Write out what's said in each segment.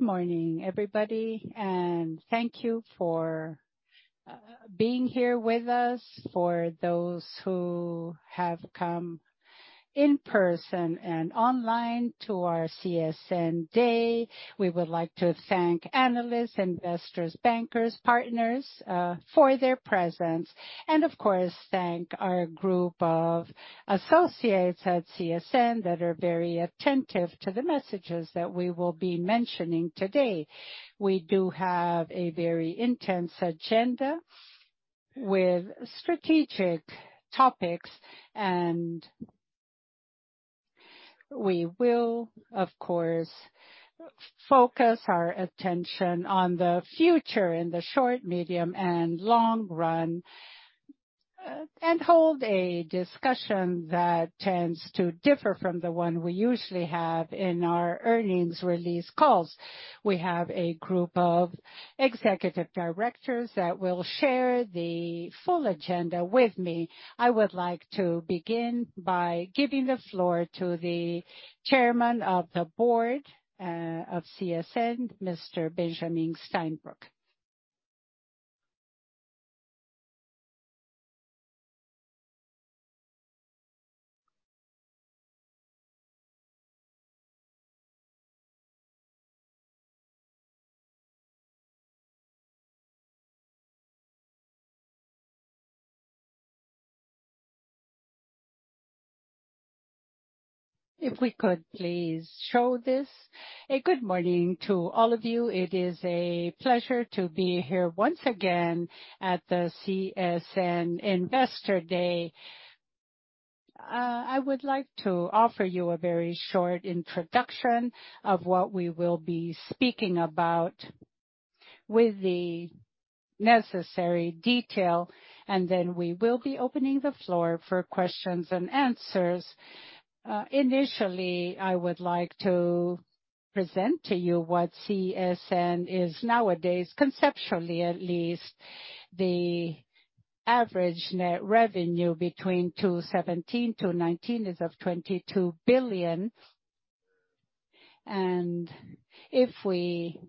Good morning, everybody, thank you for being here with us. For those who have come in person and online to our CSN Day, we would like to thank Analysts, Investors, Bankers, Partners, for their presence. Of course, thank our group of associates at CSN that are very attentive to the messages that we will be mentioning today. We do have a very intense agenda with strategic topics, and we will, of course, focus our attention on the future in the short, medium and long run, and hold a discussion that tends to differ from the one we usually have in our earnings release calls. We have a group of Executive Directors that will share the full agenda with me. I would like to begin by giving the floor to the Chairman of the Board of CSN, Mr. Benjamin Steinbruch. If we could please show this. A good morning to all of you. It is a pleasure to be here once again at the CSN Investor Day. I would like to offer you a very short introduction of what we will be speaking about with the necessary detail, and then we will be opening the floor for questions and answers. Initially, I would like to present to you what CSN is nowadays, conceptually at least. The average net revenue between 2017-2019 is of BRL 22 billion. If we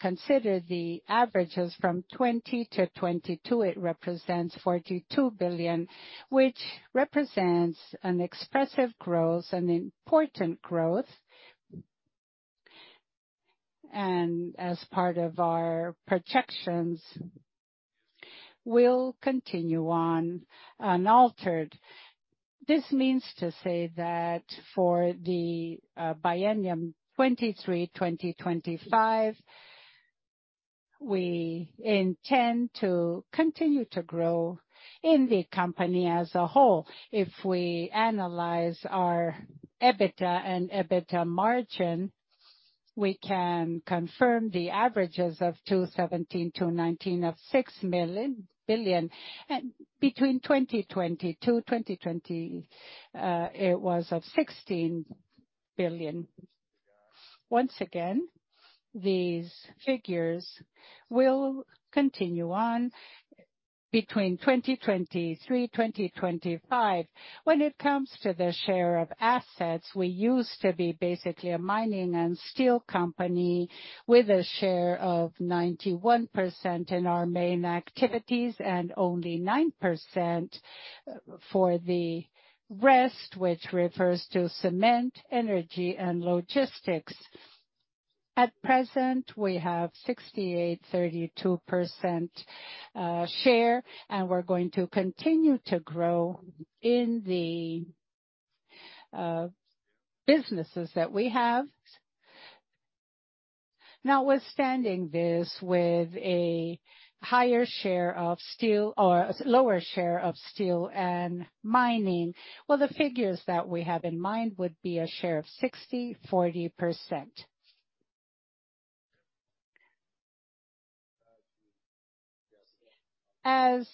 consider the averages from 2020-2022, it represents 42 billion, which represents an expressive growth, an important growth. As part of our projections, we'll continue on unaltered. This means to say that for the biennium 2023/2025, we intend to continue to grow in the company as a whole. If we analyze our EBITDA and EBITDA margin, we can confirm the averages of 2017 to 2019 of 6 billion. Between 2022-2020, it was of 16 billion. Once again, these figures will continue on between 2023-2025. When it comes to the share of assets, we used to be basically a mining and steel company with a share of 91% in our main activities and only 9% for the rest, which refers to cement, energy and logistics. At present, we have 68%/32% share, and we're going to continue to grow in the businesses that we have. Notwithstanding this, with a higher share of steel or lower share of steel and mining, well, the figures that we have in mind would be a share of 60%/40%. As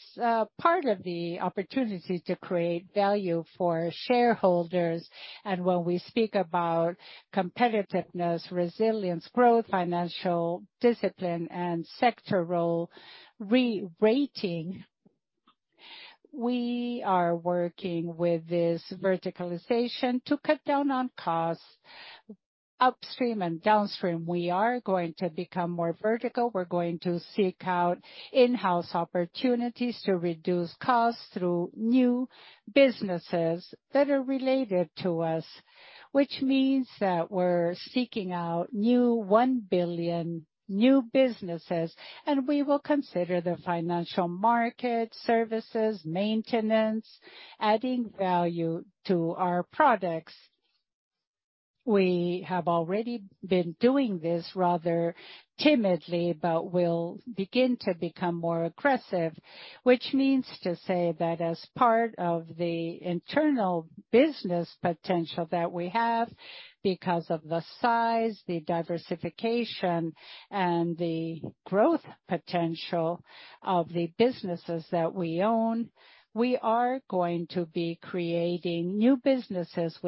part of the opportunity to create value for shareholders, and when we speak about competitiveness, resilience, growth, financial discipline, and sector role re-rating, we are working with this verticalization to cut down on costs upstream and downstream. We are going to become more vertical. We're going to seek out in-house opportunities to reduce costs through new businesses that are related to us, which means that we're seeking out new 1 billion new businesses, and we will consider the financial market, services, maintenance, adding value to our products. We have already been doing this rather timidly, but we'll begin to become more aggressive. Which means to say that as part of the internal business potential that we have, because of the size, the diversification, and the growth potential of the businesses that we own, we are going to be creating new businesses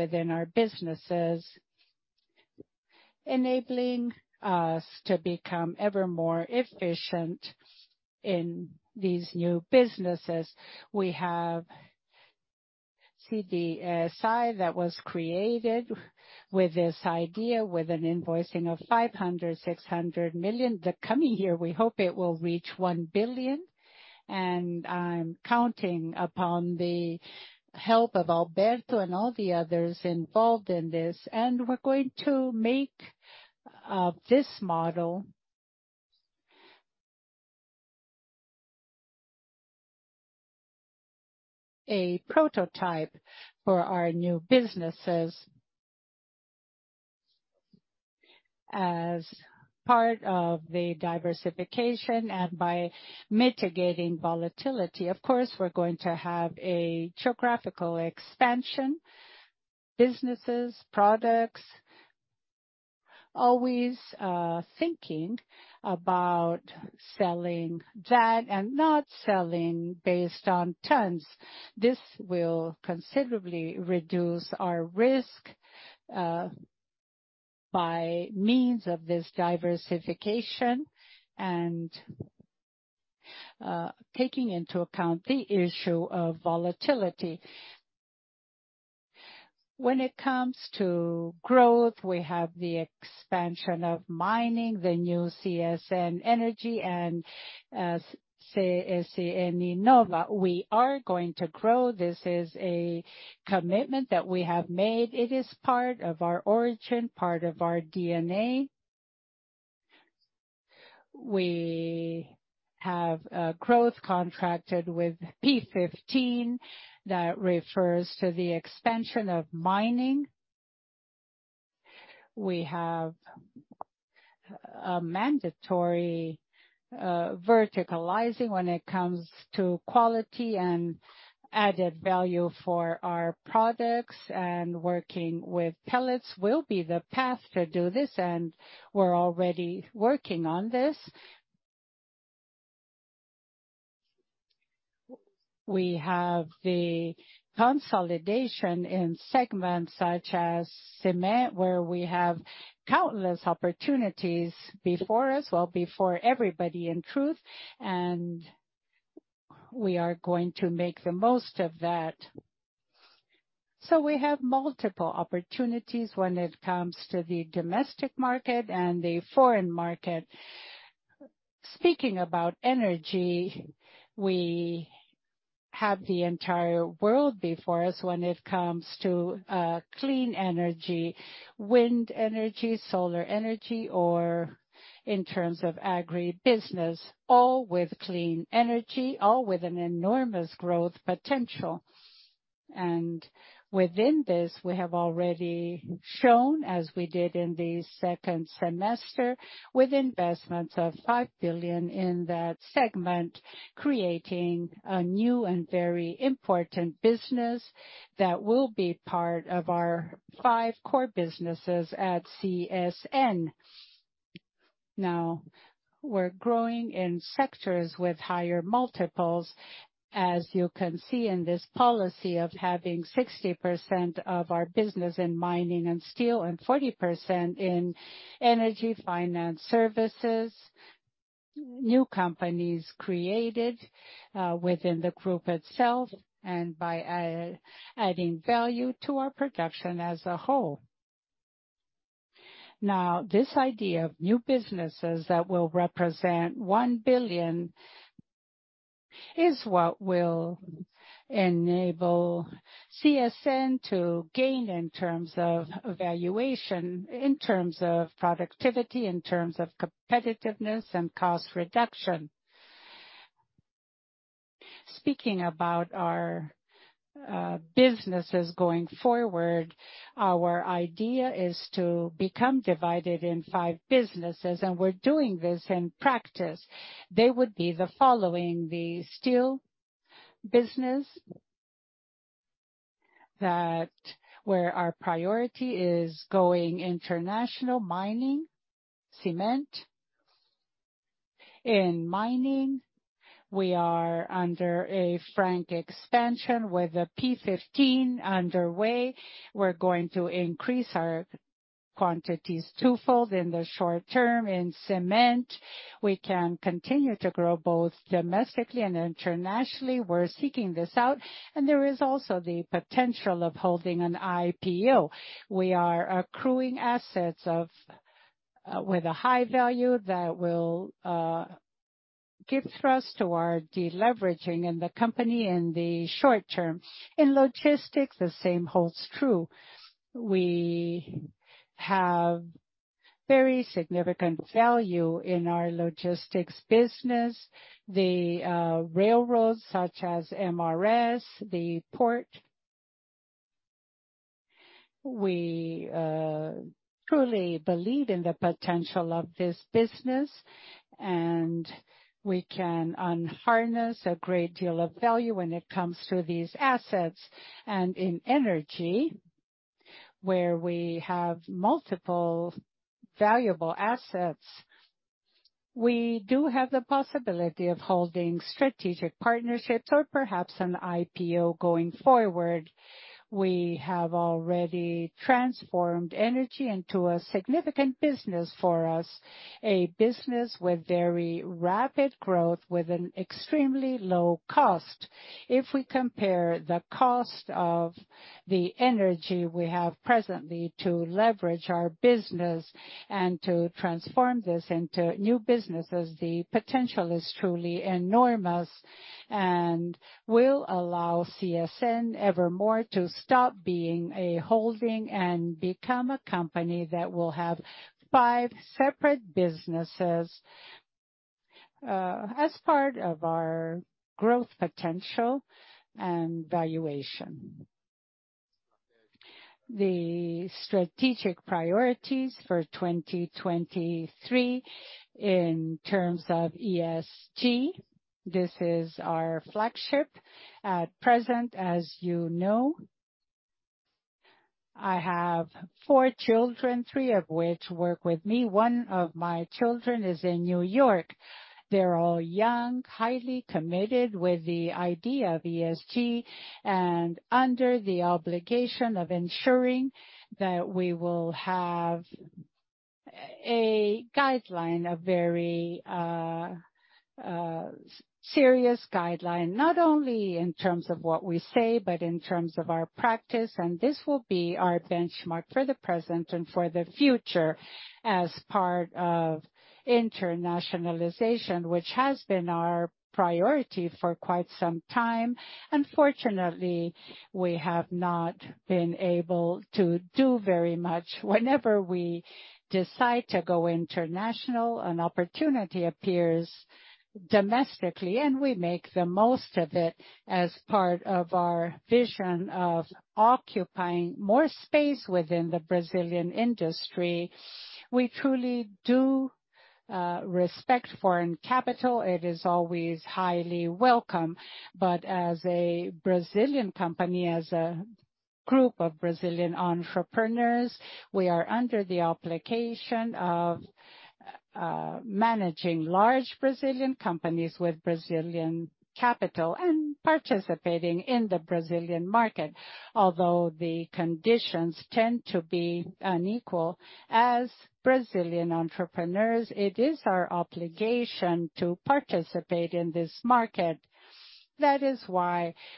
within our businesses, enabling us to become ever more efficient in these new businesses we have. See the side that was created with this idea, with an invoicing of $500 million, $600 million. The coming year, we hope it will reach $1 billion. I'm counting upon the help of Alberto and all the others involved in this. We're going to make this model a prototype for our new businesses as part of the diversification and by mitigating volatility. Of course, we're going to have a geographical expansion, businesses, products, always thinking about selling that and not selling based on tons. This will considerably reduce our risk by means of this diversification and taking into account the issue of volatility. When it comes to growth, we have the expansion of mining, the new CSN Energia and CSN Inova. We are going to grow. This is a commitment that we have made. It is part of our origin, part of our DNA. We have a growth contracted with P15 that refers to the expansion of mining. We have a mandatory verticalizing when it comes to quality and added value for our products, and working with pellets will be the path to do this, and we're already working on this. We have the consolidation in segments such as cement, where we have countless opportunities before us. Well, before everybody, in truth. We are going to make the most of that. We have multiple opportunities when it comes to the domestic market and the foreign market. Speaking about energy, we have the entire world before us when it comes to clean energy, wind energy, solar energy, or in terms of agri-business, all with clean energy, all with an enormous growth potential. Within this, we have already shown, as we did in the second semester, with investments of $5 billion in that segment, creating a new and very important business that will be part of our five core businesses at CSN. We're growing in sectors with higher multiples, as you can see in this policy of having 60% of our business in mining and steel and 40% in energy, finance services, new companies created within the group itself and by adding value to our production as a whole. This idea of new businesses that will represent $1 billion is what will enable CSN to gain in terms of valuation, in terms of productivity, in terms of competitiveness and cost reduction. Speaking about our businesses going forward, our idea is to become divided in five businesses, and we're doing this in practice. They would be the following: the steel business, where our priority is going international. Mining, cement. In mining, we are under a frank expansion with the P15 underway. We're going to increase our quantities twofold in the short term. In cement, we can continue to grow both domestically and internationally. We're seeking this out, and there is also the potential of holding an IPO. We are accruing assets of with a high value that will give thrust to our deleveraging in the company in the short term. In logistics, the same holds true. We have very significant value in our logistics business, the railroads such as MRS, the port. We truly believe in the potential of this business, and we can unharness a great deal of value when it comes to these assets. In energy, where we have multiple valuable assets. We do have the possibility of holding strategic partnerships or perhaps an IPO going forward. We have already transformed energy into a significant business for us, a business with very rapid growth, with an extremely low cost. If we compare the cost of the energy we have presently to leverage our business and to transform this into new businesses, the potential is truly enormous and will allow CSN evermore to stop being a holding and become a company that will have five separate businesses as part of our growth potential and valuation. The strategic priorities for 2023 in terms of ESG, this is our flagship. At present, as you know, I have four children, three of which work with me. One of my children is in New York. They're all young, highly committed with the idea of ESG, and under the obligation of ensuring that we will have a guideline, a very serious guideline, not only in terms of what we say, but in terms of our practice. This will be our benchmark for the present and for the future as part of internationalization, which has been our priority for quite some time. Unfortunately, we have not been able to do very much. Whenever we decide to go international, an opportunity appears domestically, and we make the most of it as part of our vision of occupying more space within the Brazilian industry. We truly do respect foreign capital. It is always highly welcome. As a Brazilian company, as a group of Brazilian entrepreneurs, we are under the obligation of managing large Brazilian companies with Brazilian capital and participating in the Brazilian market. The conditions tend to be unequal, as Brazilian entrepreneurs, it is our obligation to participate in this market.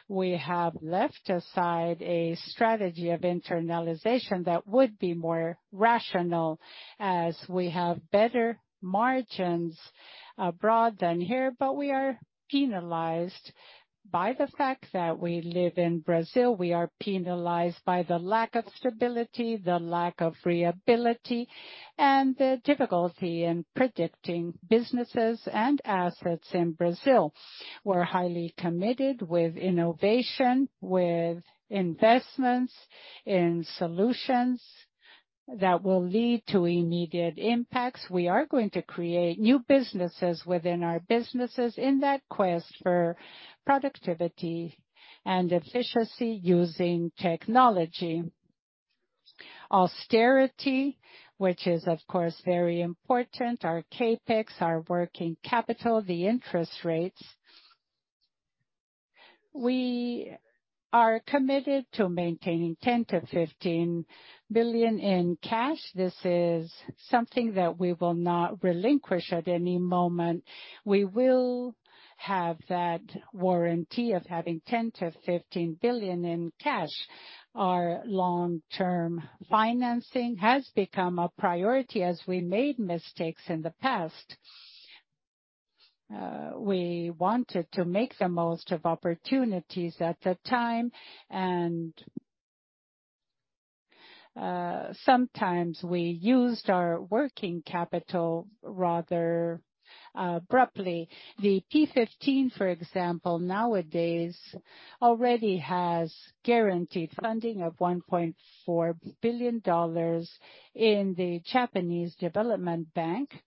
We have left aside a strategy of internalization that would be more rational as we have better margins abroad than here, but we are penalized by the fact that we live in Brazil. We are penalized by the lack of stability, the lack of reliability, and the difficulty in predicting businesses and assets in Brazil. We're highly committed with innovation, with investments in solutions that will lead to immediate impacts. We are going to create new businesses within our businesses in that quest for productivity and efficiency using technology. Austerity, which is, of course, very important, our CapEx, our working capital, the interest rates. We are committed to maintaining $10 billion-$15 billion in cash. This is something that we will not relinquish at any moment. We will have that warranty of having $10 billion-$15 billion in cash. Our long-term financing has become a priority as we made mistakes in the past. We wanted to make the most of opportunities at the time, and sometimes we used our working capital rather abruptly. The P15, for example, nowadays already has guaranteed funding of $1.4 billion in the Japan Bank for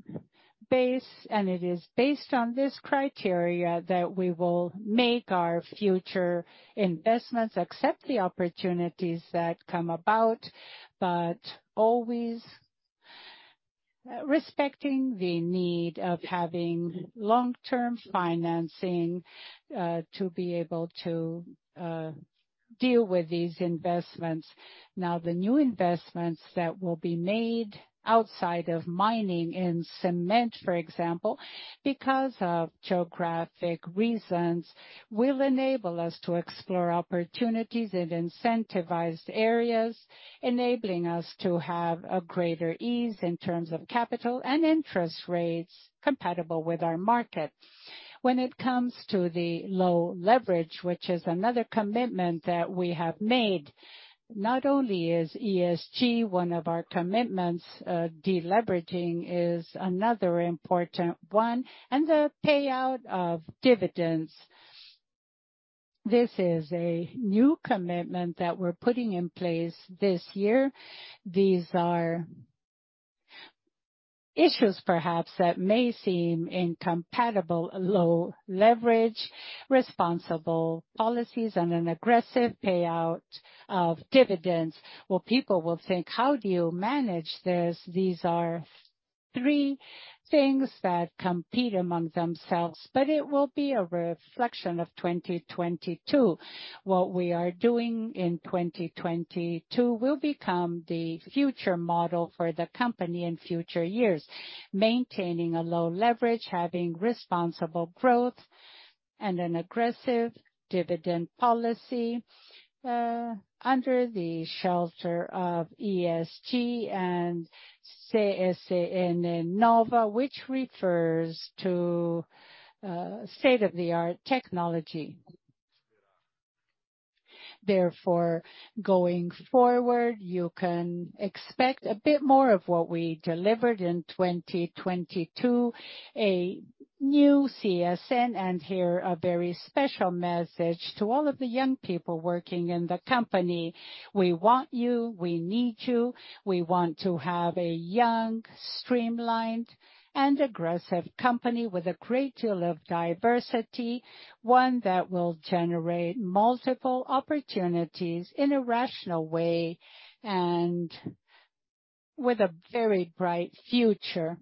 International Cooperation base. It is based on this criteria that we will make our future investments, accept the opportunities that come about, but always respecting the need of having long-term financing, to be able to deal with these investments. The new investments that will be made outside of mining in cement, for example, because of geographic reasons, will enable us to explore opportunities in incentivized areas, enabling us to have a greater ease in terms of capital and interest rates compatible with our markets. When it comes to the low leverage, which is another commitment that we have made, not only is ESG one of our commitments, deleveraging is another important one, and the payout of dividends. This is a new commitment that we're putting in place this year. These are issues perhaps that may seem incompatible, low leverage, responsible policies, and an aggressive payout of dividends, where people will think, how do you manage this? These are three things that compete among themselves, but it will be a reflection of 2022. What we are doing in 2022 will become the future model for the company in future years, maintaining a low leverage, having responsible growth and an aggressive dividend policy, under the shelter of ESG and CSN Inova, which refers to state-of-the-art technology. Therefore, going forward, you can expect a bit more of what we delivered in 2022, a new CSN. Here a very special message to all of the young people working in the company. We want you. We need you. We want to have a young, streamlined, and aggressive company with a great deal of diversity, one that will generate multiple opportunities in a rational way and with a very bright future.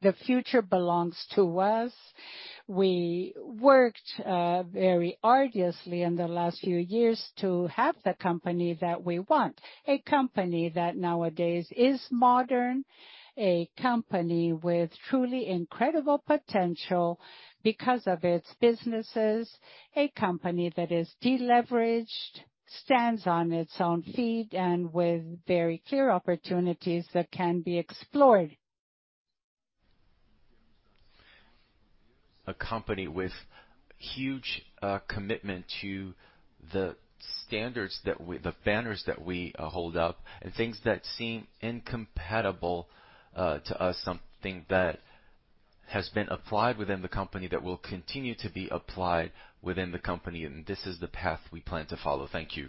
The future belongs to us. We worked very arduously in the last few years to have the company that we want. A company that nowadays is modern, a company with truly incredible potential because of its businesses, a company that is deleveraged, stands on its own feet and with very clear opportunities that can be explored. A company with huge commitment to the banners that we hold up and things that seem incompatible to us, something that has been applied within the company that will continue to be applied within the company. This is the path we plan to follow. Thank you.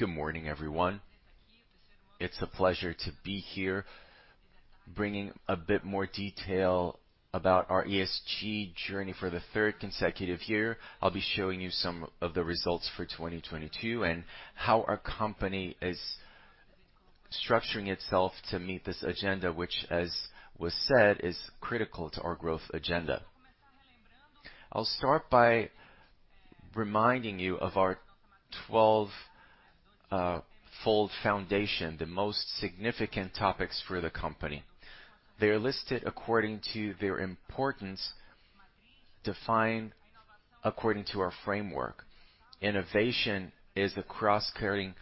Good morning, everyone. It's a pleasure to be here bringing a bit more detail about our ESG journey for the third consecutive year. I'll be showing you some of the results for 2022 and how our company is structuring itself to meet this agenda, which, as was said, is critical to our growth agenda. I'll start by reminding you of our 12-fold foundation, the most significant topics for the company. They are listed according to their importance, defined according to our framework. Innovation is the cross-cutting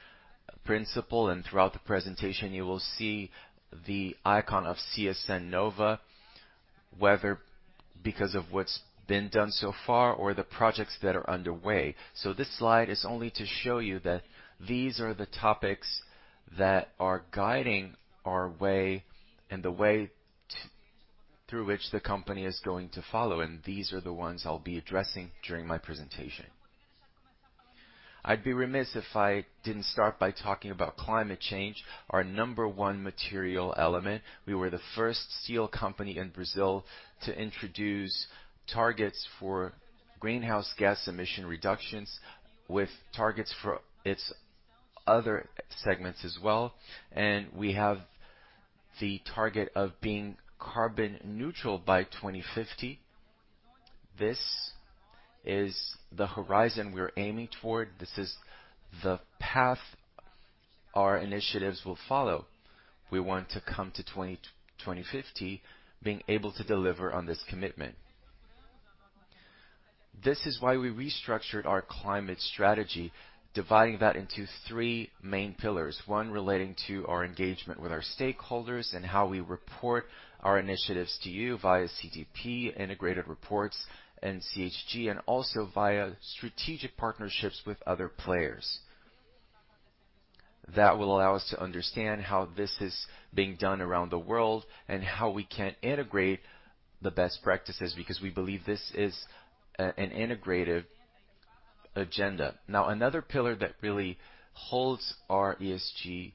principle. Throughout the presentation, you will see the icon of CSN Inova, whether because of what's been done so far or the projects that are underway. This slide is only to show you that these are the topics that are guiding our way and the way through which the company is going to follow, and these are the ones I'll be addressing during my presentation. I'd be remiss if I didn't start by talking about climate change, our number one material element. We were the first steel company in Brazil to introduce targets for greenhouse gas emission reductions with targets for its other segments as well. We have the target of being carbon neutral by 2050. This is the horizon we're aiming toward. This is the path our initiatives will follow. We want to come to 2050 being able to deliver on this commitment. This is why we restructured our climate strategy, dividing that into three main pillars. One relating to our engagement with our stakeholders and how we report our initiatives to you via CDP integrated reports and GHG and also via strategic partnerships with other players. This will allow us to understand how this is being done around the world and how we can integrate the best practices because we believe this is an integrated agenda. Another pillar that really holds our ESG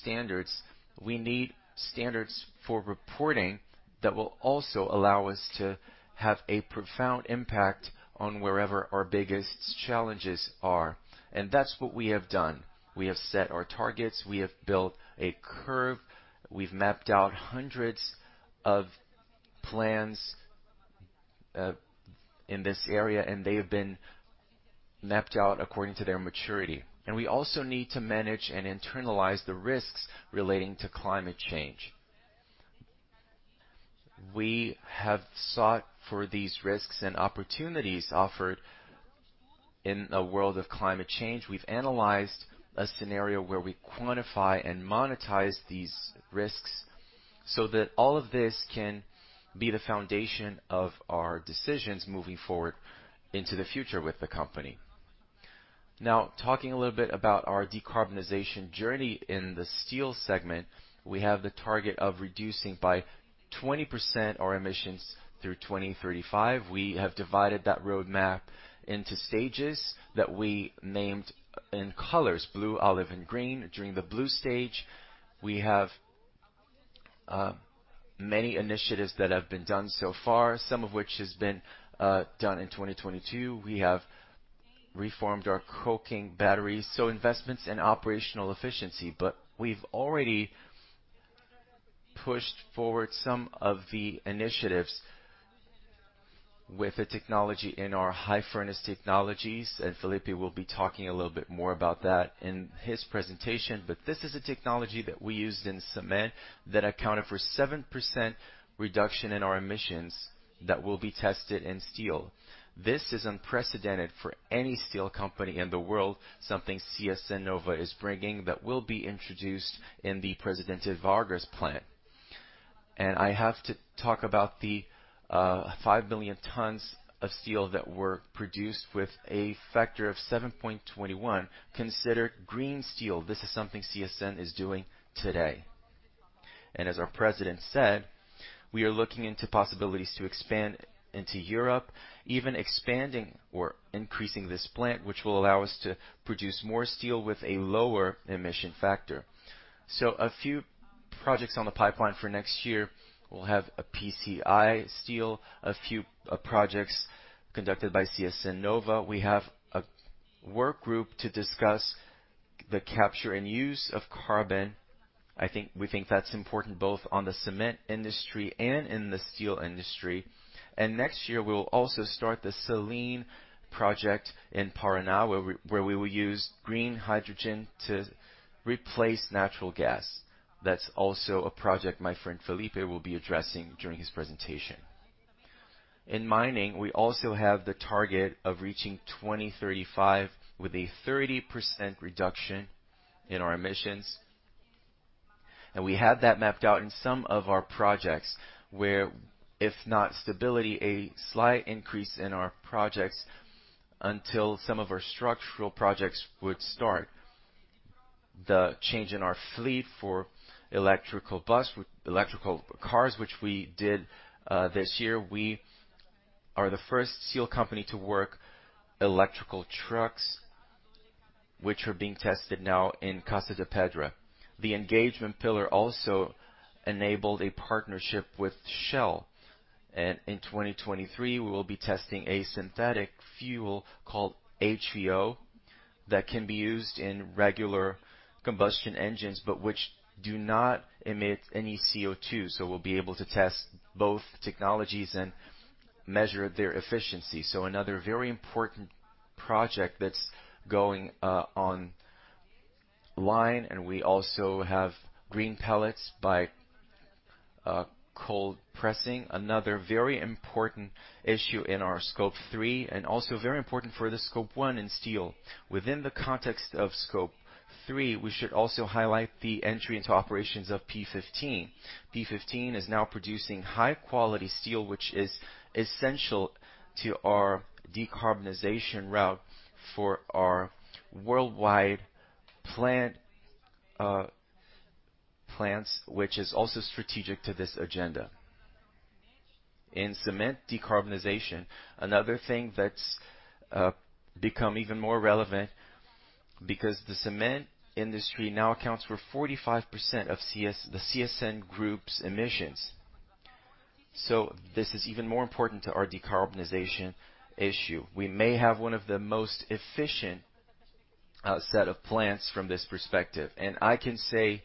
standards, we need standards for reporting that will also allow us to have a profound impact on wherever our biggest challenges are, and that's what we have done. We have set our targets. We have built a curve. We've mapped out hundreds of plans in this area, they have been mapped out according to their maturity. We also need to manage and internalize the risks relating to climate change. We have sought for these risks and opportunities offered in a world of climate change. We've analyzed a scenario where we quantify and monetize these risks. That all of this can be the foundation of our decisions moving forward into the future with the company. Now, talking a little bit about our decarbonization journey in the steel segment, we have the target of reducing by 20% our emissions through 2035. We have divided that roadmap into stages that we named in colors blue, olive, and green. During the blue stage, we have many initiatives that have been done so far, some of which has been done in 2022. We have reformed our coking batteries, investments in operational efficiency. We've already pushed forward some of the initiatives with the technology in our high furnace technologies, and Felipe Spiri will be talking a little bit more about that in his presentation. This is a technology that we used in cement that accounted for 7% reduction in our emissions that will be tested in steel. This is unprecedented for any steel company in the world, something CSN Inova is bringing that will be introduced in the Presidente Vargas plant. I have to talk about the 5 million tons of steel that were produced with a factor of 7.21%, considered green steel. This is something CSN is doing today. As our president said, we are looking into possibilities to expand into Europe, even expanding or increasing this plant, which will allow us to produce more steel with a lower emission factor. A few projects on the pipeline for next year, we'll have a PCI steel, a few projects conducted by CSN Inova. We have a work group to discuss the capture and use of carbon. We think that's important both on the cement industry and in the steel industry. Next year, we will also start the Selene project in Paraná, where we will use green hydrogen to replace natural gas. That's also a project my friend Felipe will be addressing during his presentation. In mining, we also have the target of reaching 2035 with a 30% reduction in our emissions. We have that mapped out in some of our projects where, if not stability, a slight increase in our projects until some of our structural projects would start. The change in our fleet for electrical cars, which we did this year. We are the first steel company to work electrical trucks, which are being tested now in Casa de Pedra. The engagement pillar also enabled a partnership with Shell. In 2023, we will be testing a synthetic fuel called HVO that can be used in regular combustion engines, but which do not emit any CO2. We'll be able to test both technologies and measure their efficiency. Another very important project that's going online, and we also have green pellets by cold pressing. Another very important issue in our Scope 3 and also very important for the Scope 1 in steel. Within the context of Scope 3, we should also highlight the entry into operations of P15. P15 is now producing high-quality steel, which is essential to our decarbonization route for our worldwide plants, which is also strategic to this agenda. In cement decarbonization, another thing that's become even more relevant because the cement industry now accounts for 45% of the CSN group's emissions. This is even more important to our decarbonization issue. We may have 1 of the most efficient set of plants from this perspective, I can say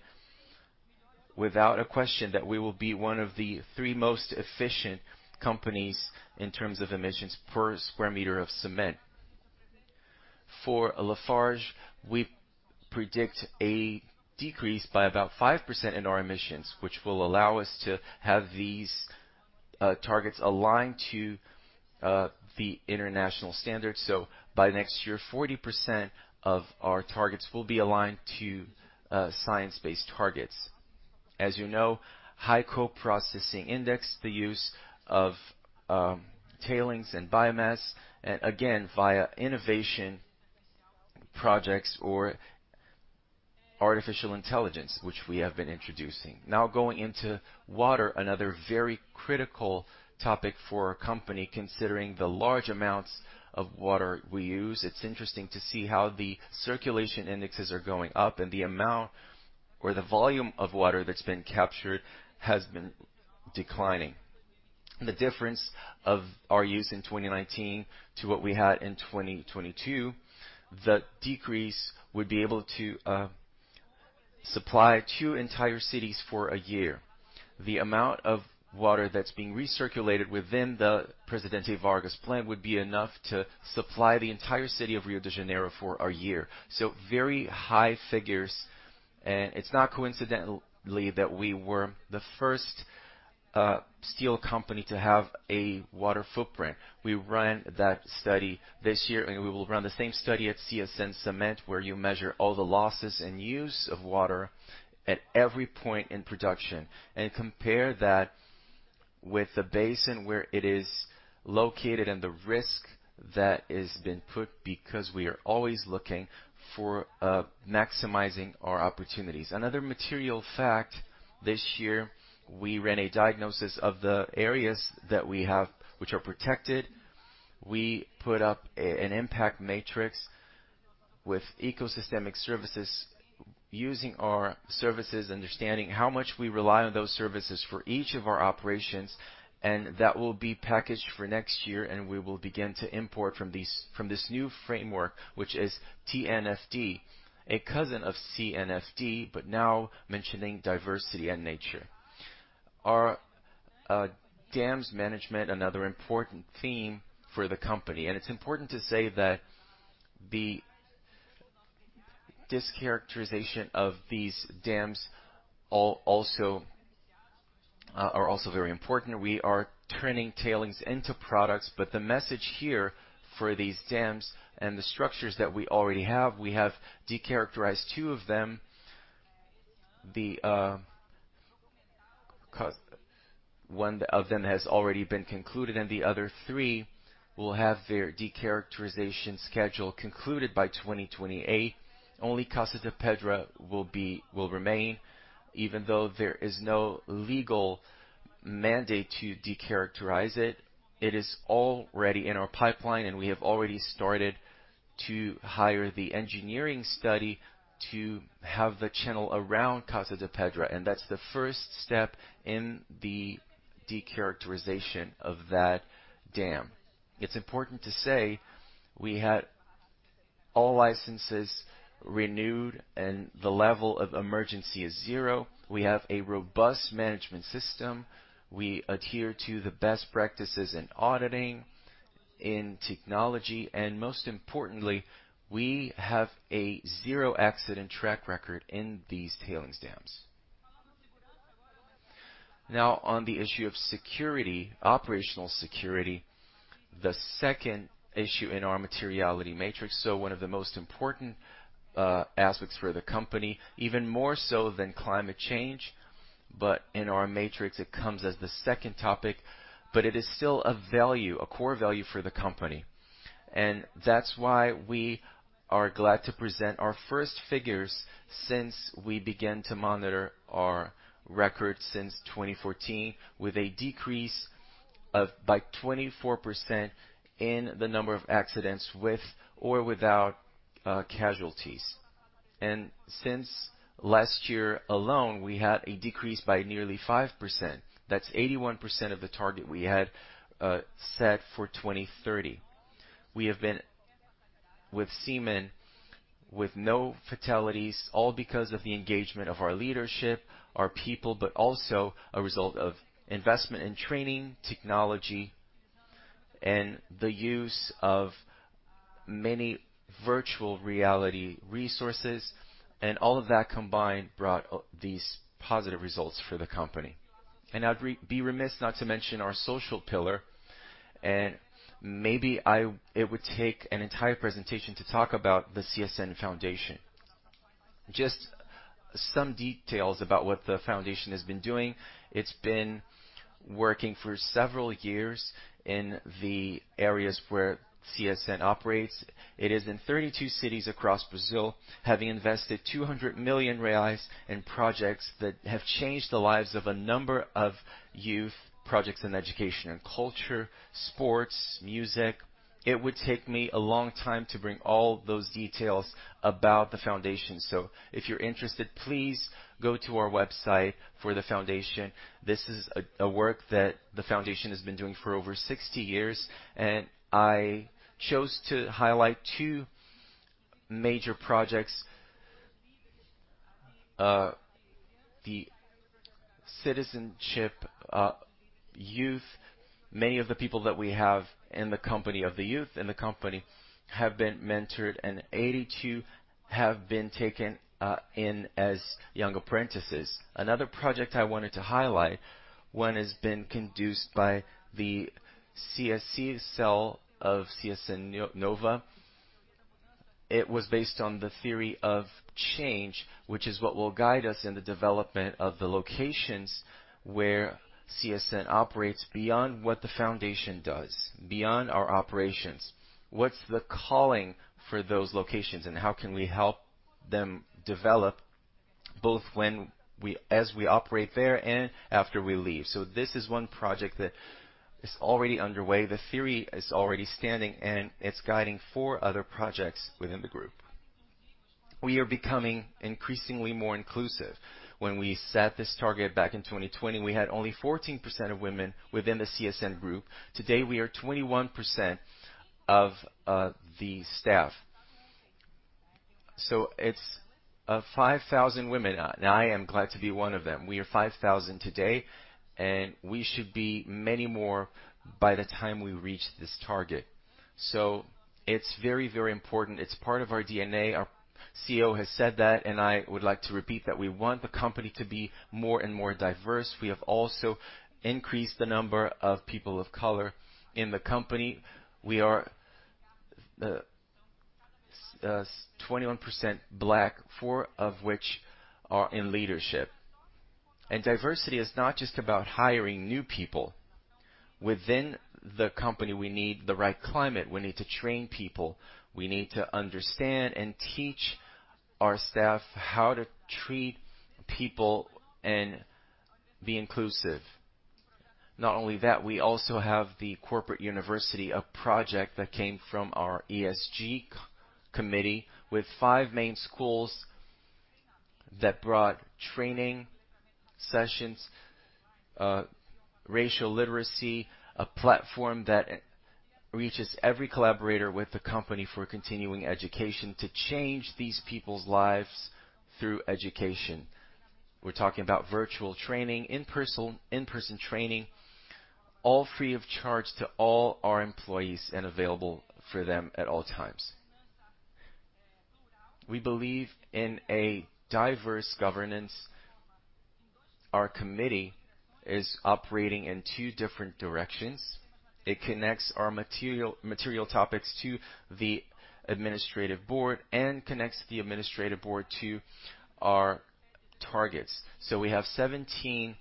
without a question that we will be 1 of the 3 most efficient companies in terms of emissions per square meter of cement. For LafargeHolcim, we predict a decrease by about 5% in our emissions, which will allow us to have these targets aligned to the international standards. By next year, 40% of our targets will be aligned to Science Based Targets. As you know, high coke processing index, the use of tailings and biomass, again, via innovation projects or artificial intelligence, which we have been introducing. Going into water, another very critical topic for our company, considering the large amounts of water we use. It's interesting to see how the circulation indexes are going up and the amount or the volume of water that's been captured has been declining. The difference of our use in 2019 to what we had in 2022, the decrease would be able to supply two entire cities for a year. The amount of water that's being recirculated within the Presidente Vargas plant would be enough to supply the entire city of Rio de Janeiro for a year. Very high figures, and it's not coincidentally that we were the first steel company to have a water footprint. We ran that study this year, and we will run the same study at CSN Cimentos, where you measure all the losses and use of water at every point in production and compare that with the basin where it is located and the risk that has been put because we are always looking for maximizing our opportunities. Another material fact, this year we ran a diagnosis of the areas that we have, which are protected. We put up an impact matrix with ecosystemic services using our services, understanding how much we rely on those services for each of our operations, and that will be packaged for next year, and we will begin to import from this new framework, which is TNFD, a cousin of TNFD, but now mentioning diversity and nature. Our dams management, another important theme for the company. It's important to say that the decharacterization of these dams also are also very important. We are turning tailings into products, but the message here for these dams and the structures that we already have, we have decharacterized two of them. One of them has already been concluded and the other three will have their decharacterization schedule concluded by 2028. Only Casa de Pedra will remain. Even though there is no legal mandate to decharacterize it is already in our pipeline, and we have already started to hire the engineering study to have the channel around Casa de Pedra, and that's the first step in the decharacterization of that dam. It's important to say we had all licenses renewed and the level of emergency is zero. We have a robust management system. We adhere to the best practices in auditing, in technology, and most importantly, we have a zero accident track record in these tailings dams. On the issue of security, operational security, the second issue in our materiality matrix, so one of the most important aspects for the company, even more so than climate change. In our matrix it comes as the second topic, but it is still a value, a core value for the company. That's why we are glad to present our first figures since we began to monitor our records since 2014, with a decrease of by 24% in the number of accidents with or without casualties. Since last year alone, we had a decrease by nearly 5%. That's 81% of the target we had set for 2030. We have been with semen, with no fatalities, all because of the engagement of our leadership, our people, but also a result of investment in training, technology, and the use of many virtual reality resources. All of that combined brought these positive results for the company. I'd be remiss not to mention our social pillar. Maybe it would take an entire presentation to talk about the CSN Foundation. Just some details about what the foundation has been doing. It's been working for several years in the areas where CSN operates. It is in 32 cities across Brazil, having invested 200 million reais in projects that have changed the lives of a number of youth projects in education and culture, sports, music. It would take me a long time to bring all those details about the Foundation. If you're interested, please go to our website for the Foundation. This is a work that the Foundation has been doing for over 60 years, and I chose to highlight two major projects. The citizenship youth. Many of the people that we have in the company of the youth in the company have been mentored and 82 have been taken in as young apprentices. Another project I wanted to highlight, one has been conducted by the CSC cell of CSN Inova. It was based on the theory of change, which is what will guide us in the development of the locations where CSN operates beyond what the foundation does, beyond our operations. What's the calling for those locations, and how can we help them develop, both as we operate there and after we leave? This is one project that is already underway. The theory is already standing, and it's guiding four other projects within the group. We are becoming increasingly more inclusive. When we set this target back in 2020, we had only 14% of women within the CSN group. Today, we are 21% of the staff. It's 5,000 women, and I am glad to be one of them. We are 5,000 today, and we should be many more by the time we reach this target. It's very, very important. It's part of our DNA. Our CEO has said that, I would like to repeat that we want the company to be more and more diverse. We have also increased the number of people of color in the company. We are 21% black, four of which are in leadership. Diversity is not just about hiring new people. Within the company, we need the right climate. We need to train people. We need to understand and teach our staff how to treat people and be inclusive. Not only that, we also have the corporate university, a project that came from our ESG committee with five main schools that brought training sessions, racial literacy, a platform that reaches every collaborator with the company for continuing education to change these people's lives through education. We're talking about virtual training, in-person training, all free of charge to all our employees and available for them at all times. We believe in a diverse governance. Our committee is operating in two different directions. It connects our material topics to the administrative board and connects the administrative board to our targets. We have 17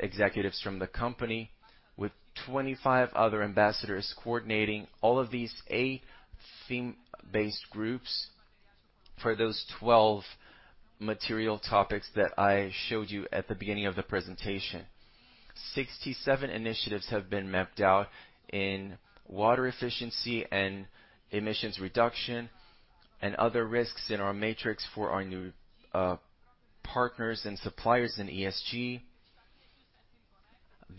executives from the company with 25 other ambassadors coordinating all of these eight theme-based groups for those 12 material topics that I showed you at the beginning of the presentation. 67 initiatives have been mapped out in water efficiency and emissions reduction and other risks in our matrix for our new partners and suppliers in ESG.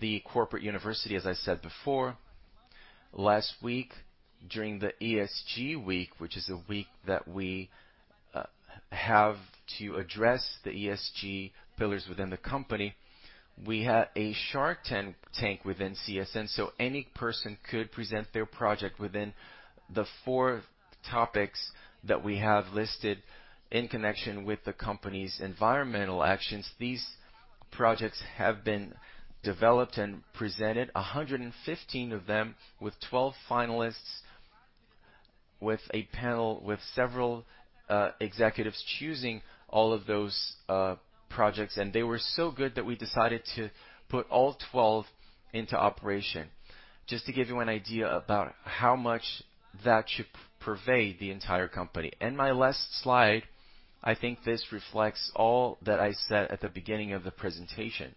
The corporate university, as I said before. Last week, during the ESG week, which is a week that we have to address the ESG pillars within the company, we had a Shark Tank within CSN. Any person could present their project within the four topics that we have listed in connection with the company's environmental actions. These projects have been developed and presented, 115 of them, with 12 finalists, with a panel, with several executives choosing all of those projects. They were so good that we decided to put all 12 into operation. Just to give you an idea about how much that should pervade the entire company. My last slide, I think this reflects all that I said at the beginning of the presentation.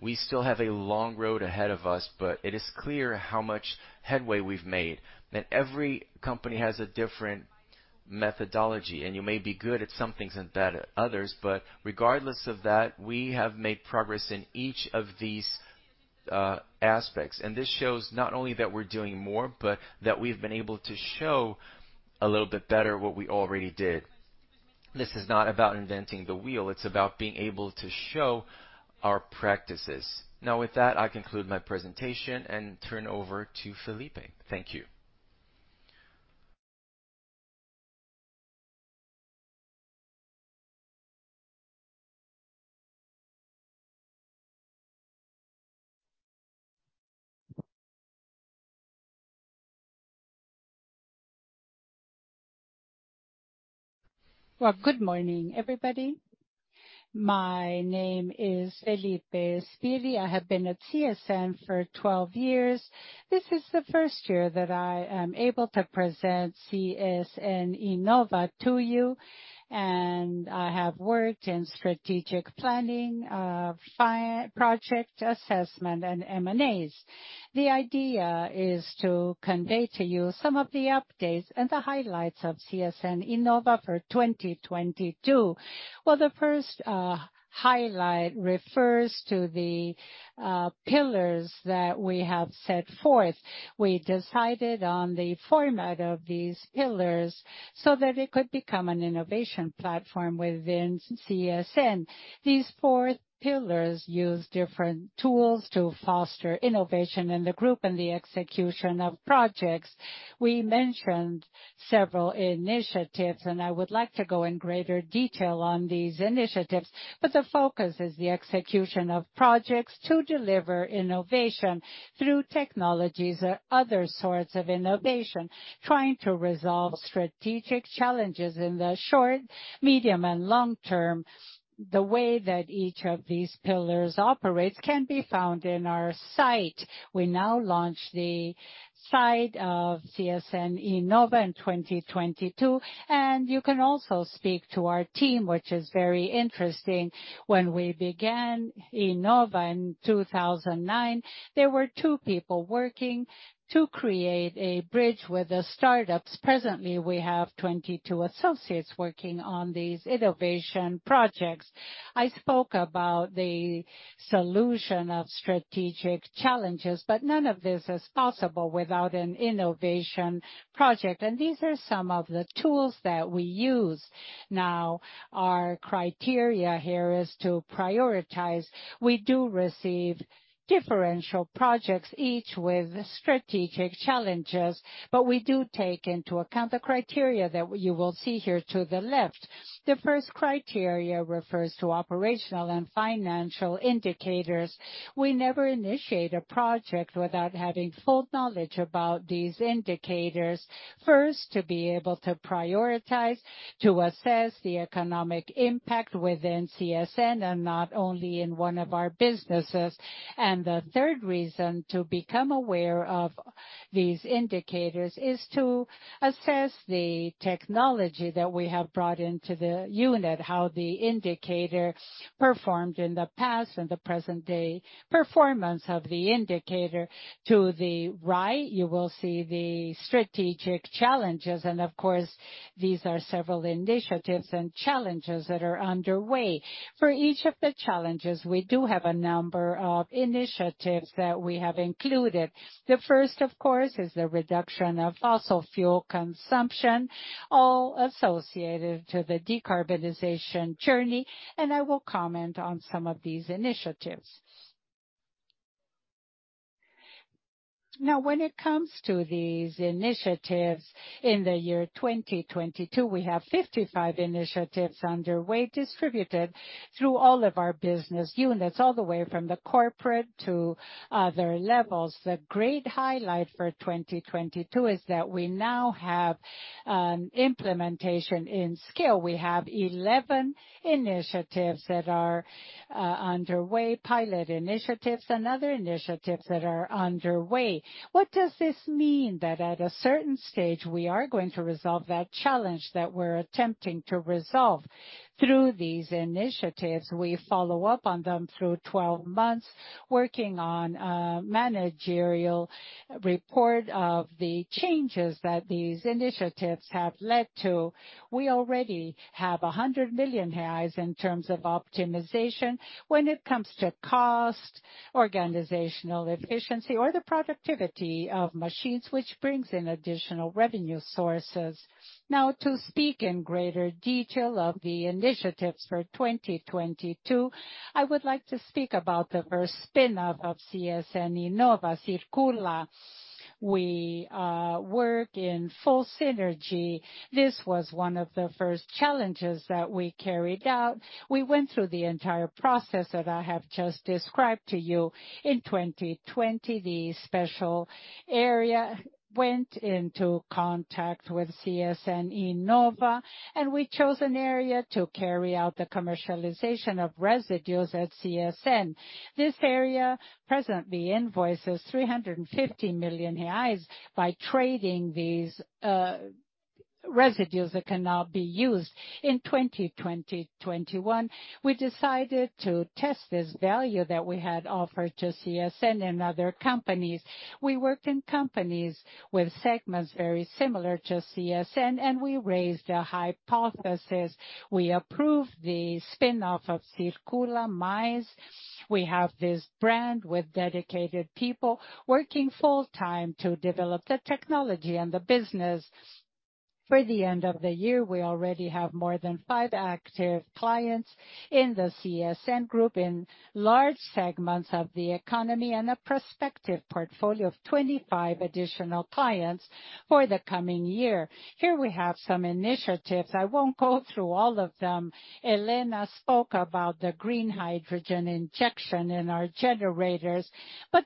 We still have a long road ahead of us, but it is clear how much headway we've made. Every company has a different methodology, and you may be good at some things and bad at others, but regardless of that, we have made progress in each of these aspects. This shows not only that we're doing more, but that we've been able to show a little bit better what we already did. This is not about inventing the wheel. It's about being able to show our practices. With that, I conclude my presentation and turn over to Felipe. Thank you. Good morning, everybody. My name is Felipe Spiri. I have been at CSN for 12 years. This is the first year that I am able to present CSN Inova to you, and I have worked in strategic planning, project assessment, and M&As. The idea is to convey to you some of the updates and the highlights of CSN Inova for 2022. The first highlight refers to the pillars that we have set forth. We decided on the format of these pillars so that it could become an innovation platform within CSN. These four pillars use different tools to foster innovation in the group and the execution of projects. We mentioned several initiatives, and I would like to go in greater detail on these initiatives, but the focus is the execution of projects to deliver innovation through technologies or other sorts of innovation, trying to resolve strategic challenges in the short, medium and long term. The way that each of these pillars operates can be found in our site. We now launch the site of CSN Inova in 2022, and you can also speak to our team, which is very interesting. When we began Inova in 2009, there were 2 people working to create a bridge with the startups. Presently we have 22 associates working on these innovation projects. I spoke about the solution of strategic challenges, but none of this is possible without an innovation project, and these are some of the tools that we use. Now, our criteria here is to prioritize. We do receive differential projects, each with strategic challenges. We do take into account the criteria that you will see here to the left. The first criteria refers to operational and financial indicators. We never initiate a project without having full knowledge about these indicators. First, to be able to prioritize, to assess the economic impact within CSN and not only in one of our businesses. The third reason to become aware of these indicators is to assess the technology that we have brought into the unit, how the indicator performed in the past, and the present day performance of the indicator. To the right, you will see the strategic challenges. Of course, these are several initiatives and challenges that are underway. For each of the challenges, we do have a number of initiatives that we have included. The first, of course, is the reduction of fossil fuel consumption, all associated to the decarbonization journey, and I will comment on some of these initiatives. When it comes to these initiatives, in the year 2022, we have 55 initiatives underway, distributed through all of our business units, all the way from the corporate to other levels. The great highlight for 2022 is that we now have an implementation in scale. We have 11 initiatives that are underway, pilot initiatives and other initiatives that are underway. What does this mean? That at a certain stage, we are going to resolve that challenge that we're attempting to resolve through these initiatives. We follow up on them through 12 months, working on a managerial report of the changes that these initiatives have led to. We already have R$100 million in terms of optimization when it comes to cost, organizational efficiency or the productivity of machines which brings in additional revenue sources. To speak in greater detail of the initiatives for 2022, I would like to speak about the first spin-off of CSN Inova, Circula+. We work in full synergy. This was one of the first challenges that we carried out. We went through the entire process that I have just described to you. In 2020, the special area went into contact with CSN Inova. We chose an area to carry out the commercialization of residues at CSN. This area presently invoices R$350 million by trading these residues that can now be used. In 2020, 2021, we decided to test this value that we had offered to CSN and other companies. We worked in companies with segments very similar to CSN. We raised a hypothesis. We approved the spin-off of Circula+. We have this brand with dedicated people working full time to develop the technology and the business. For the end of the year, we already have more than five active clients in the CSN group in large segments of the economy and a prospective portfolio of 25 additional clients for the coming year. Here we have some initiatives. I won't go through all of them. Helena spoke about the green hydrogen injection in our generators.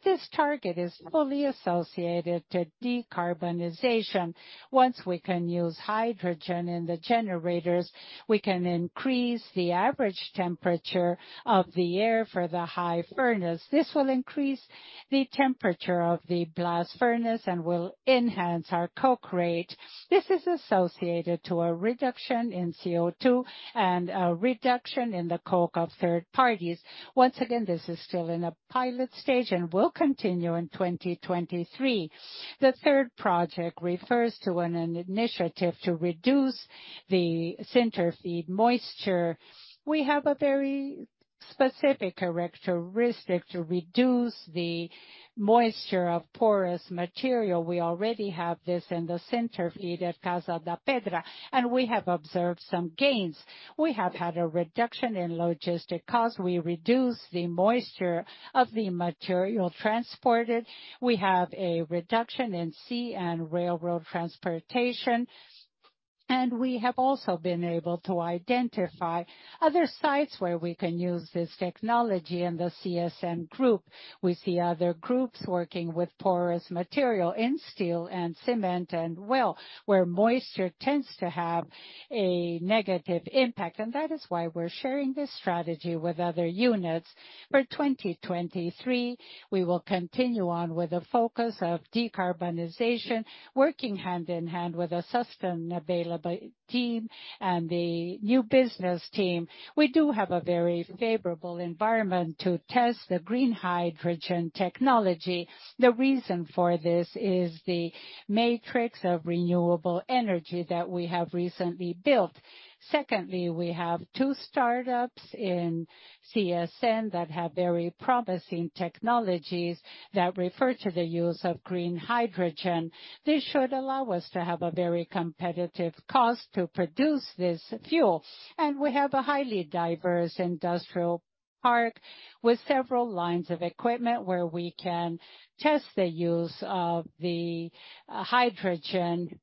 This target is fully associated to decarbonization. Once we can use hydrogen in the generators, we can increase the average temperature of the air for the high furnace. This will increase the temperature of the blast furnace and will enhance our coke rate. This is associated to a reduction in CO2 and a reduction in the coke of third parties. Once again, this is still in a pilot stage and will continue in 2023. The third project refers to an initiative to reduce the center feed moisture. We have a very specific characteristic to reduce the moisture of porous material. We already have this in the center feed at Casa da Pedra, and we have observed some gains. We have had a reduction in logistic costs. We reduced the moisture of the material transported. We have a reduction in sea and railroad transportation. We have also been able to identify other sites where we can use this technology in the CSN group. We see other groups working with porous material in steel and cement and well, where moisture tends to have a negative impact. That is why we're sharing this strategy with other units. For 2023, we will continue on with the focus of decarbonization, working hand in hand with the sustain available team and the new business team. We do have a very favorable environment to test the green hydrogen technology. The reason for this is the matrix of renewable energy that we have recently built. Secondly, we have two startups in CSN that have very promising technologies that refer to the use of green hydrogen. This should allow us to have a very competitive cost to produce this fuel. We have a highly diverse industrial park with several lines of equipment where we can test the use of the hydrogen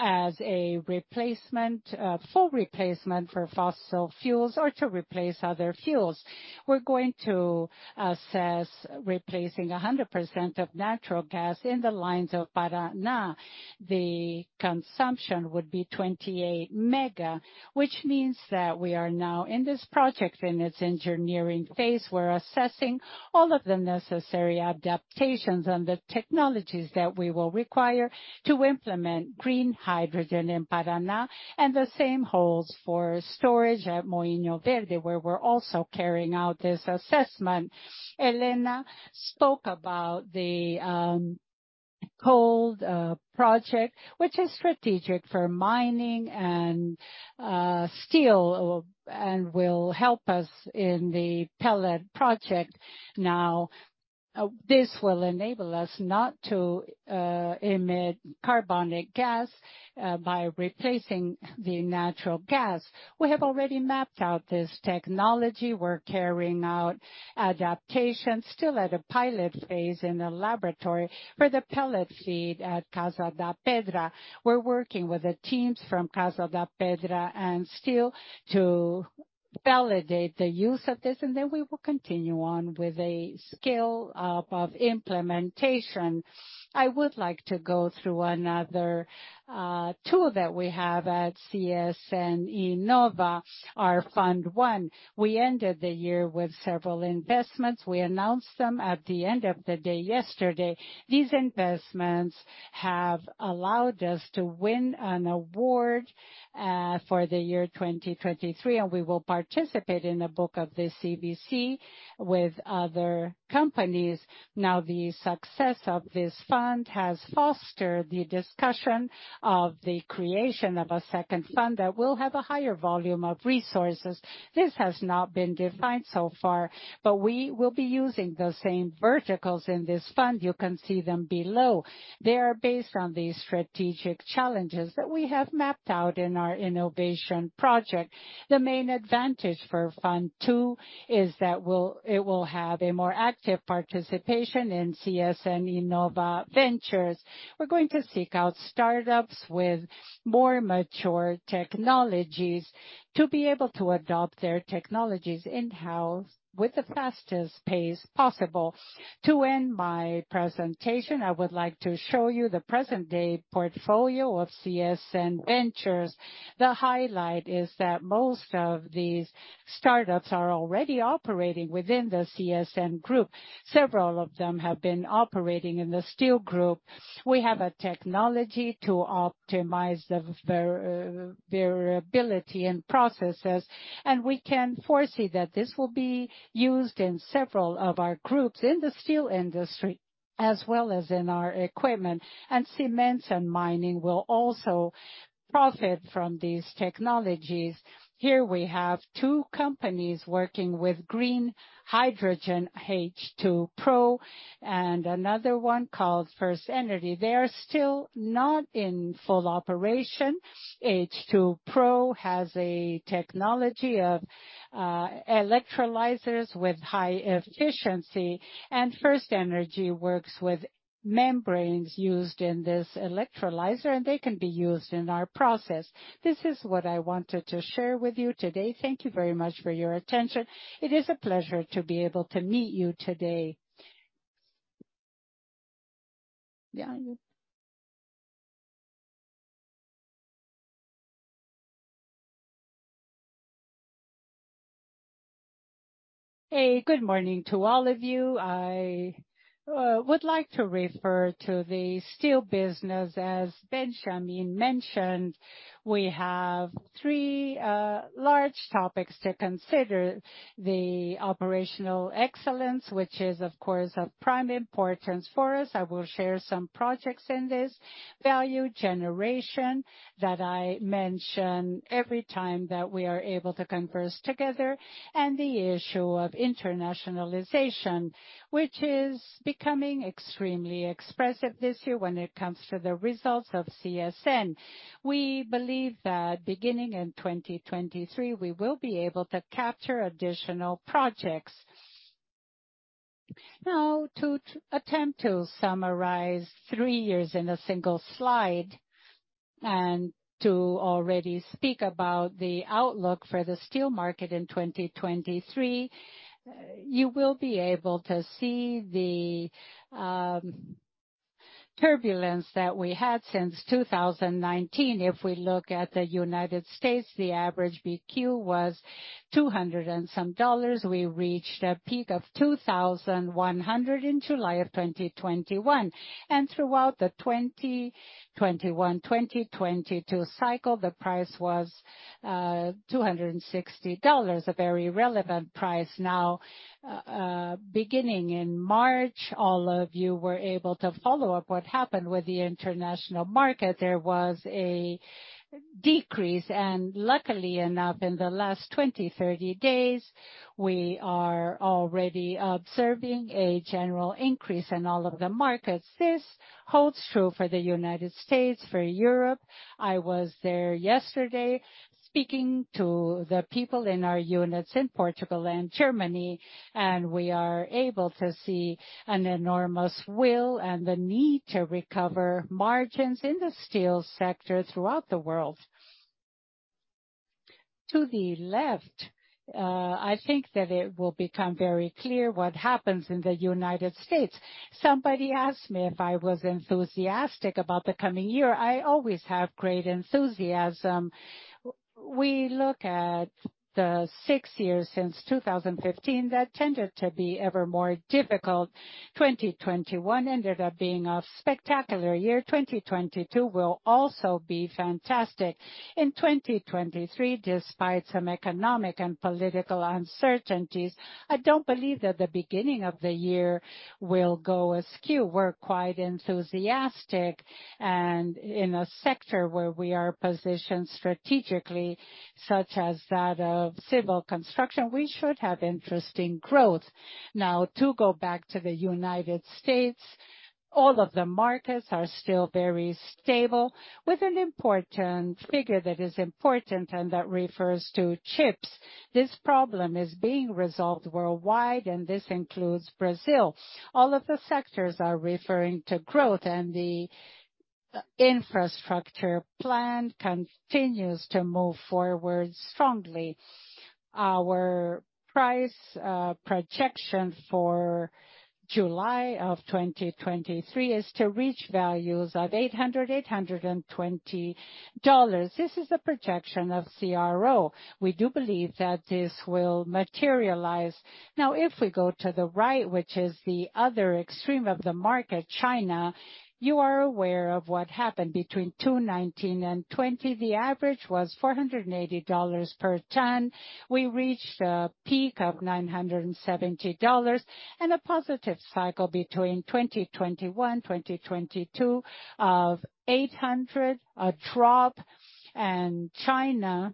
as a replacement, full replacement for fossil fuels or to replace other fuels. We're going to assess replacing 100% of natural gas in the lines of Paraná. The consumption would be 28 mega, which means that we are now in this project in its engineering phase. We're assessing all of the necessary adaptations and the technologies that we will require to implement green hydrogen in Paraná, and the same holds for storage at Moinho Verde, where we're also carrying out this assessment. Helena spoke about the cold project, which is strategic for mining and steel and will help us in the pellet project. Now, this will enable us not to emit carbonic gas by replacing the natural gas. We have already mapped out this technology. We're carrying out adaptations still at a pilot phase in the laboratory for the pellet feed at Casa da Pedra. We're working with the teams from Casa da Pedra and steel to validate the use of this. Then we will continue on with a scale-up of implementation. I would like to go through another tool that we have at CSN Inova, our fund one. We ended the year with several investments. We announced them at the end of the day yesterday. These investments have allowed us to win an award for the year 2023. We will participate in a book of the CBC with other companies. The success of this fund has fostered the discussion of the creation of a second fund that will have a higher volume of resources. This has not been defined so far. We will be using the same verticals in this fund. You can see them below. They are based on the strategic challenges that we have mapped out in our innovation project. The main advantage for fund two is that it will have a more active participation in CSN Inova Ventures. We're going to seek out startups with more mature technologies to be able to adopt their technologies in-house with the fastest pace possible. To end my presentation, I would like to show you the present day portfolio of CSN Inova Ventures. The highlight is that most of these startups are already operating within the CSN group. Several of them have been operating in the steel group. We have a technology to optimize the variability and processes, we can foresee that this will be used in several of our groups in the steel industry, as well as in our equipment. Cements and mining will also profit from these technologies. Here we have two companies working with green hydrogen, H2Pro, and another one called First Energy. They are still not in full operation. H2Pro has a technology of electrolyzers with high efficiency. First Energy works with membranes used in this electrolyzer. They can be used in our process. This is what I wanted to share with you today. Thank you very much for your attention. It is a pleasure to be able to meet you today. Hey, good morning to all of you. I would like to refer to the steel business. As Benjamin mentioned, we have three large topics to consider. The operational excellence, which is, of course, of prime importance for us. I will share some projects in this value generation that I mention every time that we are able to converse together. The issue of internationalization, which is becoming extremely expressive this year when it comes to the results of CSN. We believe that beginning in 2023, we will be able to capture additional projects. To attempt to summarize three years in a single slide and to already speak about the outlook for the steel market in 2023, you will be able to see the turbulence that we had since 2019. If we look at the United States, the average BQ was 200 and some dollars. We reached a peak of $2,100 in July of 2021. Throughout the 2021, 2022 cycle, the price was $260, a very relevant price. Beginning in March, all of you were able to follow up what happened with the international market. There was a decrease. Luckily enough, in the last 20 days, 30 days, we are already observing a general increase in all of the markets. This holds true for the United States, for Europe. I was there yesterday speaking to the people in our units in Portugal and Germany, and we are able to see an enormous will and the need to recover margins in the steel sector throughout the world. To the left, I think that it will become very clear what happens in the United States. Somebody asked me if I was enthusiastic about the coming year. I always have great enthusiasm. We look at the six years since 2015 that tended to be ever more difficult. 2021 ended up being a spectacular year. 2022 will also be fantastic. In 2023, despite some economic and political uncertainties, I don't believe that the beginning of the year will go askew. We're quite enthusiastic and in a sector where we are positioned strategically, such as that of civil construction, we should have interesting growth. To go back to the United States, all of the markets are still very stable with an important figure that is important and that refers to chips. This problem is being resolved worldwide, and this includes Brazil. All of the sectors are referring to growth and the infrastructure plan continues to move forward strongly. Our price projection for July of 2023 is to reach values of $800-$820. This is a projection of CRU. We do believe that this will materialize. If we go to the right, which is the other extreme of the market, China, you are aware of what happened between 2019 and 2020. The average was $480 per ton. We reached a peak of $970 and a positive cycle between 2021-2022 of $800, a drop, and China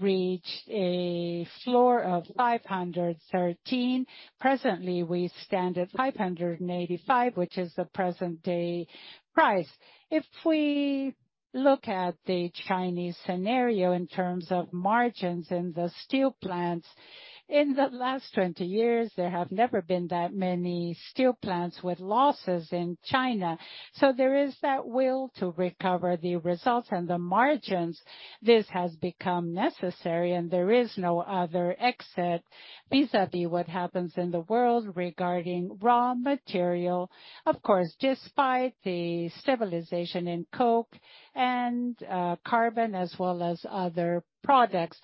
reached a floor of $513. Presently, we stand at $585, which is the present day price. If we look at the Chinese scenario in terms of margins in the steel plants, in the last 20 years, there have never been that many steel plants with losses in China. There is that will to recover the results and the margins. This has become necessary and there is no other exit vis-à-vis what happens in the world regarding raw material. Of course, despite the stabilization in coke and carbon as well as other products.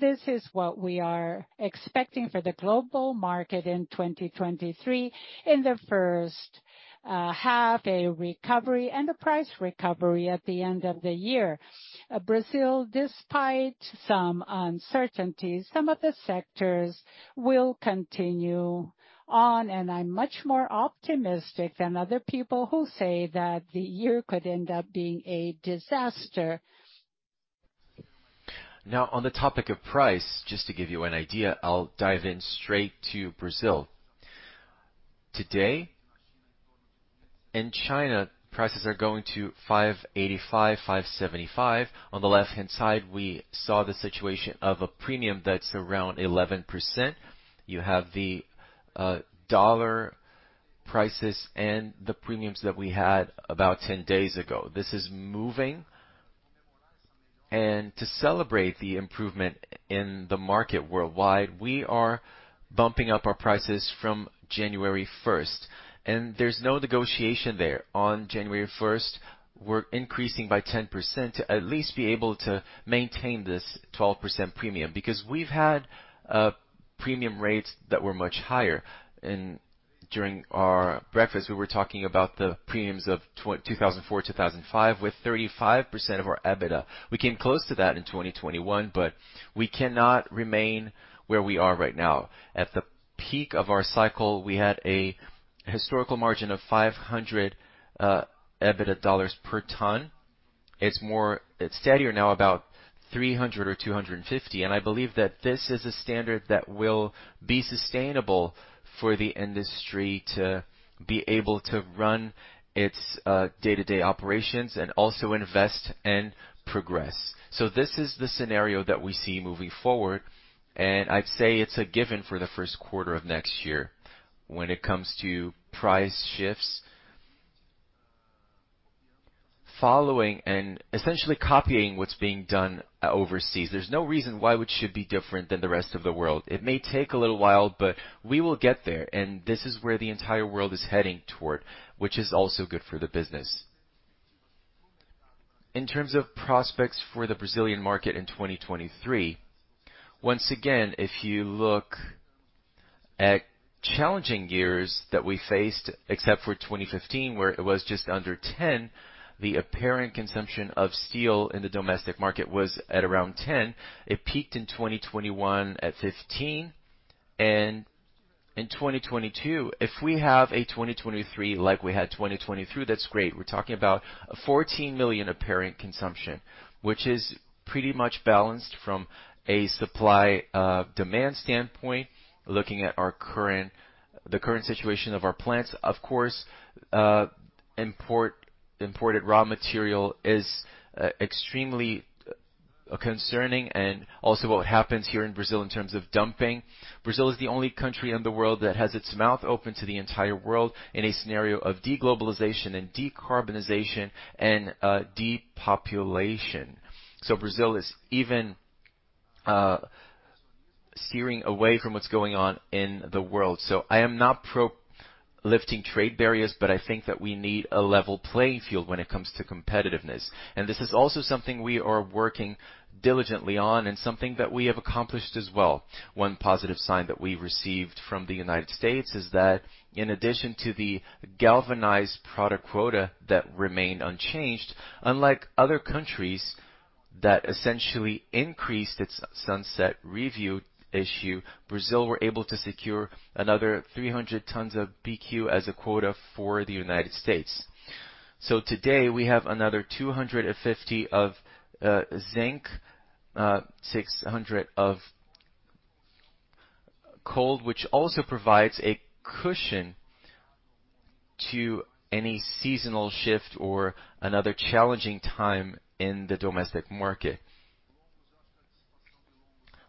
This is what we are expecting for the global market in 2023. In the first half a recovery and a price recovery at the end of the year. Brazil, despite some uncertainties, some of the sectors will continue on, and I'm much more optimistic than other people who say that the year could end up being a disaster. Now, on the topic of price, just to give you an idea, I'll dive in straight to Brazil. Today, in China, prices are going to $585, $575. On the left-hand side, we saw the situation of a premium that's around 11%. You have the dollar prices and the premiums that we had about 10 days ago. This is moving. To celebrate the improvement in the market worldwide, we are bumping up our prices from January 1st, and there's no negotiation there. On January 1st, we're increasing by 10% to at least be able to maintain this 12% premium, because we've had premium rates that were much higher. During our breakfast, we were talking about the premiums of 2004, 2005, with 35% of our EBITDA. We came close to that in 2021. We cannot remain where we are right now. At the peak of our cycle, we had a historical margin of $500 EBITDA dollars per ton. It's steadier now about $300 or $250. I believe that this is a standard that will be sustainable for the industry to be able to run its day-to-day operations and also invest and progress. This is the scenario that we see moving forward. I'd say it's a given for the first quarter of next year. When it comes to price shifts, following and essentially copying what's being done overseas, there's no reason why it should be different than the rest of the world. It may take a little while, but we will get there. This is where the entire world is heading toward, which is also good for the business. In terms of prospects for the Brazilian market in 2023, once again, if you look at challenging years that we faced, except for 2015, where it was just under 10, the apparent consumption of steel in the domestic market was at around 10. It peaked in 2021 at 15. In 2022, if we have a 2023 like we had 2022, that's great. We're talking about a 14 million apparent consumption, which is pretty much balanced from a supply, demand standpoint, looking at the current situation of our plants. Of course, imported raw material is extremely concerning and also what happens here in Brazil in terms of dumping. Brazil is the only country in the world that has its mouth open to the entire world in a scenario of deglobalization and decarbonization and depopulation. Brazil is even searing away from what's going on in the world. I am not pro lifting trade barriers, but I think that we need a level playing field when it comes to competitiveness. This is also something we are working diligently on and something that we have accomplished as well. One positive sign that we received from the United States is that in addition to the galvanized product quota that remained unchanged, unlike other countries that essentially increased its Sunset Review issue, Brazil were able to secure another 300 tons of BQ as a quota for the United States. Today, we have another 250 of zinc, 600 of cold, which also provides a cushion to any seasonal shift or another challenging time in the domestic market.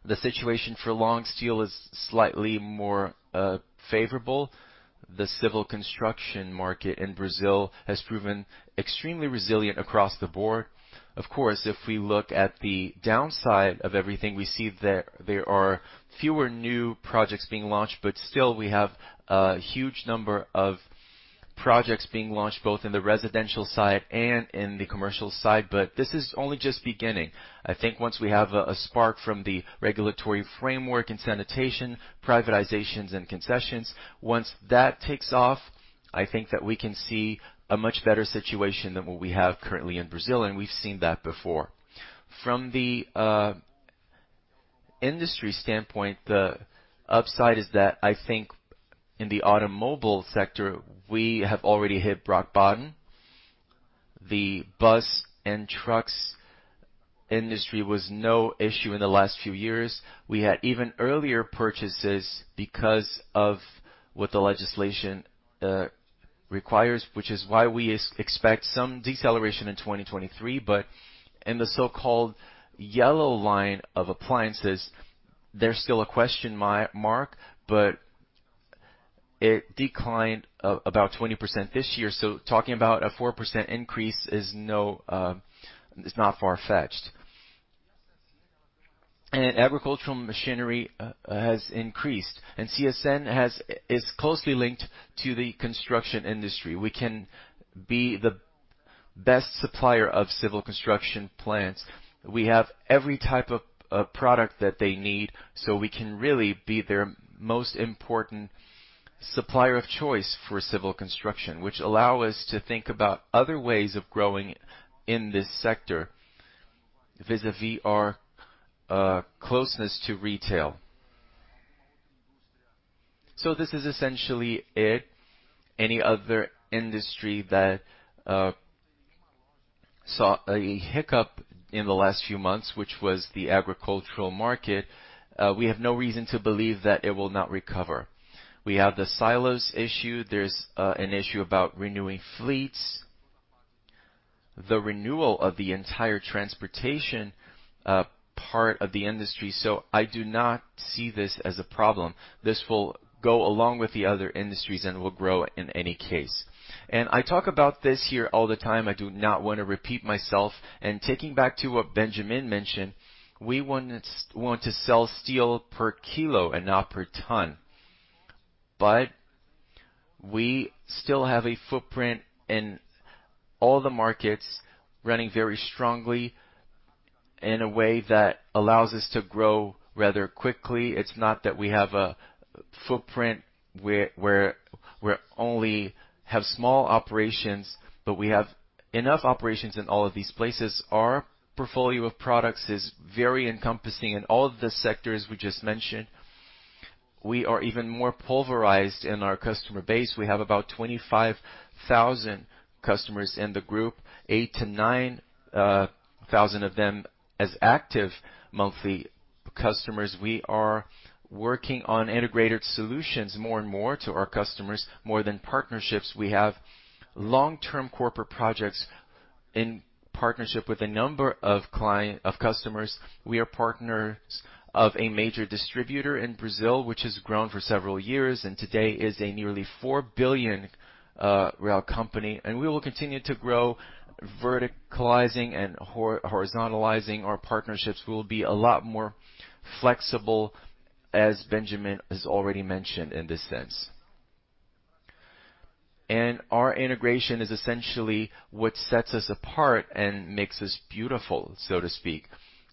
The situation for long steel is slightly more favorable. The civil construction market in Brazil has proven extremely resilient across the board. Of course, if we look at the downside of everything, we see there are fewer new projects being launched, but still we have a huge number of projects being launched, both in the residential side and in the commercial side. This is only just beginning. I think once we have a spark from the regulatory framework and sanitation, privatizations and concessions, once that takes off, I think that we can see a much better situation than what we have currently in Brazil, and we've seen that before. From the industry standpoint, the upside is that I think in the automobile sector, we have already hit rock bottom. The bus and trucks industry was no issue in the last few years. We had even earlier purchases because of what the legislation requires, which is why we expect some deceleration in 2023. In the so-called yellow line of appliances, there's still a question mark, but it declined about 20% this year, talking about a 4% increase is not far-fetched. Agricultural machinery has increased. CSN is closely linked to the construction industry. We can be the best supplier of civil construction plants. We have every type of product that they need, so we can really be their most important supplier of choice for civil construction, which allow us to think about other ways of growing in this sector vis-a-vis our closeness to retail. This is essentially it. Any other industry that saw a hiccup in the last few months, which was the agricultural market, we have no reason to believe that it will not recover. We have the silos issue. There's an issue about renewing fleets, the renewal of the entire transportation part of the industry, so I do not see this as a problem. This will go along with the other industries and will grow in any case. I talk about this here all the time. I do not wanna repeat myself. Taking back to what Benjamin mentioned, we want to sell steel per kilo and not per ton. We still have a footprint in all the markets running very strongly. In a way that allows us to grow rather quickly. It's not that we have a footprint where we only have small operations, but we have enough operations in all of these places. Our portfolio of products is very encompassing in all of the sectors we just mentioned. We are even more pulverized in our customer base. We have about 25,000 customers in the group, 8,000-9,000 of them as active monthly customers. We are working on integrated solutions more and more to our customers, more than partnerships. We have long-term corporate projects in partnership with a number of customers. We are partners of a major distributor in Brazil, which has grown for several years, and today is a nearly 4 billion company, and we will continue to grow verticalizing and horizontalizing our partnerships. We will be a lot more flexible, as Benjamin has already mentioned in this sense. Our integration is essentially what sets us apart and makes us beautiful, so to speak.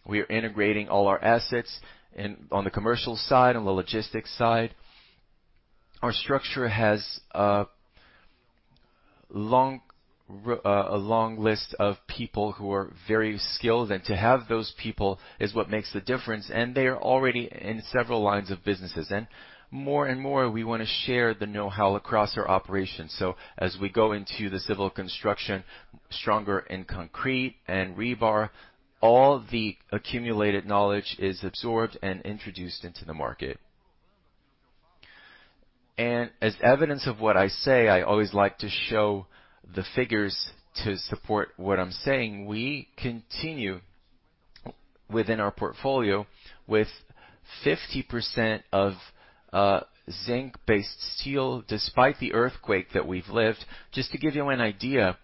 We are integrating all our assets and on the commercial side, on the logistics side. Our structure has a long a long list of people who are very skilled, and to have those people is what makes the difference, and they are already in several lines of businesses. More and more, we wanna share the know-how across our operations. As we go into the civil construction, stronger in concrete and rebar, all the accumulated knowledge is absorbed and introduced into the market. As evidence of what I say, I always like to show the figures to support what I'm saying. We continue within our portfolio with 50% of zinc-based steel despite the earthquake that we've lived. Just to give you an idea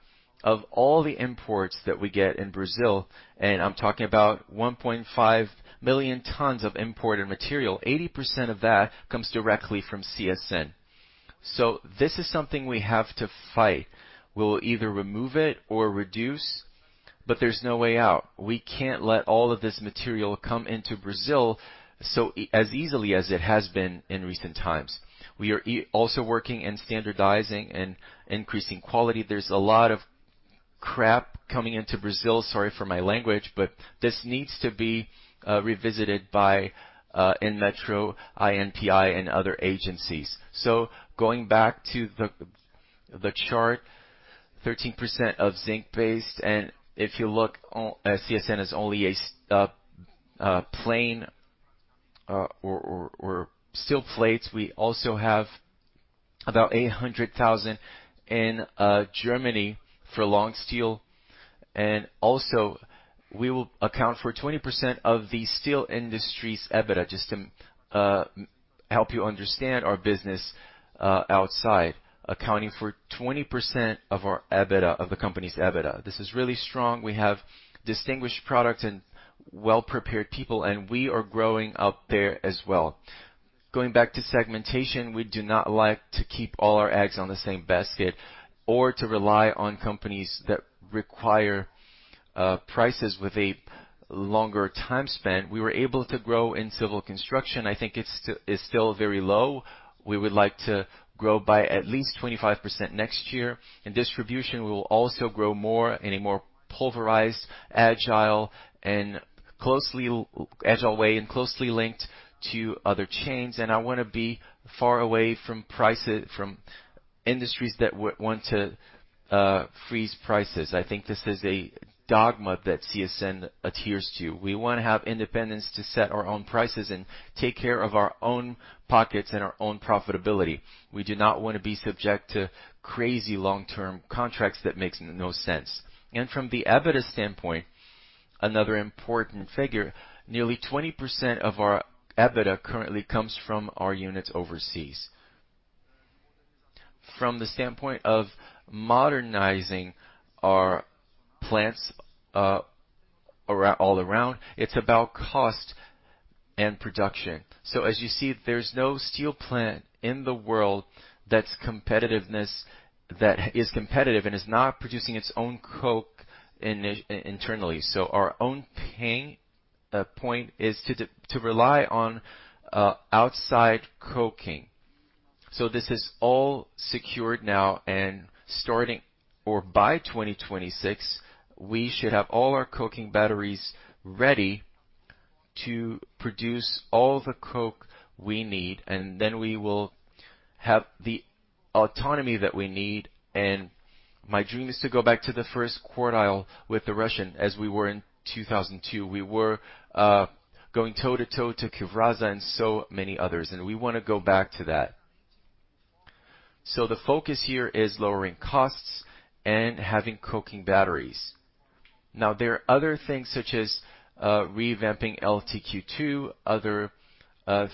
of all the imports that we get in Brazil, and I'm talking about 1.5 million tons of imported material. 80% of that comes directly from CSN. This is something we have to fight. We'll either remove it or reduce, but there's no way out. We can't let all of this material come into Brazil as easily as it has been in recent times. We are also working in standardizing and increasing quality. There's a lot of crap coming into Brazil. Sorry for my language, but this needs to be revisited by INMETRO, INPI, and other agencies. Going back to the chart, 13% of zinc-based, and if you look at CSN is only a plain steel plates. We also have about 800,000 in Germany for long steel. Also, we will account for 20% of the steel industry's EBITDA, just to help you understand our business outside, accounting for 20% of our EBITDA, of the company's EBITDA. This is really strong. We have distinguished products and well-prepared people, and we are growing out there as well. Going back to segmentation, we do not like to keep all our eggs on the same basket or to rely on companies that require prices with a longer time spent. We were able to grow in civil construction. I think it's still very low. We would like to grow by at least 25% next year. In distribution, we will also grow more in a more pulverized, agile way and closely linked to other chains. I wanna be far away from industries that want to freeze prices. I think this is a dogma that CSN adheres to. We wanna have independence to set our own prices and take care of our own pockets and our own profitability. We do not wanna be subject to crazy long-term contracts that makes no sense. From the EBITDA standpoint, another important figure, nearly 20% of our EBITDA currently comes from our units overseas. From the standpoint of modernizing our plants, all around, it's about cost and production. As you see, there's no steel plant in the world that is competitive and is not producing its own coke internally. Our own pain point is to rely on outside coking. This is all secured now, starting or by 2026, we should have all our coking batteries ready to produce all the coke we need, then we will have the autonomy that we need. My dream is to go back to the first quartile with the Russian, as we were in 2002. We were going toe-to-toe to Evraz and so many others, we wanna go back to that. The focus here is lowering costs and having coking batteries. There are other things such as revamping LTQ2, other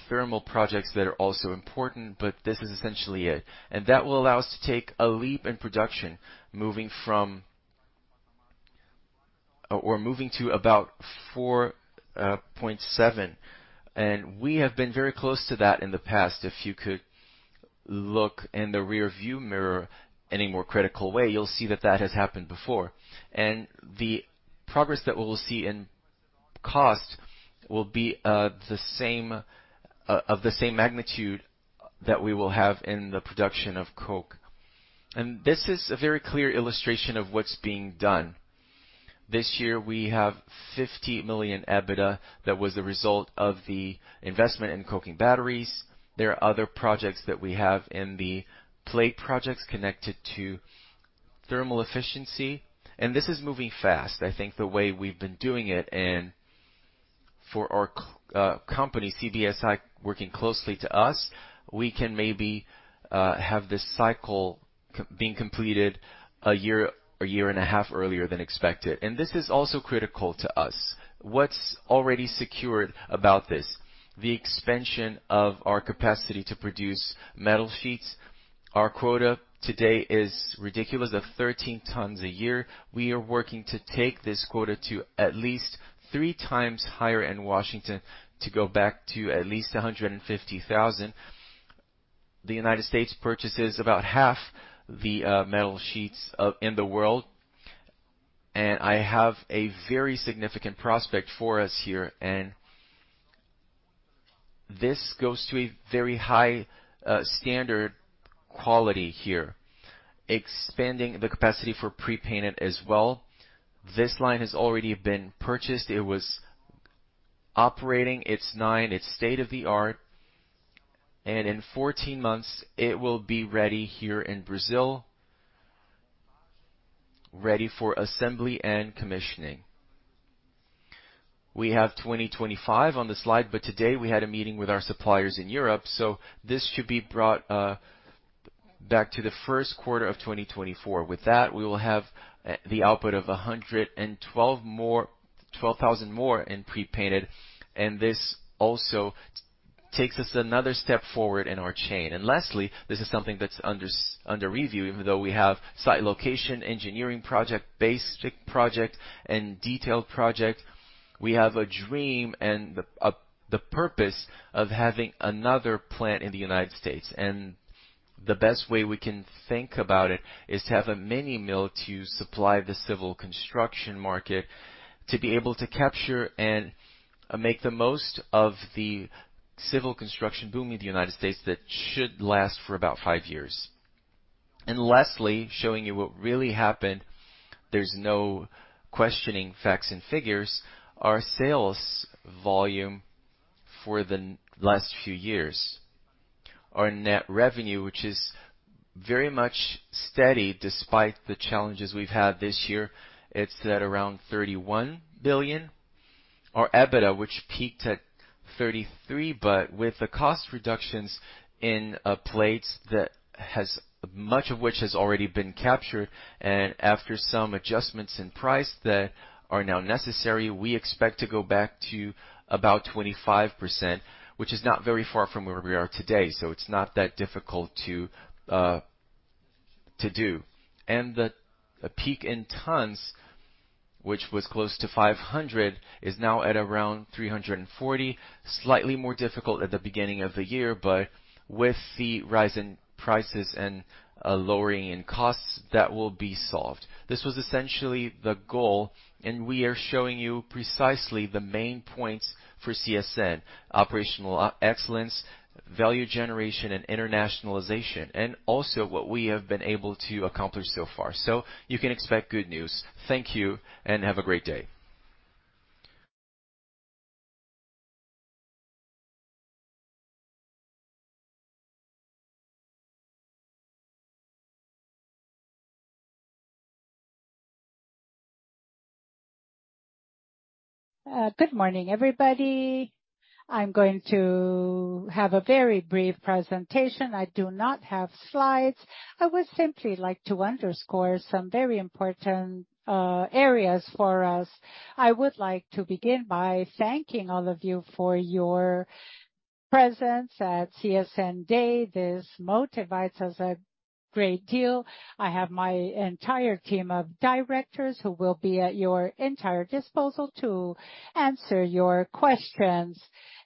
thermal projects that are also important, this is essentially it. That will allow us to take a leap in production, moving from or moving to about 4.7. We have been very close to that in the past. If you could look in the rear view mirror any more critical way, you'll see that that has happened before. The progress that we will see in cost will be of the same magnitude that we will have in the production of coke. This is a very clear illustration of what's being done. This year we have 50 million EBITDA that was the result of the investment in coking batteries. There are other projects that we have in the plate projects connected to thermal efficiency, this is moving fast. I think the way we've been doing it and for our company, CBSI, working closely to us, we can maybe have this cycle being completed a year, a year and a half earlier than expected. This is also critical to us. What's already secured about this? The expansion of our capacity to produce metal sheets. Our quota today is ridiculous of 13 tons a year. We are working to take this quota to at least 3 times higher in Washington to go back to at least 150,000 tons. The United States purchases about half the metal sheets of... in the world, I have a very significant prospect for us here. This goes to a very high standard quality here. Expanding the capacity for pre-painted as well. This line has already been purchased. It was operating. It's nine. It's state-of-the-art. In 14 months it will be ready here in Brazil. Ready for assembly and commissioning. We have 2025 on the slide, today we had a meeting with our suppliers in Europe, this should be brought back to the first quarter of 2024. With that, we will have the output of 12,000 more in pre-painted, and this also takes us another step forward in our chain. Lastly, this is something that's under review, even though we have site location, engineering project, basic project and detailed project. We have a dream and the purpose of having another plant in the United States. The best way we can think about it is to have a mini mill to supply the civil construction market, to be able to capture and make the most of the civil construction boom in the United States that should last for about five years. Lastly, showing you what really happened, there's no questioning facts and figures. Our sales volume for the last few years. Our net revenue, which is very much steady despite the challenges we've had this year, it's at around 31 billion. Our EBITDA, which peaked at 33 billion, but with the cost reductions in plates, much of which has already been captured. After some adjustments in price that are now necessary, we expect to go back to about 25%, which is not very far from where we are today. It's not that difficult to do. The peak in tons, which was close to 500, is now at around 340. Slightly more difficult at the beginning of the year, but with the rise in prices and lowering in costs, that will be solved. This was essentially the goal, and we are showing you precisely the main points for CSN: operational excellence, value generation and internationalization, and also what we have been able to accomplish so far. You can expect good news. Thank you and have a great day. Good morning, everybody. I'm going to have a very brief presentation. I do not have slides. I would simply like to underscore some very important areas for us. I would like to begin by thanking all of you for your presence at CSN Day. This motivates us a great deal. I have my entire team of directors who will be at your entire disposal to answer your questions.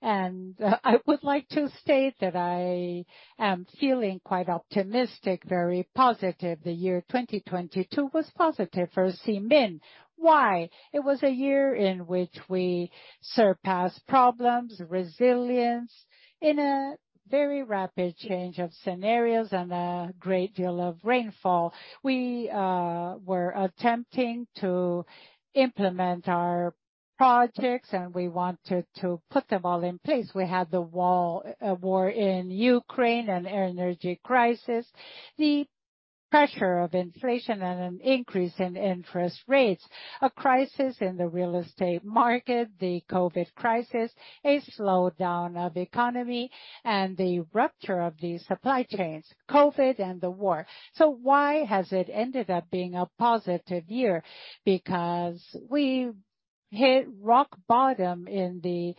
I would like to state that I am feeling quite optimistic, very positive. The year 2022 was positive for CEMIG. Why? It was a year in which we surpassed problems, resilience in a very rapid change of scenarios and a great deal of rainfall. We were attempting to implement our projects, and we wanted to put them all in place. We had the war in Ukraine, an energy crisis, the pressure of inflation and an increase in interest rates, a crisis in the real estate market, the COVID crisis, a slowdown of economy, and the rupture of the supply chains. COVID and the war. Why has it ended up being a positive year? We hit rock bottom in the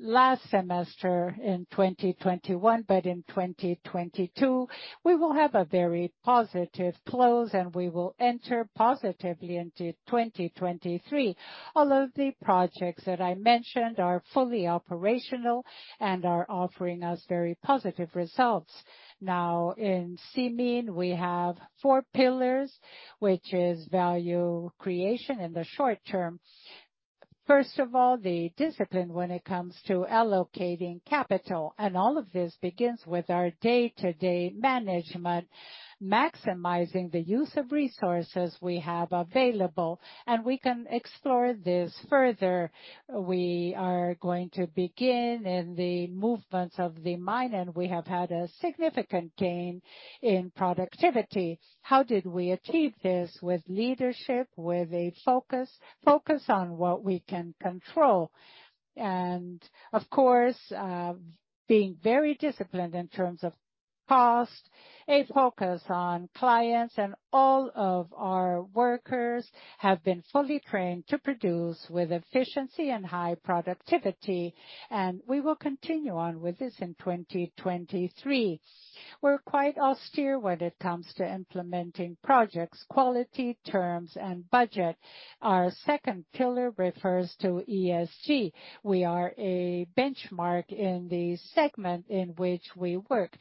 last semester in 2021, but in 2022, we will have a very positive close, and we will enter positively into 2023. All of the projects that I mentioned are fully operational and are offering us very positive results. In CMN, we have four pillars, which is value creation in the short term. The discipline when it comes to allocating capital. All of this begins with our day-to-day management, maximizing the use of resources we have available, and we can explore this further. We are going to begin in the movements of the mine, and we have had a significant gain in productivity. How did we achieve this? With leadership, with a focus on what we can control. Of course, being very disciplined in terms of cost, a focus on clients and all of our workers have been fully trained to produce with efficiency and high productivity. We will continue on with this in 2023. We're quite austere when it comes to implementing projects, quality, terms, and budget. Our second pillar refers to ESG. We are a benchmark in the segment in which we work.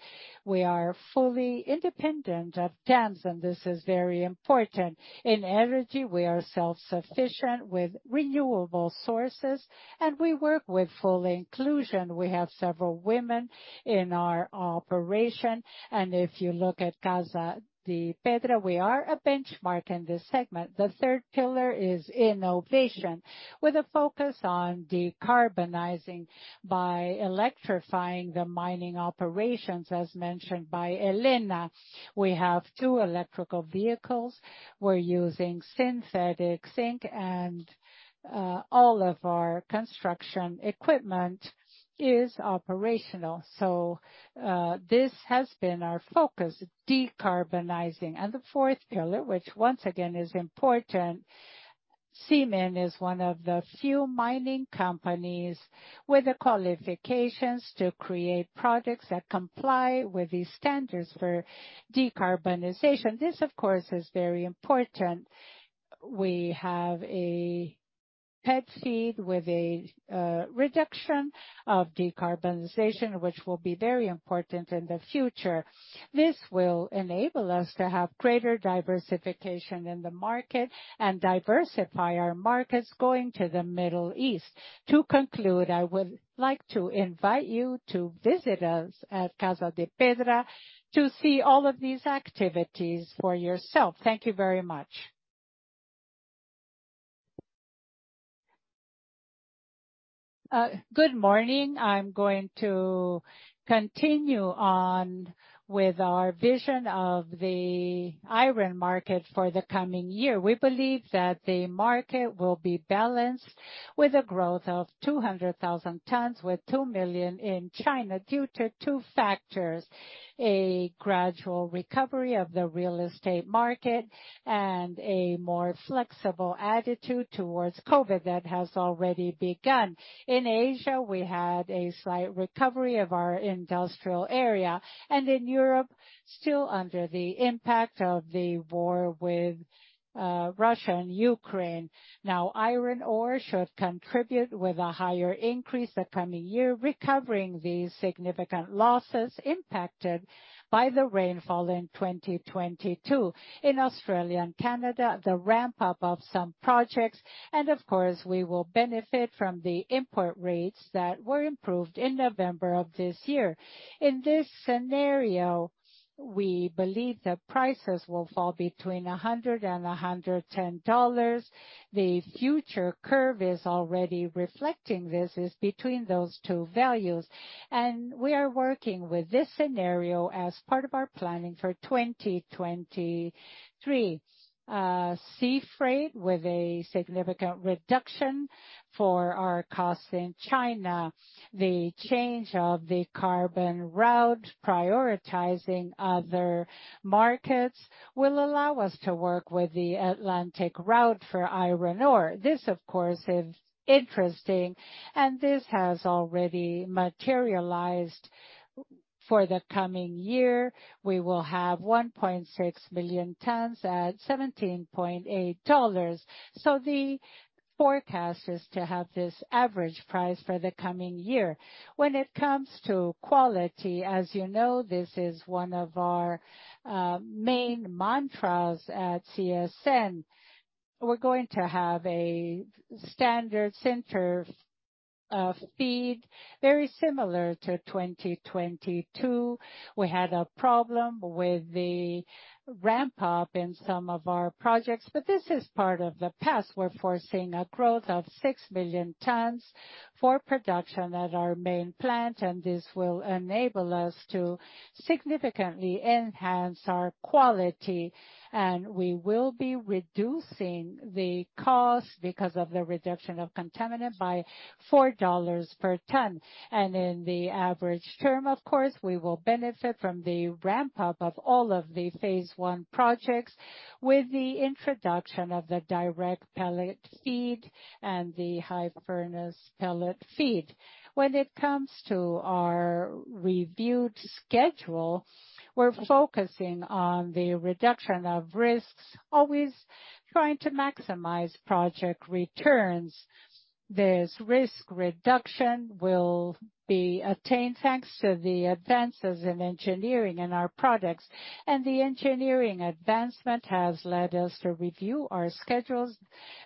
We are fully independent of dams, and this is very important. In energy, we are self-sufficient with renewable sources, and we work with full inclusion. We have several women in our operation. If you look at Casa de Pedra, we are a benchmark in this segment. The third pillar is innovation, with a focus on decarbonizing by electrifying the mining operations, as mentioned by Elena. We have two electrical vehicles. We're using synthetic zinc and all of our construction equipment is operational. This has been our focus, decarbonizing. The fourth pillar, which once again is important, CMN is one of the few mining companies with the qualifications to create products that comply with the standards for decarbonization. This, of course, is very important. We have a pet seed with a reduction of decarbonization, which will be very important in the future. This will enable us to have greater diversification in the market and diversify our markets going to the Middle East. To conclude, I would like to invite you to visit us at Casa de Pedra to see all of these activities for yourself. Thank you very much. Good morning. I'm going to continue on with our vision of the iron market for the coming year. We believe that the market will be balanced with a growth of 200,000 tons with 2 million in China due to two factors: A gradual recovery of the real estate market and a more flexible attitude towards COVID that has already begun. In Asia, we had a slight recovery of our industrial area, and in Europe, still under the impact of the war with Russia and Ukraine. Now, iron ore should contribute with a higher increase the coming year, recovering the significant losses impacted by the rainfall in 2022. In Australia and Canada, the ramp up of some projects, and of course, we will benefit from the import rates that were improved in November of this year. In this scenario, we believe the prices will fall between $100 and $110. The future curve is already reflecting. This is between those two values. We are working with this scenario as part of our planning for 2023. Sea freight with a significant reduction for our costs in China. The change of the carbon route, prioritizing other markets, will allow us to work with the Atlantic route for iron ore. This, of course, is interesting, and this has already materialized. For the coming year, we will have 1.6 million tons at $17.8. The forecast is to have this average price for the coming year. When it comes to quality, as you know, this is one of our main mantras at CSN. We're going to have a standard center feed, very similar to 2022. We had a problem with the ramp up in some of our projects, but this is part of the past. We're foreseeing a growth of 6 million tons for production at our main plant, and this will enable us to significantly enhance our quality. We will be reducing the cost because of the reduction of contaminant by $4 per ton. In the average term, of course, we will benefit from the ramp up of all of the phase one projects with the introduction of the direct pellet feed and the high furnace pellet feed. When it comes to our reviewed schedule, we're focusing on the reduction of risks, always trying to maximize project returns. This risk reduction will be attained thanks to the advances in engineering in our products. The engineering advancement has led us to review our schedules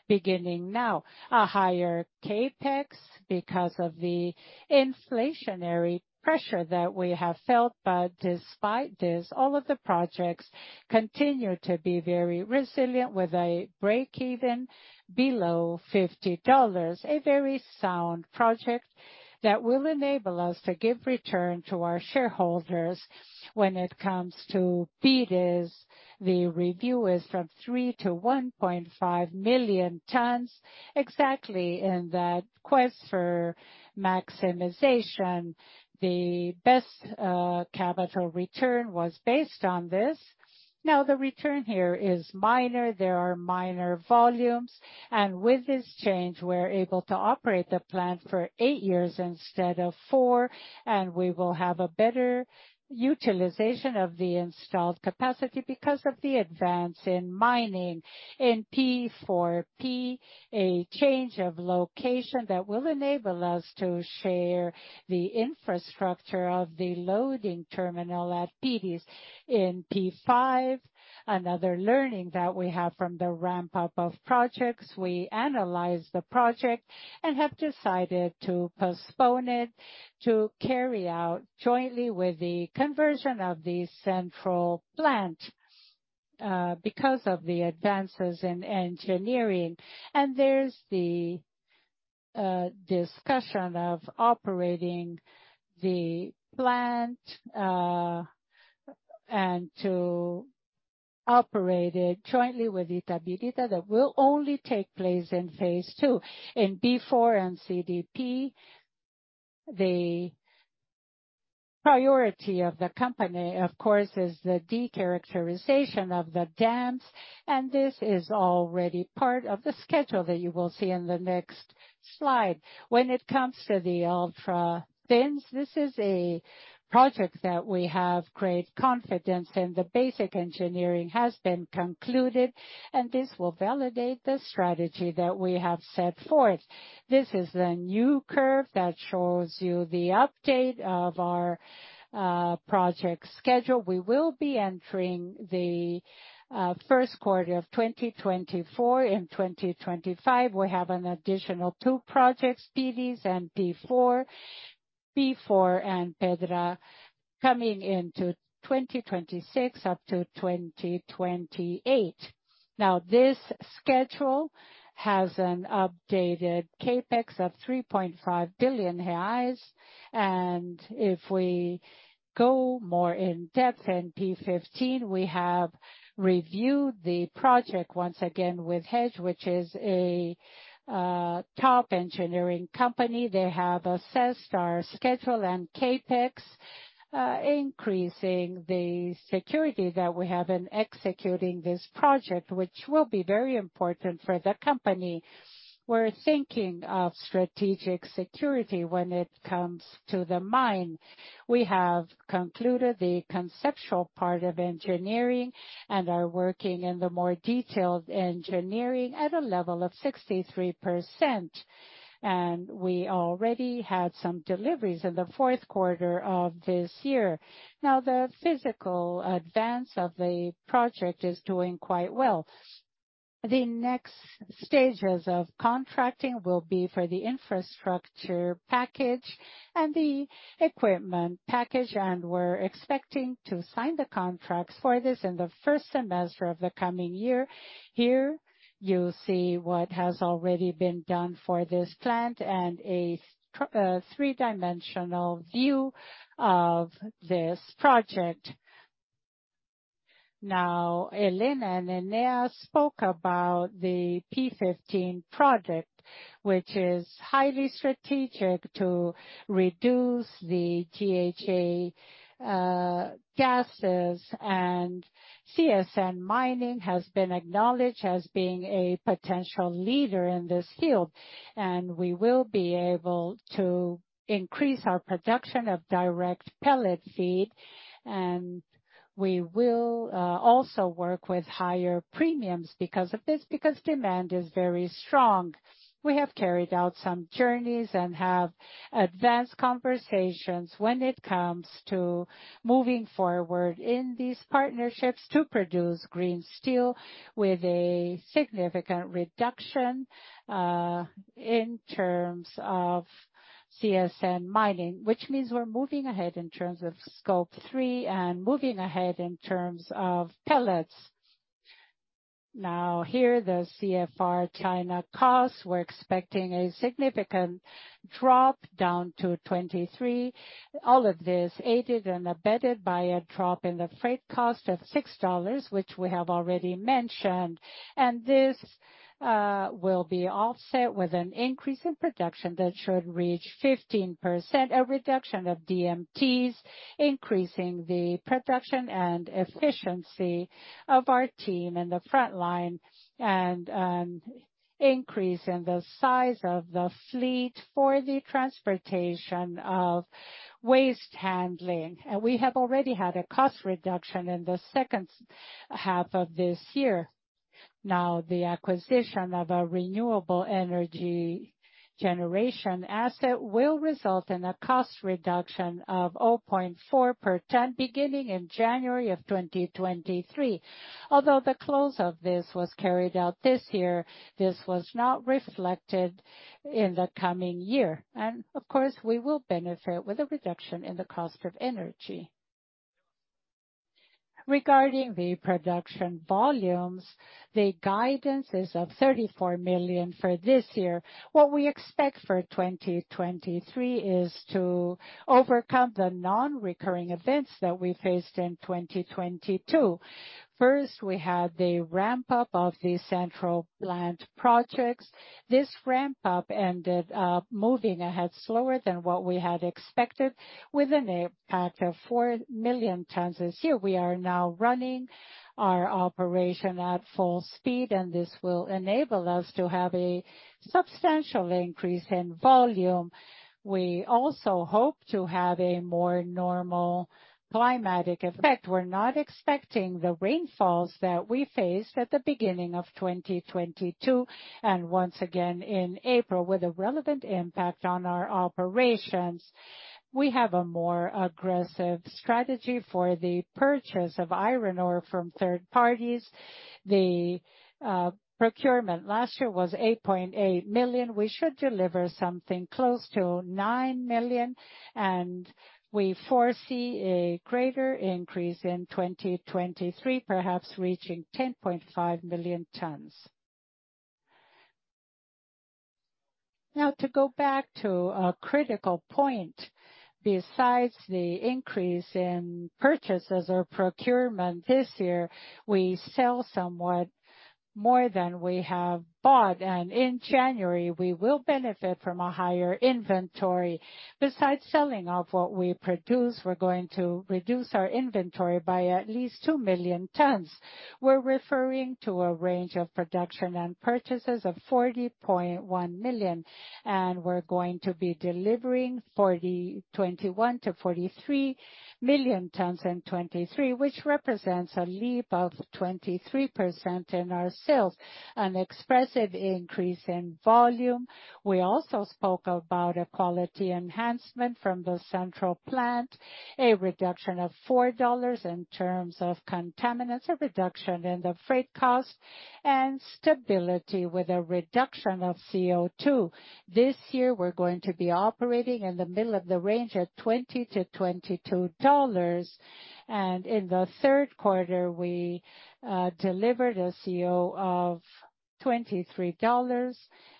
beginning now. A higher CapEx because of the inflationary pressure that we have felt. Despite this, all of the projects continue to be very resilient with a break-even below $50. A very sound project that will enable us to give return to our shareholders. When it comes to P15, the review is from 3 million-1.5 million tons. Exactly in that quest for maximization, the best capital return was based on this. The return here is minor. There are minor volumes. With this change, we're able to operate the plant for eight years instead of four years. We will have a better utilization of the installed capacity because of the advance in mining. In P4P, a change of location that will enable us to share the infrastructure of the loading terminal at Pites. In P5, another learning that we have from the ramp up of projects, we analyzed the project and have decided to postpone it to carry out jointly with the conversion of the central plant because of the advances in engineering. There's the discussion of operating the plant and to operate it jointly with Itaipu that will only take place in phase two. In B4 and CDP, the priority of the company, of course, is the decharacterization of the dams. This is already part of the schedule that you will see in the next slide. When it comes to the ultra thins, this is a project that we have great confidence in. The basic engineering has been concluded. This will validate the strategy that we have set forth. This is the new curve that shows you the update of our project schedule. We will be entering the first quarter of 2024. In 2025, we have an additional two projects, Pites and P4. P4 and Pedra coming into 2026 up to 2028. This schedule has an updated CapEx of 3.5 billion reais. If we go more in depth in P15, we have reviewed the project once again with Hatch, which is a top engineering company. They have assessed our schedule and CapEx, increasing the security that we have in executing this project, which will be very important for the company. We're thinking of strategic security when it comes to the mine. We have concluded the conceptual part of engineering and are working in the more detailed engineering at a level of 63%. We already had some deliveries in the fourth quarter of this year. Now, the physical advance of the project is doing quite well. The next stages of contracting will be for the infrastructure package and the equipment package. We're expecting to sign the contracts for this in the first semester of the coming year. Here you see what has already been done for this plant and a three-dimensional view of this project. Helena and Enea spoke about the P15 project, which is highly strategic to reduce the GHG gases. CSN Mineração has been acknowledged as being a potential leader in this field. We will be able to increase our production of direct pellet feed. We will also work with higher premiums because of this, because demand is very strong. We have carried out some journeys and advanced conversations when it comes to moving forward in these partnerships to produce green steel with a significant reduction in terms of CSN Mineração, which means we're moving ahead in terms of Scope 3 and moving ahead in terms of pellets. Here the CFR China costs, we're expecting a significant drop down to 23. All of this aided and abetted by a drop in the freight cost of $6, which we have already mentioned. This will be offset with an increase in production that should reach 15%, a reduction of DMTs, increasing the production and efficiency of our team in the front line and increase in the size of the fleet for the transportation of waste handling. We have already had a cost reduction in the second half of this year. Now, the acquisition of a renewable energy generation asset will result in a cost reduction of $0.4 per ton beginning in January 2023. Although the close of this was carried out this year, this was not reflected in the coming year. Of course, we will benefit with a reduction in the cost of energy. Regarding the production volumes, the guidance is of 34 million for this year. What we expect for 2023 is to overcome the non-recurring events that we faced in 2022. First, we had the ramp-up of the central plant projects. This ramp-up ended up moving ahead slower than what we had expected with an impact of 4 million tons this year. We are now running our operation at full speed, and this will enable us to have a substantial increase in volume. We also hope to have a more normal climatic effect. We're not expecting the rainfalls that we faced at the beginning of 2022 and once again in April with a relevant impact on our operations. We have a more aggressive strategy for the purchase of iron ore from third parties. The procurement last year was 8.8 million. We should deliver something close to 9 million, and we foresee a greater increase in 2023, perhaps reaching 10.5 million tons. To go back to a critical point. Besides the increase in purchases or procurement this year, we sell somewhat more than we have bought, and in January, we will benefit from a higher inventory. Besides selling off what we produce, we're going to reduce our inventory by at least 2 million tons. We're referring to a range of production and purchases of 40.1 million, and we're going to be delivering 21 million-43 million tons in 2023, which represents a leap of 23% in our sales, an expressive increase in volume. We also spoke about a quality enhancement from the central plant, a reduction of $4 in terms of contaminants, a reduction in the freight cost, and stability with a reduction of CO₂. This year we're going to be operating in the middle of the range at $20-$22. In the third quarter we delivered a CO of $23.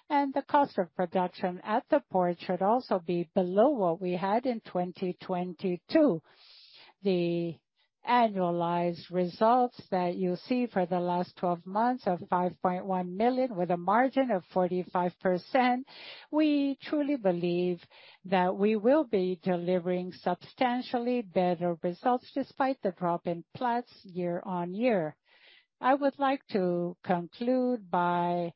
The cost of production at the port should also be below what we had in 2022. The annualized results that you see for the last 12 months of $5.1 million with a margin of 45%, we truly believe that we will be delivering substantially better results despite the drop in plots year-on-year. I would like to conclude by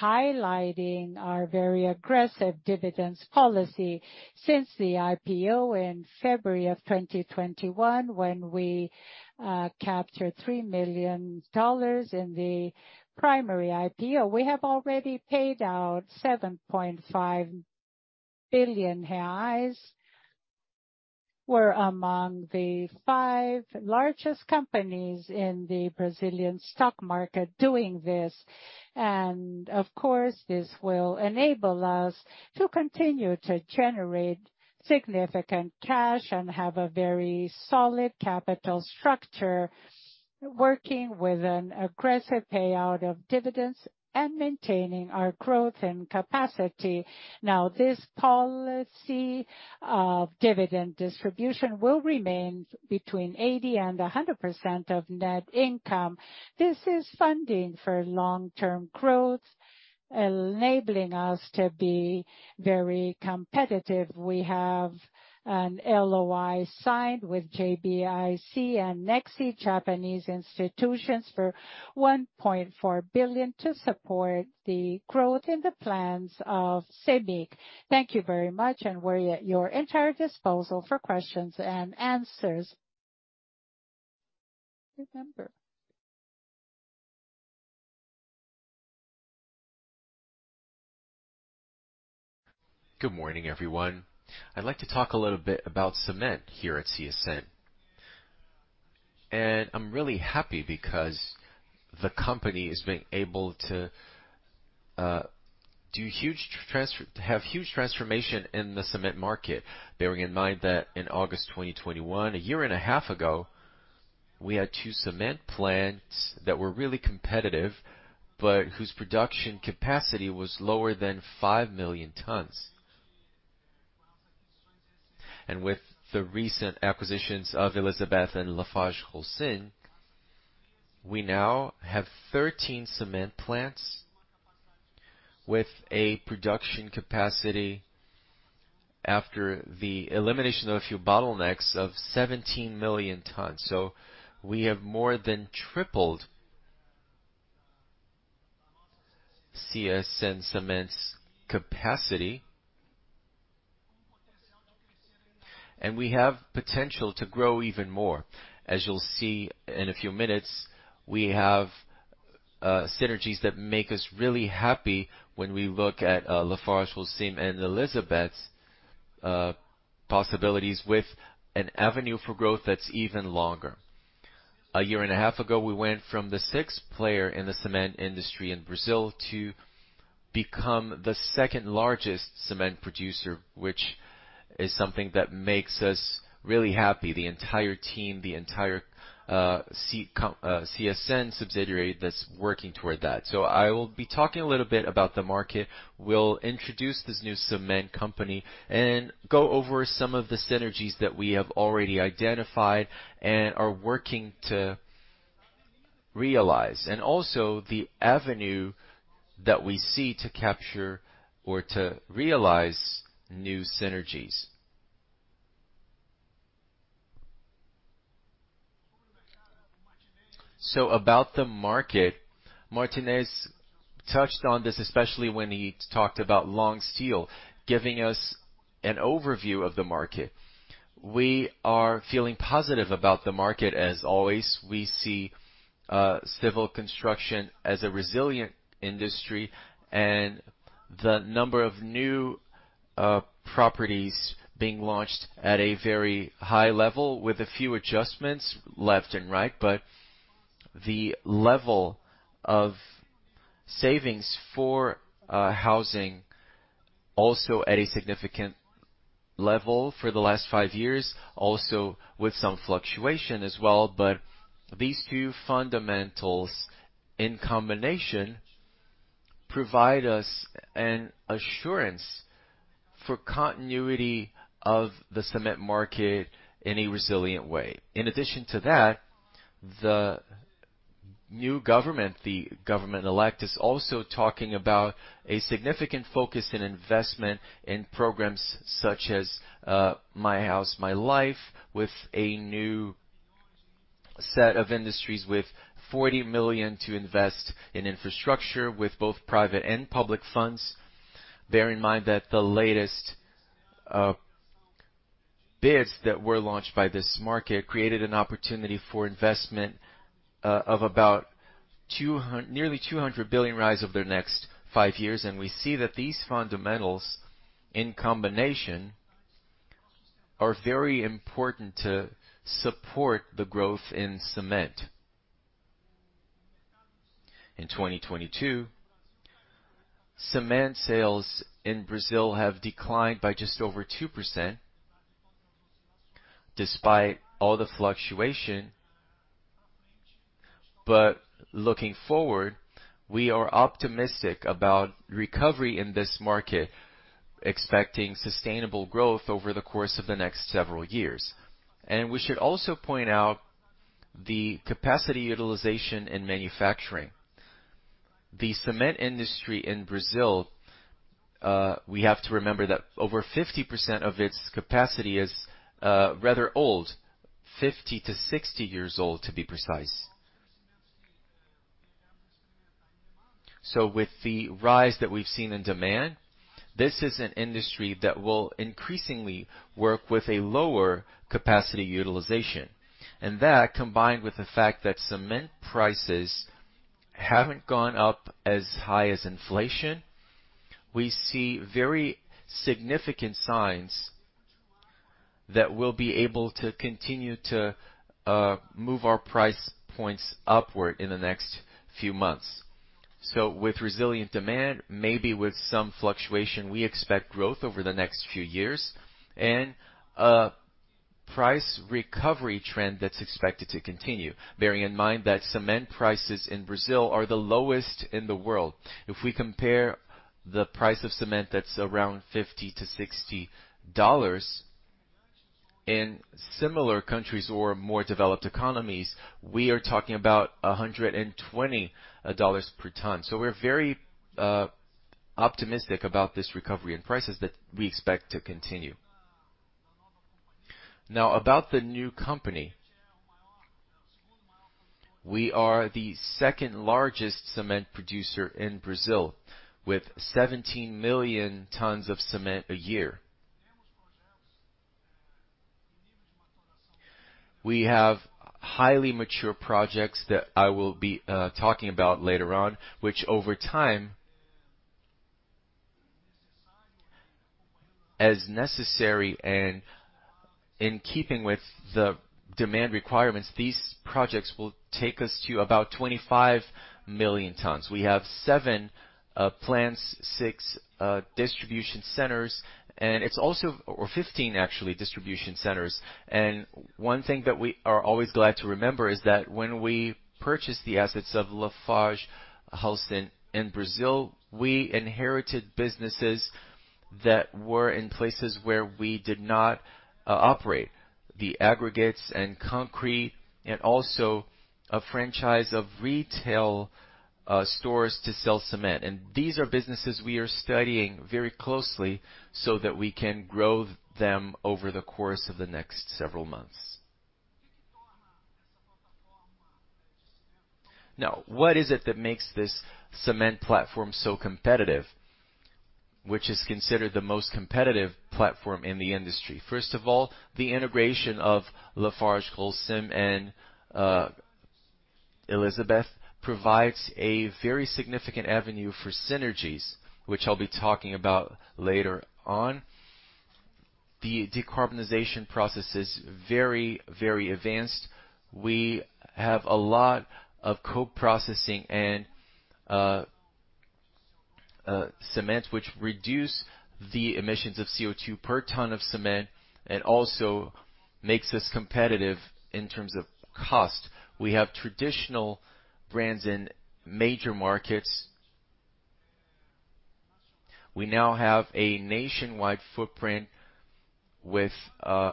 highlighting our very aggressive dividends policy since the IPO in February of 2021, when we captured $3 million in the primary IPO. We have already paid out 7.5 billion reais. We're among the 5 largest companies in the Brazilian stock market doing this. Of course, this will enable us to continue to generate significant cash and have a very solid capital structure, working with an aggressive payout of dividends and maintaining our growth and capacity. This policy of dividend distribution will remain between 80% and 100% of net income. This is funding for long-term growth, enabling us to be very competitive. We have an LOI signed with JBIC and NEXI, Japanese institutions for $1.4 billion to support the growth in the plans of CBIC. Thank you very much. We're at your entire disposal for questions and answers. Good morning, everyone. I'd like to talk a little bit about cement here at CSN. I'm really happy because the company is being able to have huge transformation in the cement market. Bearing in mind that in August 2021, a year and a half ago, we had 2 cement plants that were really competitive, but whose production capacity was lower than 5 million tons. With the recent acquisitions of Elizabeth and LafargeHolcim, we now have 13 cement plants with a production capacity after the elimination of a few bottlenecks of 17 million tons. We have more than tripled CSN Cements' capacity, and we have potential to grow even more. As you'll see in a few minutes, we have synergies that make us really happy when we look at LafargeHolcim and Elizabeth's possibilities with an avenue for growth that's even longer. A year and a half ago, we went from the sixth player in the cement industry in Brazil to become the second largest cement producer, which is something that makes us really happy, the entire team, the entire CSN subsidiary that's working toward that. I will be talking a little bit about the market. We'll introduce this new cement company and go over some of the synergies that we have already identified and are working to realize, and also the avenue that we see to capture or to realize new synergies. About the market, Martinez touched on this, especially when he talked about long steel, giving us an overview of the market. We are feeling positive about the market, as always. We see civil construction as a resilient industry and the number of new properties being launched at a very high level with a few adjustments left and right. The level of savings for housing also at a significant level for the last five years, also with some fluctuation as well. These two fundamentals in combination provide us an assurance for continuity of the cement market in a resilient way. In addition to that, the new government, the government elect, is also talking about a significant focus in investment in programs such as My Home, My Life, with a new set of industries with 40 million to invest in infrastructure with both private and public funds. Bear in mind that the latest bids that were launched by this market created an opportunity for investment of about nearly 200 billion over the next five years. We see that these fundamentals in combination are very important to support the growth in cement. In 2022, cement sales in Brazil have declined by just over 2% despite all the fluctuation. Looking forward, we are optimistic about recovery in this market, expecting sustainable growth over the course of the next several years. We should also point out the capacity utilization in manufacturing. The cement industry in Brazil, we have to remember that over 50% of its capacity is rather old, 50 years-60 years old, to be precise. With the rise that we've seen in demand, this is an industry that will increasingly work with a lower capacity utilization. That, combined with the fact that cement prices haven't gone up as high as inflation, we see very significant signs that we'll be able to continue to move our price points upward in the next few months. With resilient demand, maybe with some fluctuation, we expect growth over the next few years and a price recovery trend that's expected to continue. Bearing in mind that cement prices in Brazil are the lowest in the world. If we compare the price of cement that's around $50-$60 in similar countries or more developed economies, we are talking about $120 per ton. We're very optimistic about this recovery in prices that we expect to continue. About the new company. We are the second largest cement producer in Brazil with 17 million tons of cement a year. We have highly mature projects that I will be talking about later on, which over time, as necessary and in keeping with the demand requirements, these projects will take us to about 25 million tons. We have seven plants, six distribution centers, or 15 actually distribution centers. One thing that we are always glad to remember is that when we purchased the assets of LafargeHolcim in Brazil, we inherited businesses that were in places where we did not operate the aggregates and concrete, also a franchise of retail stores to sell cement. These are businesses we are studying very closely so that we can grow them over the course of the next several months. What is it that makes this cement platform so competitive, which is considered the most competitive platform in the industry? First of all, the integration of LafargeHolcim and Elizabeth provides a very significant avenue for synergies, which I'll be talking about later on. The decarbonization process is very, very advanced. We have a lot of co-processing and cements which reduce the emissions of CO₂ per ton of cement and also makes us competitive in terms of cost. We have traditional brands in major markets. We now have a nationwide footprint with a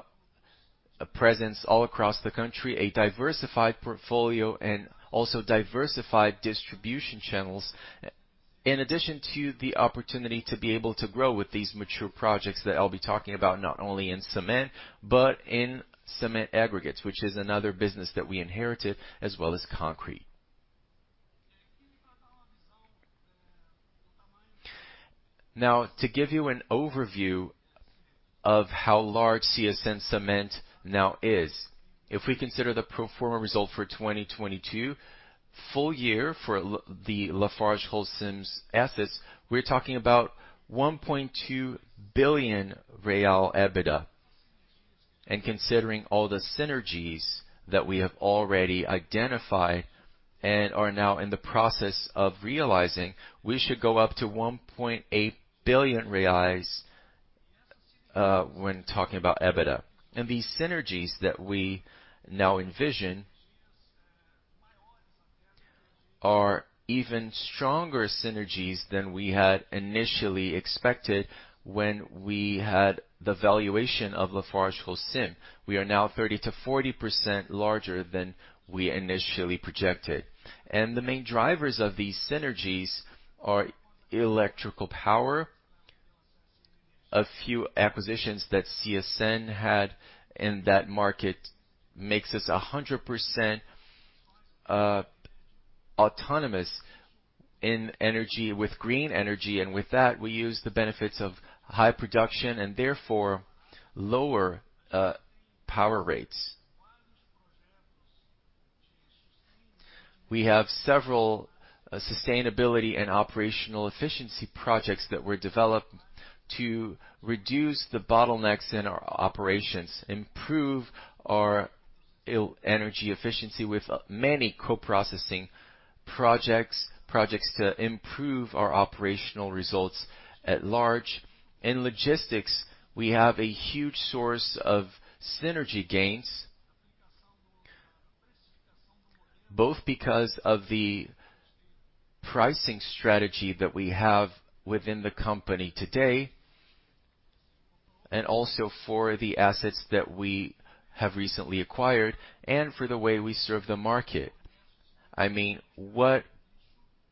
presence all across the country, a diversified portfolio, and also diversified distribution channels. In addition to the opportunity to be able to grow with these mature projects that I'll be talking about, not only in cement but in cement aggregates, which is another business that we inherited, as well as concrete. Now, to give you an overview of how large CSN Cements now is, if we consider the pro forma result for 2022 full year for the LafargeHolcim Brasil's assets, we're talking about 1.2 billion real EBITDA. Considering all the synergies that we have already identified and are now in the process of realizing, we should go up to 1.8 billion reais when talking about EBITDA. These synergies that we now envision are even stronger synergies than we had initially expected when we had the valuation of LafargeHolcim. We are now 30%-40% larger than we initially projected. The main drivers of these synergies are electrical power. A few acquisitions that CSN had in that market makes us 100% autonomous in energy with green energy, and with that, we use the benefits of high production and therefore lower power rates. We have several sustainability and operational efficiency projects that were developed to reduce the bottlenecks in our operations, improve our energy efficiency with many co-processing projects to improve our operational results at large. In logistics, we have a huge source of synergy gains, both because of the pricing strategy that we have within the company today, and also for the assets that we have recently acquired and for the way we serve the market. I mean, what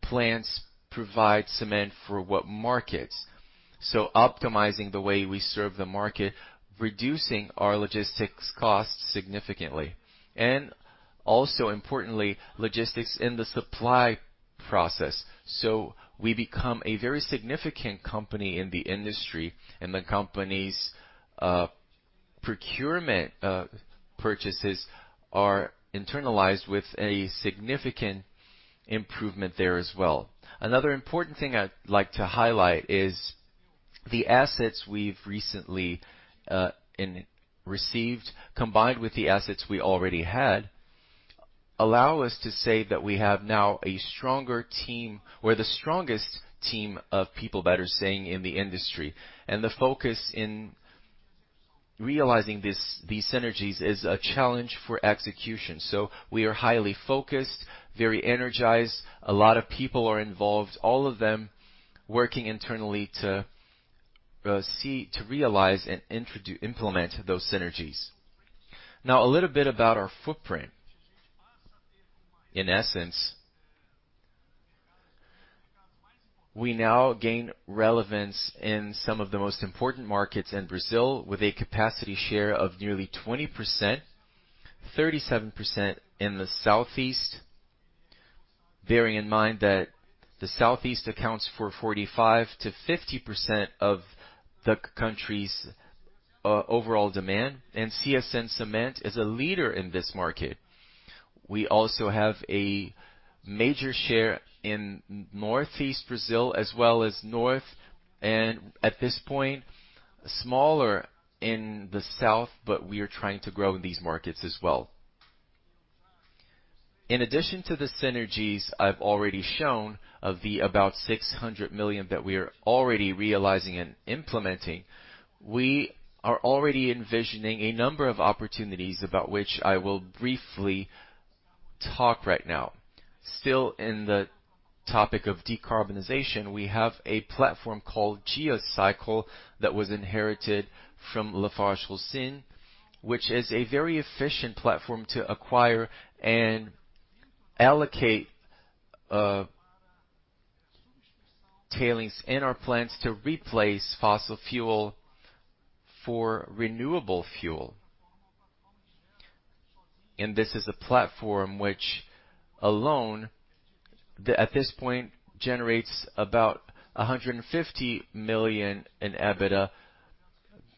plants provide cement for what markets. Optimizing the way we serve the market, reducing our logistics costs significantly. Also importantly, logistics in the supply process. We become a very significant company in the industry, and the company's procurement purchases are internalized with a significant improvement there as well. Another important thing I'd like to highlight is the assets we've recently received, combined with the assets we already had, allow us to say that we have now a stronger team or the strongest team of people better saying in the industry. The focus in realizing these synergies is a challenge for execution. We are highly focused, very energized. A lot of people are involved, all of them working internally to see, to realize and implement those synergies. A little bit about our footprint. In essence, we now gain relevance in some of the most important markets in Brazil with a capacity share of nearly 20%, 37% in the southeast. Bearing in mind that the Southeast accounts for 45%-50% of the country's overall demand, and CSN Cimentos is a leader in this market. We also have a major share in Northeast Brazil as well as North, and at this point, smaller in the South, but we are trying to grow in these markets as well. In addition to the synergies I've already shown of the about 600 million that we are already realizing and implementing, we are already envisioning a number of opportunities about which I will briefly talk right now. Still in the topic of decarbonization, we have a platform called Geocycle that was inherited from LafargeHolcim, which is a very efficient platform to acquire and allocate tailings in our plants to replace fossil fuel for renewable fuel. This is a platform which alone at this point, generates about 150 million in EBITDA,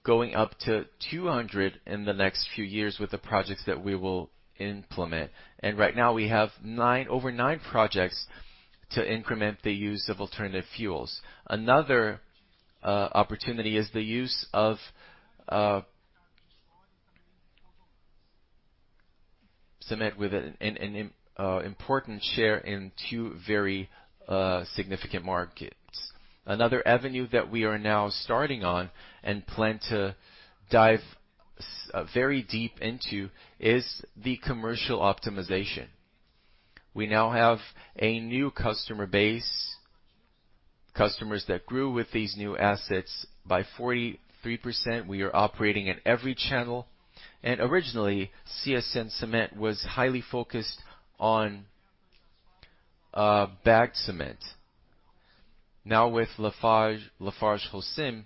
going up to 200 million in the next few years with the projects that we will implement. Right now we have over nine projects to increment the use of alternative fuels. Another opportunity is the use of cement with an important share in two very significant markets. Another avenue that we are now starting on and plan to dive very deep into is the commercial optimization. We now have a new customer base, customers that grew with these new assets by 43%. We are operating in every channel. Originally, CSN Cement was highly focused on bagged cement. Now with LafargeHolcim, LafargeHolcim Brasil,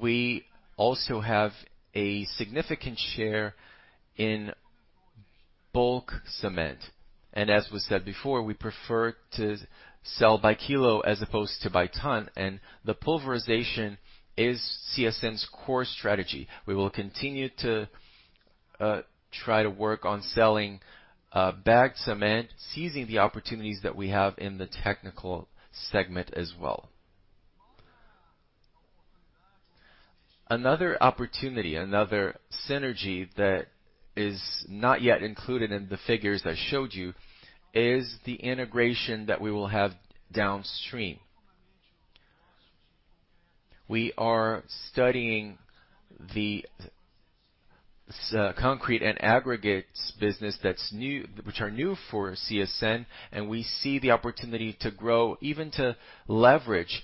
we also have a significant share in bulk cement. As we said before, we prefer to sell by kilo as opposed to by ton, and the pulverization is CSN's core strategy. We will continue to try to work on selling bagged cement, seizing the opportunities that we have in the technical segment as well. Another opportunity, another synergy that is not yet included in the figures that I showed you, is the integration that we will have downstream. We are studying the concrete and aggregates business which are new for CSN, and we see the opportunity to grow, even to leverage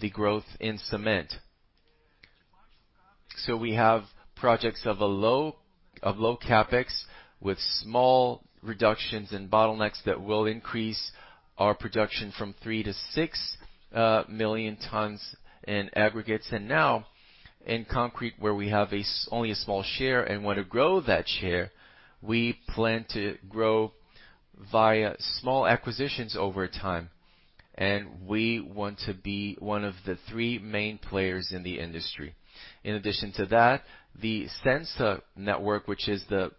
the growth in cement. We have projects of low CapEx with small reductions in bottlenecks that will increase our production from 3 milion-6 million tons in aggregates. Now in concrete, where we have only a small share and wanna grow that share, we plan to grow via small acquisitions over time, and we want to be one of the three main players in the industry. The Disensa network, which is the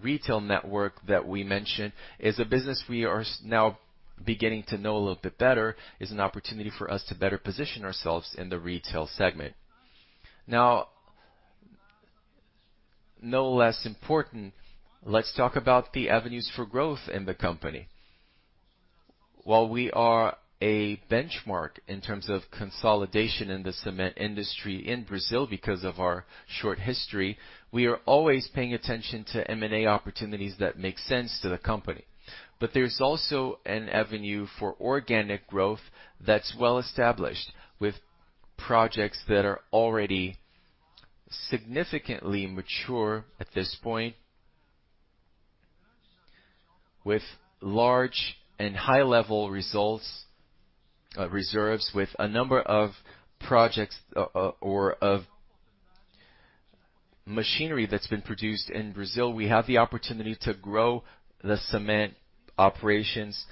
retail network that we mentioned, is a business we are now beginning to know a little bit better, is an opportunity for us to better position ourselves in the retail segment. No less important, let's talk about the avenues for growth in the company. While we are a benchmark in terms of consolidation in the cement industry in Brazil because of our short history, we are always paying attention to M&A opportunities that make sense to the company. There's also an avenue for organic growth that's well established with projects that are already significantly mature at this point. With large and high-level results, reserves, with a number of projects, or of machinery that's been produced in Brazil, we have the opportunity to grow the cement operations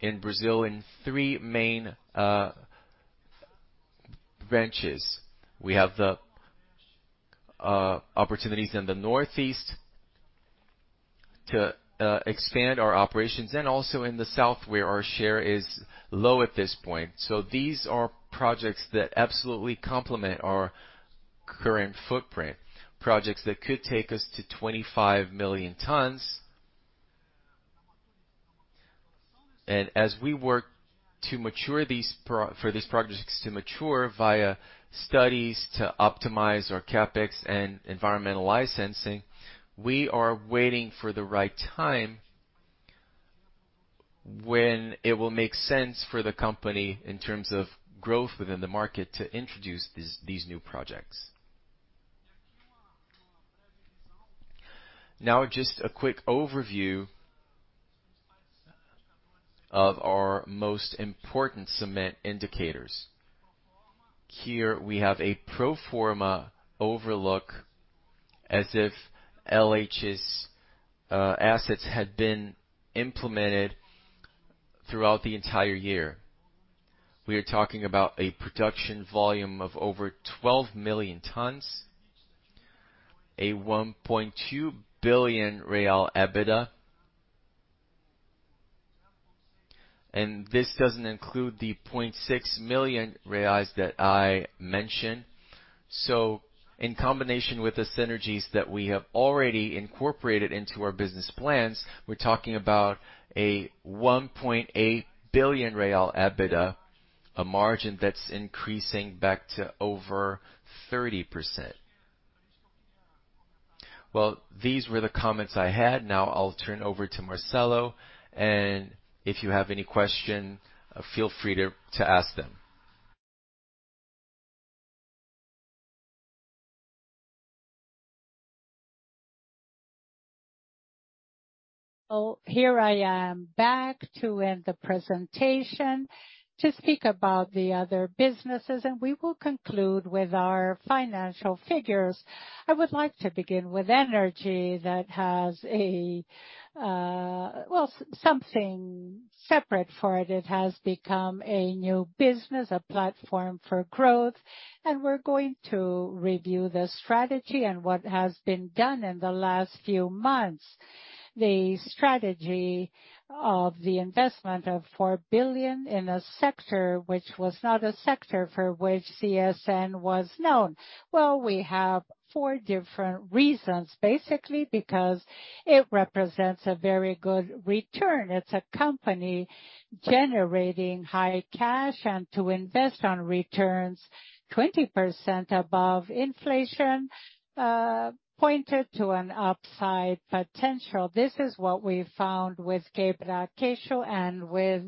in Brazil in three main branches. We have the opportunities in the Northeast to expand our operations and also in the South, where our share is low at this point. These are projects that absolutely complement our current footprint, projects that could take us to 25 million tons. As we work to mature for these projects to mature via studies to optimize our CapEx and environmental licensing, we are waiting for the right time when it will make sense for the company, in terms of growth within the market, to introduce these new projects. Just a quick overview of our most important cement indicators. Here we have a pro forma overlook as if LH's assets had been implemented throughout the entire year. We are talking about a production volume of over 12 million tons, a BRL 1.2 billion EBITDA. This doesn't include the 0.6 million reais that I mentioned. In combination with the synergies that we have already incorporated into our business plans, we're talking about a 1.8 billion real EBITDA, a margin that's increasing back to over 30%. These were the comments I had. Now I'll turn over to Marcelo, and if you have any question, feel free to ask them. Well, here I am back to end the presentation to speak about the other businesses, and we will conclude with our financial figures. I would like to begin with energy that has something separate for it. It has become a new business, a platform for growth, and we're going to review the strategy and what has been done in the last few months. The strategy of the investment of 4 billion in a sector which was not a sector for which CSN was known. Well, we have four different reasons, basically, because it represents a very good return. It's a company generating high cash and to invest on returns 20% above inflation, pointed to an upside potential. This is what we found with Quebra-Queixo and with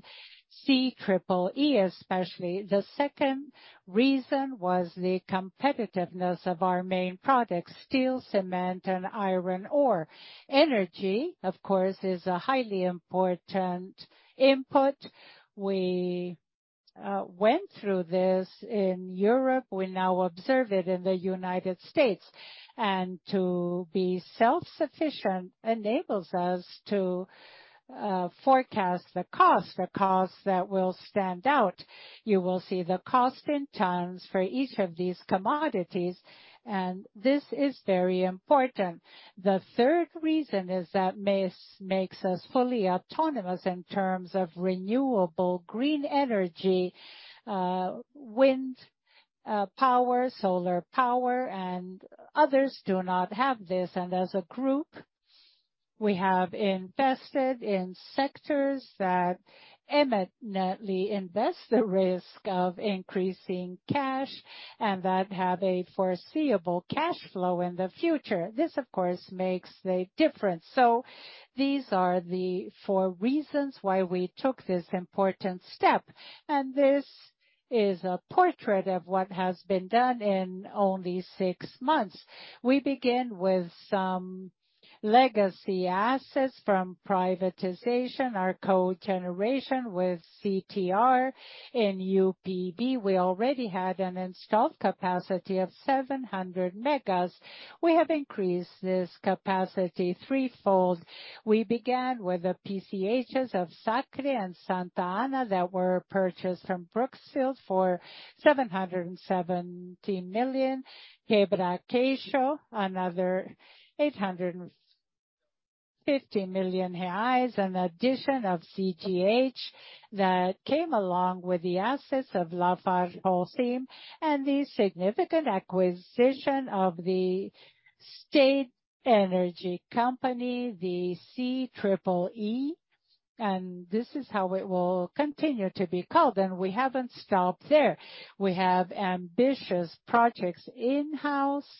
CEEE especially. The second reason was the competitiveness of our main products: steel, cement, and iron ore. Energy, of course, is a highly important input. We went through this in Europe. We now observe it in the United States. To be self-sufficient enables us to forecast the cost, the cost that will stand out. You will see the cost in tons for each of these commodities. This is very important. The third reason is that this makes us fully autonomous in terms of renewable green energy, wind power, solar power, and others do not have this. As a group, we have invested in sectors that eminently invest the risk of increasing cash and that have a foreseeable cash flow in the future. This, of course, makes the difference. These are the four reasons why we took this important step. This is a portrait of what has been done in only six months. We begin with some legacy assets from privatization, our cogeneration with CTR. In UPB, we already had an installed capacity of 700 megas. We have increased this capacity threefold. We began with the PCHs of Sacre and Santa Ana that were purchased from Brookfield for 770 million. Quebra-Queixo, another 850 million reais. An addition of CTH that came along with the assets of LafargeHolcim, and the significant acquisition of the state energy company, the CEEE, and this is how it will continue to be called. We haven't stopped there. We have ambitious projects in-house,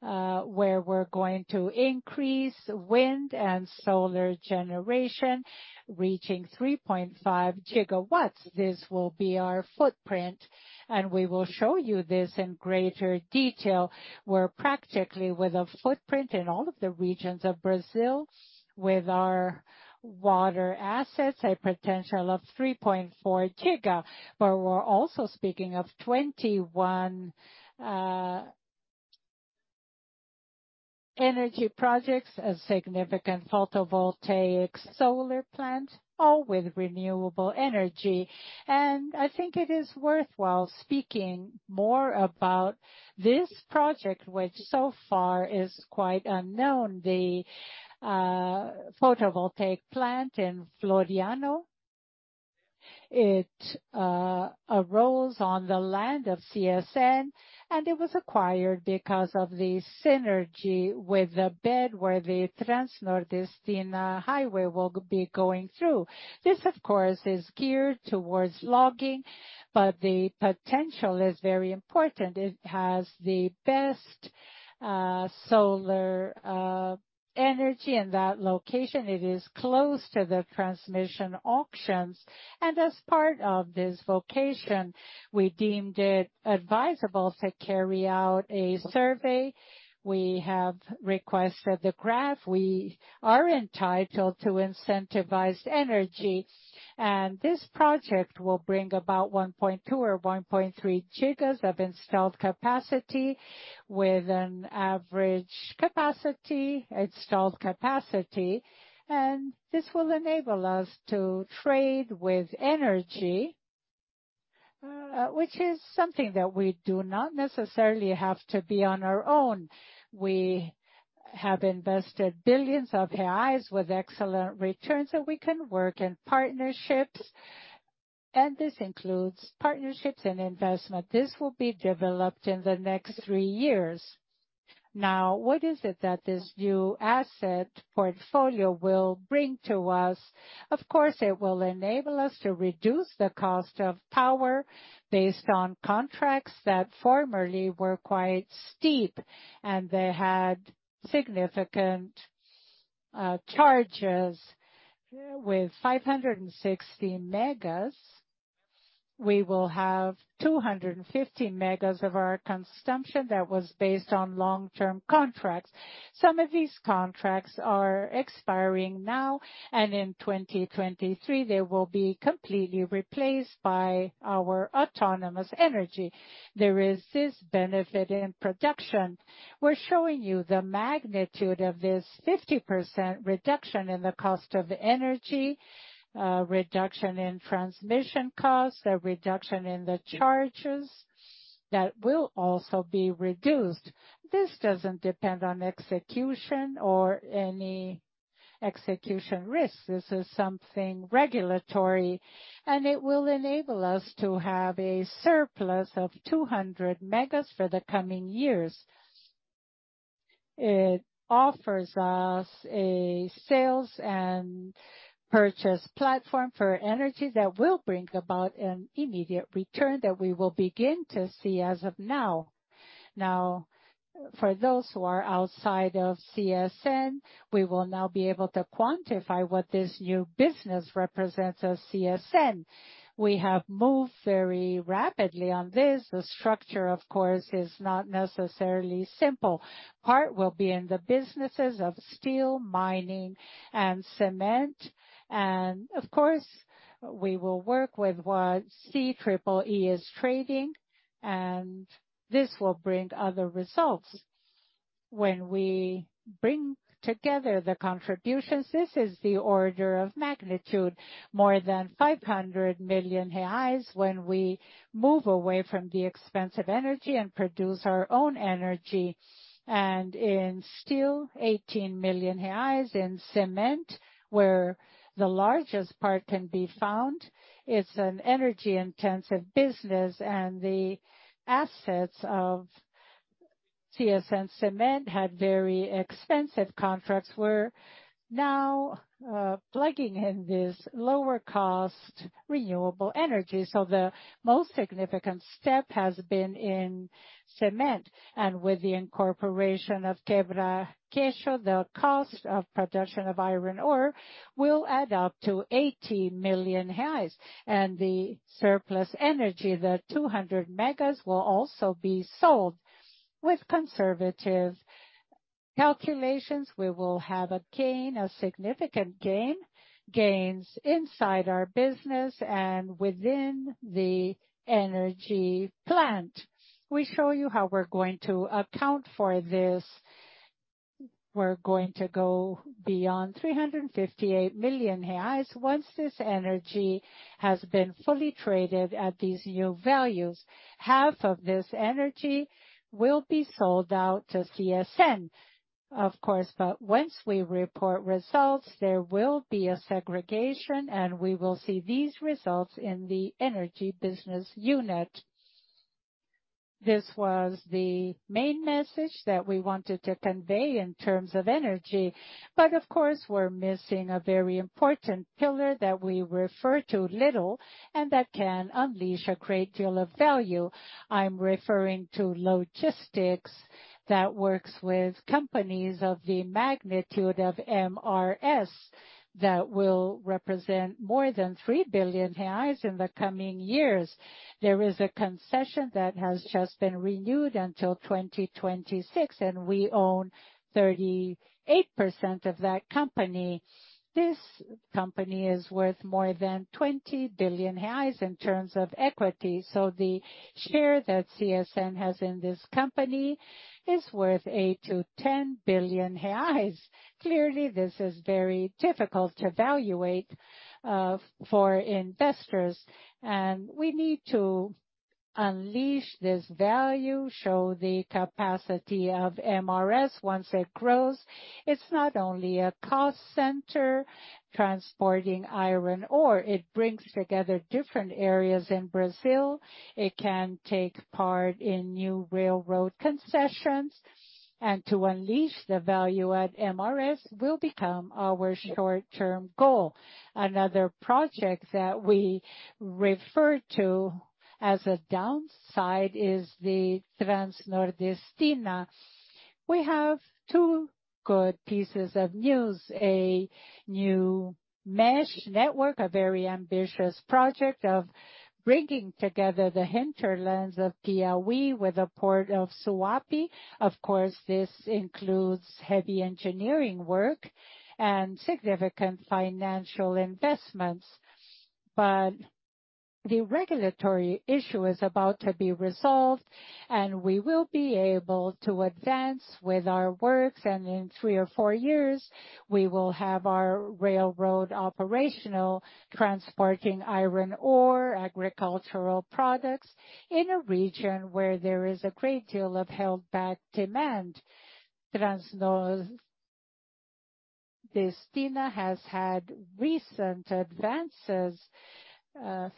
where we're going to increase wind and solar generation, reaching 3.5 gigawatts. This will be our footprint, and we will show you this in greater detail. We're practically with a footprint in all of the regions of Brazil. With our water assets, a potential of 3.4 giga. We're also speaking of 21 energy projects, a significant photovoltaic solar plant, all with renewable energy. I think it is worthwhile speaking more about this project, which so far is quite unknown. The photovoltaic plant in Floriano. It arose on the land of CSN, and it was acquired because of the synergy with the bed where the Transnordestina Highway will be going through. This, of course, is geared towards logging, but the potential is very important. It has the best solar energy in that location. It is close to the transmission auctions. As part of this vocation, we deemed it advisable to carry out a survey. We have requested the graph. We are entitled to incentivized energy. This project will bring about 1.2 gigas or 1.3 gigas of installed capacity with an average capacity, installed capacity. This will enable us to trade with energy, which is something that we do not necessarily have to be on our own. We have invested billions of BRL with excellent returns, so we can work in partnerships, and this includes partnerships and investment. This will be developed in the next three years. What is it that this new asset portfolio will bring to us? Of course, it will enable us to reduce the cost of power based on contracts that formerly were quite steep, and they had significant charges. With 560 megas, we will have 250 megas of our consumption that was based on long-term contracts. Some of these contracts are expiring now. In 2023 they will be completely replaced by our autonomous energy. There is this benefit in production. We're showing you the magnitude of this 50% reduction in the cost of energy, reduction in transmission costs, a reduction in the charges that will also be reduced. This doesn't depend on execution or any execution risk. This is something regulatory. It will enable us to have a surplus of 200 megas for the coming years. It offers us a sales and purchase platform for energy that will bring about an immediate return that we will begin to see as of now. For those who are outside of CSN, we will now be able to quantify what this new business represents as CSN. We have moved very rapidly on this. The structure, of course, is not necessarily simple. Part will be in the businesses of steel, mining and cement. Of course, we will work with what CEEE-G is trading, and this will bring other results. When we bring together the contributions, this is the order of magnitude. More than 500 million reais when we move away from the expensive energy and produce our own energy. In steel, 18 million reais. In cement, where the largest part can be found, it's an energy-intensive business, and the assets of CSN Cement had very expensive contracts. We're now plugging in this lower cost renewable energy. The most significant step has been in cement. With the incorporation of Quebra-Queixo, the cost of production of iron ore will add up to 80 million reais. The surplus energy, the 200 megas, will also be sold. With conservative calculations, we will have a gain, a significant gain, gains inside our business and within the energy plant. We show you how we're going to account for this. We're going to go beyond 358 million reais once this energy has been fully traded at these new values. Half of this energy will be sold out to CSN, of course, but once we report results, there will be a segregation, and we will see these results in the energy business unit. This was the main message that we wanted to convey in terms of energy. Of course, we're missing a very important pillar that we refer to little and that can unleash a great deal of value. I'm referring to logistics that works with companies of the magnitude of MRS that will represent more than 3 billion reais in the coming years. There is a concession that has just been renewed until 2026, and we own 38% of that company. This company is worth more than 20 billion reais in terms of equity. The share that CSN has in this company is worth 8 billion-10 billion reais. Clearly, this is very difficult to valuate for investors, and we need to unleash this value, show the capacity of MRS once it grows. It's not only a cost center transporting iron ore. It brings together different areas in Brazil. It can take part in new railroad concessions. To unleash the value at MRS will become our short-term goal. Another project that we refer to as a downside is the Transnordestina. We have two good pieces of news: a new mesh network, a very ambitious project of bringing together the hinterlands of Piauí with the port of Suape. Of course, this includes heavy engineering work and significant financial investments. The regulatory issue is about to be resolved, and we will be able to advance with our works. In three or four years, we will have our railroad operational transporting iron ore, agricultural products in a region where there is a great deal of held back demand. Transnordestina has had recent advances,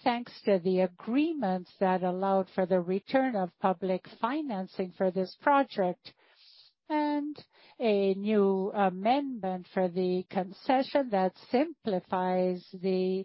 thanks to the agreements that allowed for the return of public financing for this project and a new amendment for the concession that simplifies the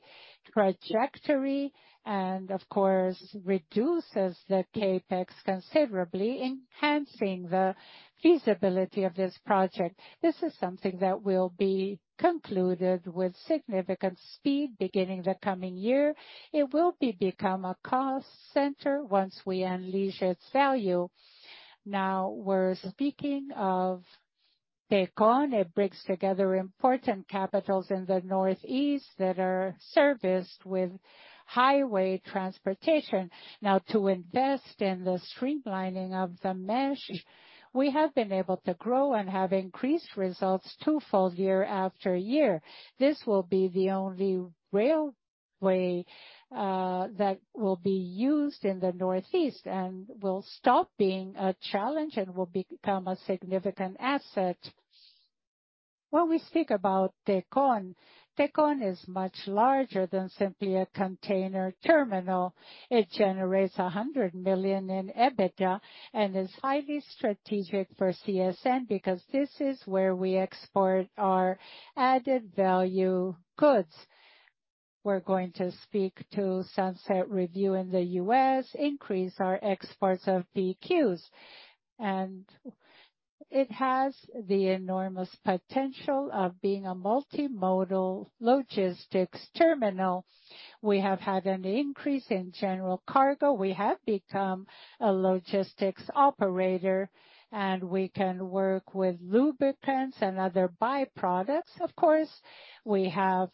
trajectory and of course reduces the CapEx considerably, enhancing the feasibility of this project. This is something that will be concluded with significant speed beginning the coming year. It will be become a cost center once we unleash its value. Now we're speaking of Tecon. It brings together important capitals in the Northeast that are serviced with highway transportation. To invest in the streamlining of the mesh, we have been able to grow and have increased results twofold year after year. This will be the only railway that will be used in the Northeast and will stop being a challenge and will become a significant asset. When we speak about Tecon is much larger than simply a container terminal. It generates 100 million in EBITDA and is highly strategic for CSN because this is where we export our added-value goods. We're going to speak to Sunset Review in the US, increase our exports of PQs. It has the enormous potential of being a multimodal logistics terminal. We have had an increase in general cargo. We have become a logistics operator, and we can work with lubricants and other by-products, of course. We have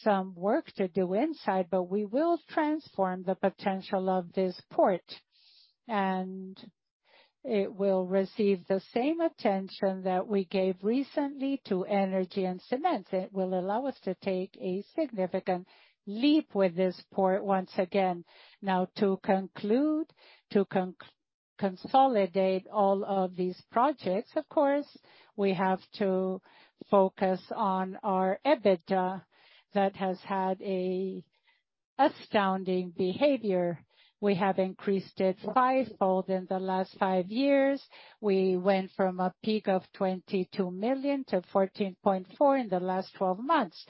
some work to do inside. We will transform the potential of this port. It will receive the same attention that we gave recently to energy and cement. It will allow us to take a significant leap with this port once again. To conclude, to consolidate all of these projects, of course, we have to focus on our EBITDA that has had an astounding behavior. We have increased it fivefold in the last five years. We went from a peak of 22 million to 14.4 million in the last 12 months.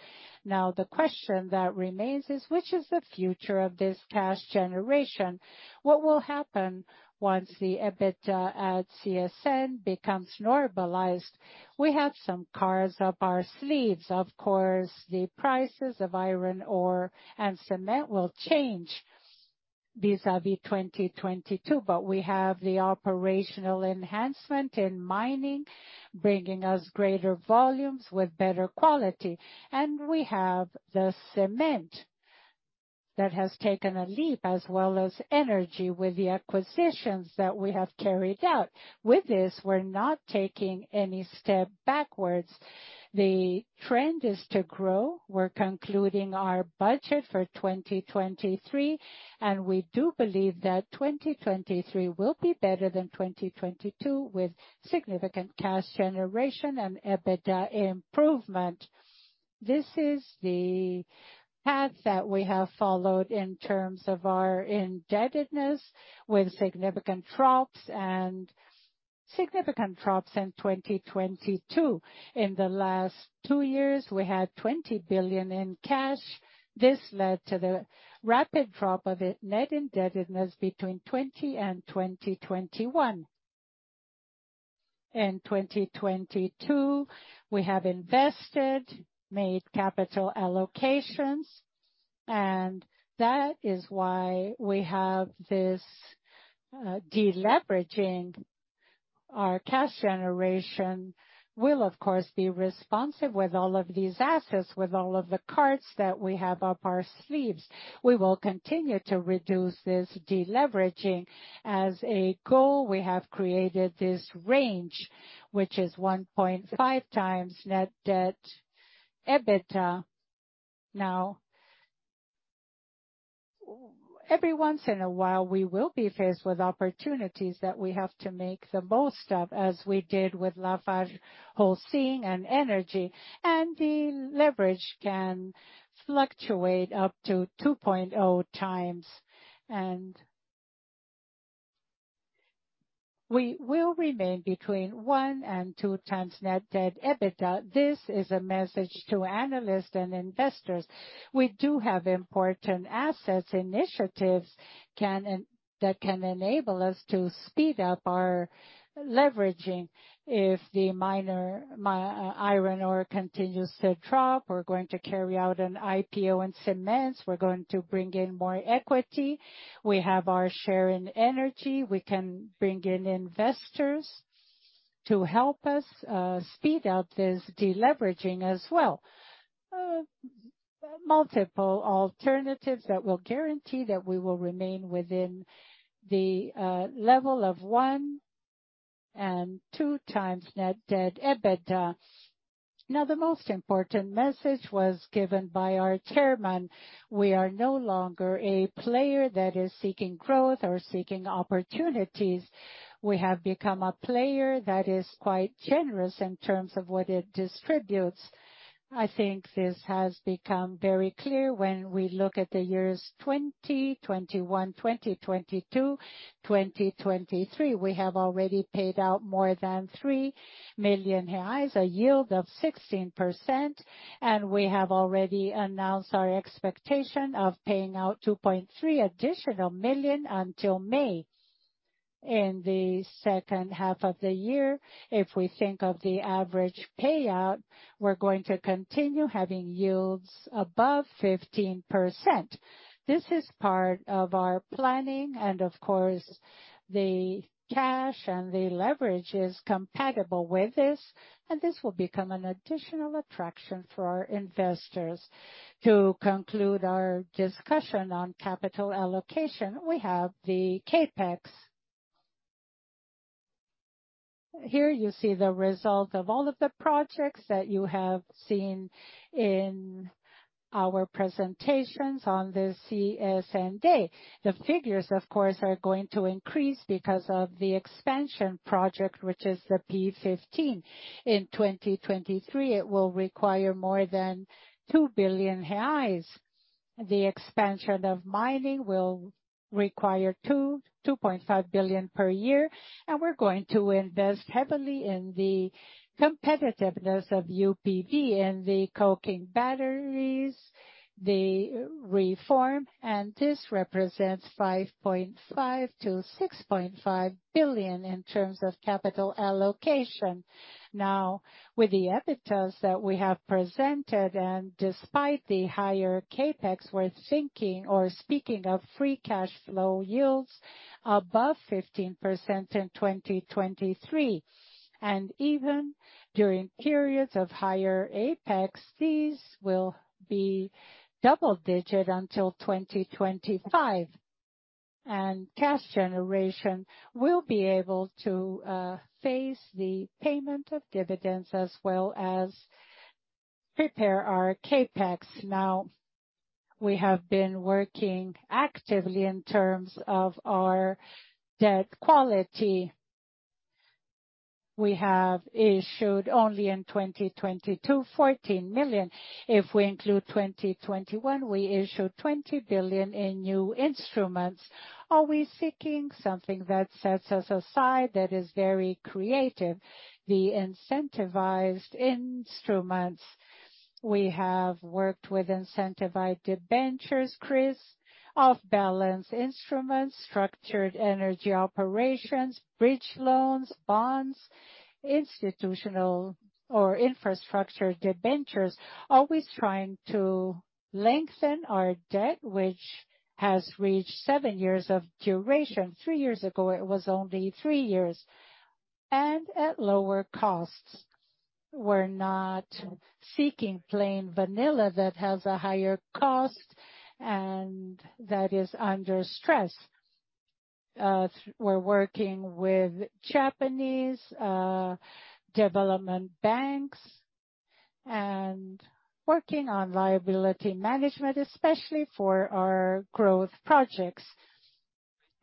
The question that remains is: Which is the future of this cash generation? What will happen once the EBITDA at CSN becomes normalized? We have some cards up our sleeves. Of course, the prices of iron ore and cement will change vis-à-vis 2022, but we have the operational enhancement in mining, bringing us greater volumes with better quality. We have the cement that has taken a leap, as well as energy with the acquisitions that we have carried out. With this, we're not taking any step backwards. The trend is to grow. We're concluding our budget for 2023, we do believe that 2023 will be better than 2022 with significant cash generation and EBITDA improvement. This is the path that we have followed in terms of our indebtedness with significant drops in 2022. In the last 2 years, we had 20 billion in cash. This led to the rapid drop of the net indebtedness between 2020 and 2021. In 2022, we have invested, made capital allocations, and that is why we have this deleveraging. Our cash generation will, of course, be responsive with all of these assets, with all of the cards that we have up our sleeves. We will continue to reduce this deleveraging. As a goal, we have created this range, which is 1.5 times Net Debt/EBITDA. Every once in a while, we will be faced with opportunities that we have to make the most of, as we did with LafargeHolcim and energy. The leverage can fluctuate up to 2.0x. We will remain between 1 and 2 times Net Debt/EBITDA. This is a message to analysts and investors. We do have important assets, initiatives that can enable us to speed up our leveraging. If the miner, iron ore continues to drop, we're going to carry out an IPO in cements. We're going to bring in more equity. We have our share in energy. We can bring in investors to help us speed up this deleveraging as well. Multiple alternatives that will guarantee that we will remain within the level of 1 and 2 times Net Debt/EBITDA. The most important message was given by our Chairman. We are no longer a player that is seeking growth or seeking opportunities. We have become a player that is quite generous in terms of what it distributes. I think this has become very clear when we look at the years 2020, 2021, 2022, 2023. We have already paid out more than 3 million reais, a yield of 16%, and we have already announced our expectation of paying out 2.3 million additional until May. In the second half of the year, if we think of the average payout, we're going to continue having yields above 15%. This is part of our planning and, of course, the cash and the leverage is compatible with this, and this will become an additional attraction for our investors. To conclude our discussion on capital allocation, we have the CapEx. Here you see the result of all of the projects that you have seen in our presentations on this CSN Day. The figures, of course, are going to increase because of the expansion project, which is the P15. In 2023, it will require more than 2 billion reais. The expansion of mining will require 2 billion-2.5 billion per year. We're going to invest heavily in the competitiveness of UPB in the coking batteries, the reform. This represents 5.5 billion-6.5 billion in terms of capital allocation. With the EBITDAs that we have presented, despite the higher CapEx, we're thinking or speaking of free cash flow yields above 15% in 2023. Even during periods of higher CapEx, these will be double-digit until 2025. Cash generation will be able to face the payment of dividends as well as prepare our CapEx. We have been working actively in terms of our debt quality. We have issued only in 2022, 14 million. If we include 2021, we issued 20 billion in new instruments. Always seeking something that sets us aside, that is very creative. The incentivized instruments. We have worked with incentivized debentures, CRis, off-balance instruments, structured energy operations, bridge loans, bonds, institutional or infrastructure debentures. Always trying to lengthen our debt, which has reached seven years of duration. Three years ago, it was only three years. At lower costs. We're not seeking plain vanilla that has a higher cost and that is under stress. We're working with Japanese development banks and working on liability management, especially for our growth projects.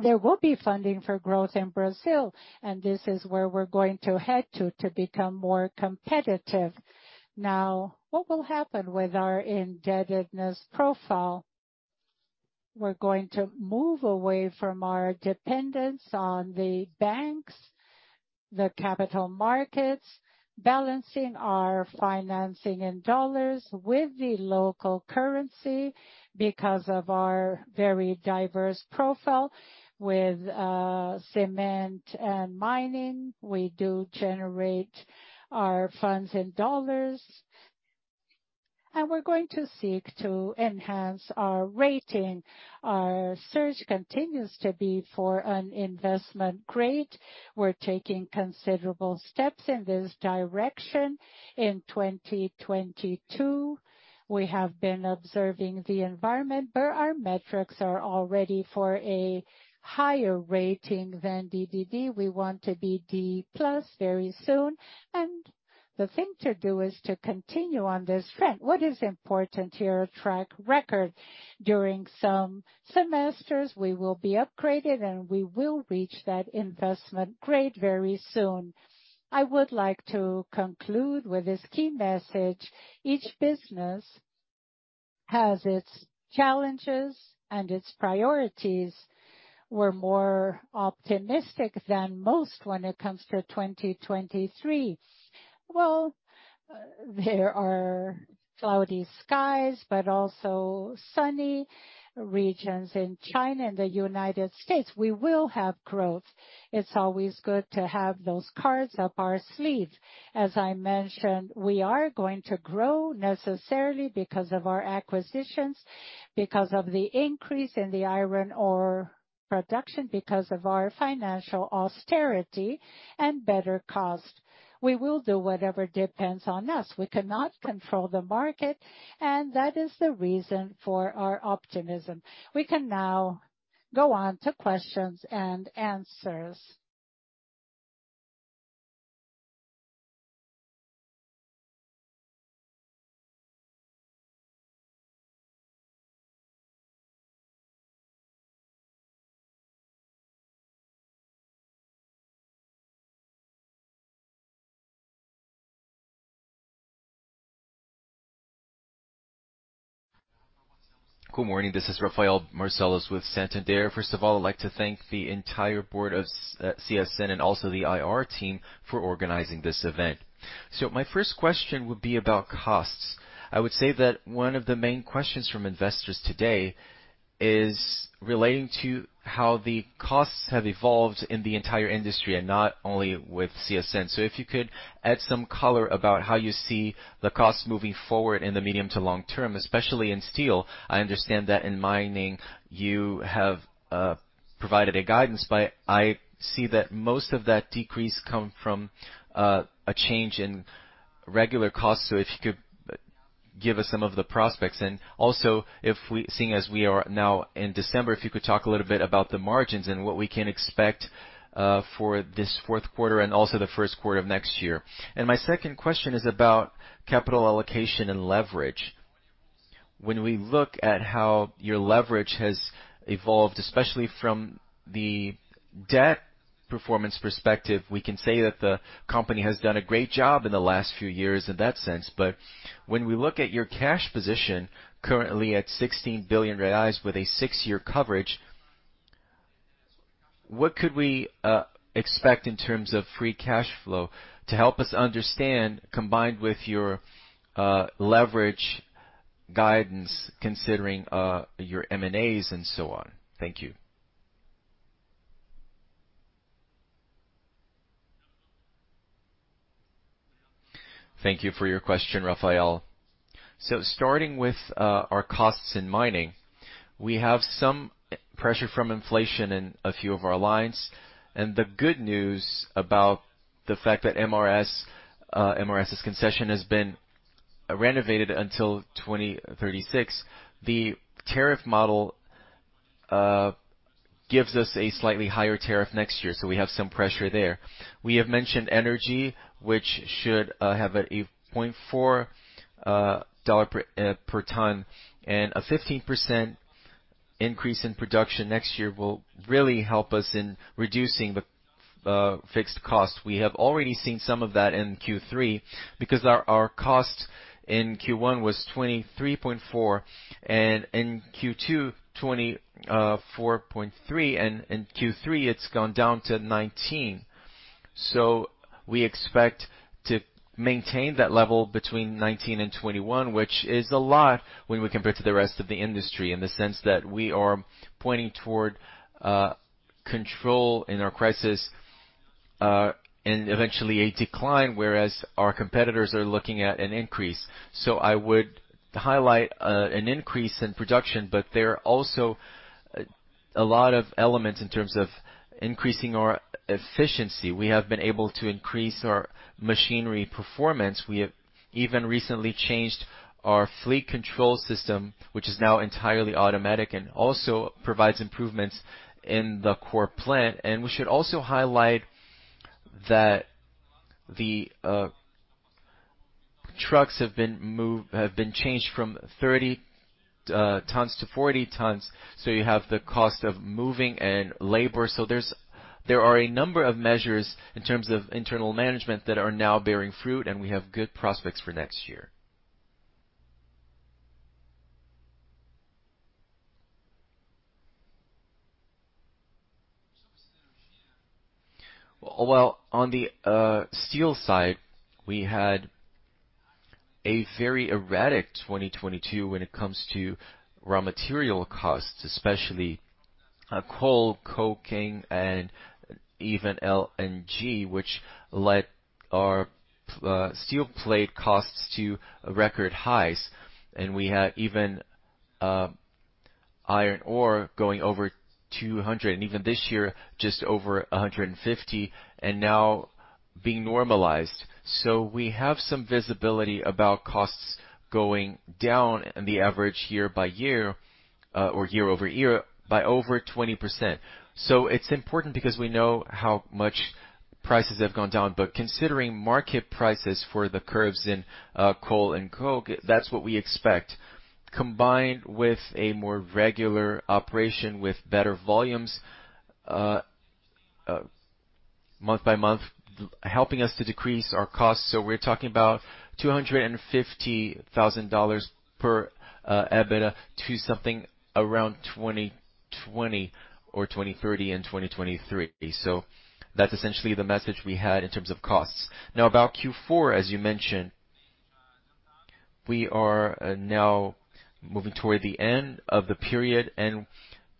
There will be funding for growth in Brazil, and this is where we're going to head to to become more competitive. What will happen with our indebtedness profile? We're going to move away from our dependence on the banks, the capital markets, balancing our financing in dollars with the local currency. Because of our very diverse profile with cement and mining, we do generate our funds in dollars. We're going to seek to enhance our rating. Our search continues to be for an investment grade. We're taking considerable steps in this direction. In 2022, we have been observing the environment, but our metrics are all ready for a higher rating than DDD. We want to be D plus very soon. The thing to do is to continue on this trend. What is important here, track record. During some semesters, we will be upgraded, and we will reach that investment grade very soon. I would like to conclude with this key message. Each business has its challenges and its priorities. We're more optimistic than most when it comes to 2023. Well, there are cloudy skies, but also sunny regions in China and the United States. We will have growth. It's always good to have those cards up our sleeve. As I mentioned, we are going to grow necessarily because of our acquisitions, because of the increase in the iron ore production, because of our financial austerity and better cost. We will do whatever depends on us. We cannot control the market. That is the reason for our optimism. We can now go on to questions and answers. Good morning. This is Rafael Barcelos with Santander. First of all, I'd like to thank the entire board of CSN and also the IR team for organizing this event. My first question would be about costs. I would say that one of the main questions from investors today is relating to how the costs have evolved in the entire industry and not only with CSN. If you could add some color about how you see the cost moving forward in the medium to long term, especially in steel. I understand that in mining you have provided a guidance, but I see that most of that decrease come from a change in regular costs. If you could give us some of the prospects. Also, seeing as we are now in December, if you could talk a little bit about the margins and what we can expect for this fourth quarter and also the first quarter of next year. My second question is about capital allocation and leverage. When we look at how your leverage has evolved, especially from the debt performance perspective, we can say that the company has done a great job in the last few years in that sense. When we look at your cash position currently at 16 billion reais with a six-year coverage, what could we expect in terms of free cash flow to help us understand, combined with your leverage guidance, considering your M&As and so on? Thank you. Thank you for your question, Rafael. Starting with our costs in mining, we have some pressure from inflation in a few of our lines. The good news about the fact that MRS's concession has been renovated until 2036. The tariff model gives us a slightly higher tariff next year, so we have some pressure there. We have mentioned energy, which should have a $0.4 per ton, and a 15% increase in production next year will really help us in reducing the fixed cost. We have already seen some of that in Q3 because our cost in Q1 was $23.4, and in Q2, $24.3, and in Q3, it's gone down to $19. We expect to maintain that level between 19 and 21, which is a lot when we compare to the rest of the industry in the sense that we are pointing toward control in our crisis and eventually a decline, whereas our competitors are looking at an increase. I would highlight an increase in production, but there are also a lot of elements in terms of increasing our efficiency. We have been able to increase our machinery performance. We have even recently changed our fleet control system, which is now entirely automatic and also provides improvements in the core plant. We should also highlight that the trucks have been changed from 30 tons-40 tons, so you have the cost of moving and labor. There are a number of measures in terms of internal management that are now bearing fruit. We have good prospects for next year. On the steel side, we had a very erratic 2022 when it comes to raw material costs, especially coal, coking, and even LNG, which led our steel plate costs to record highs. We had even iron ore going over $200, and even this year, just over $150, and now being normalized. We have some visibility about costs going down in the average year by year, or year-over-year by over 20%. It's important because we know how much prices have gone down, but considering market prices for the curves in coal and coke, that's what we expect. Combined with a more regular operation with better volumes, month by month, helping us to decrease our costs. We're talking about $250,000 per EBITDA to something around 2020 or 2030 in 2023. That's essentially the message we had in terms of costs. About Q4, as you mentioned, we are now moving toward the end of the period, and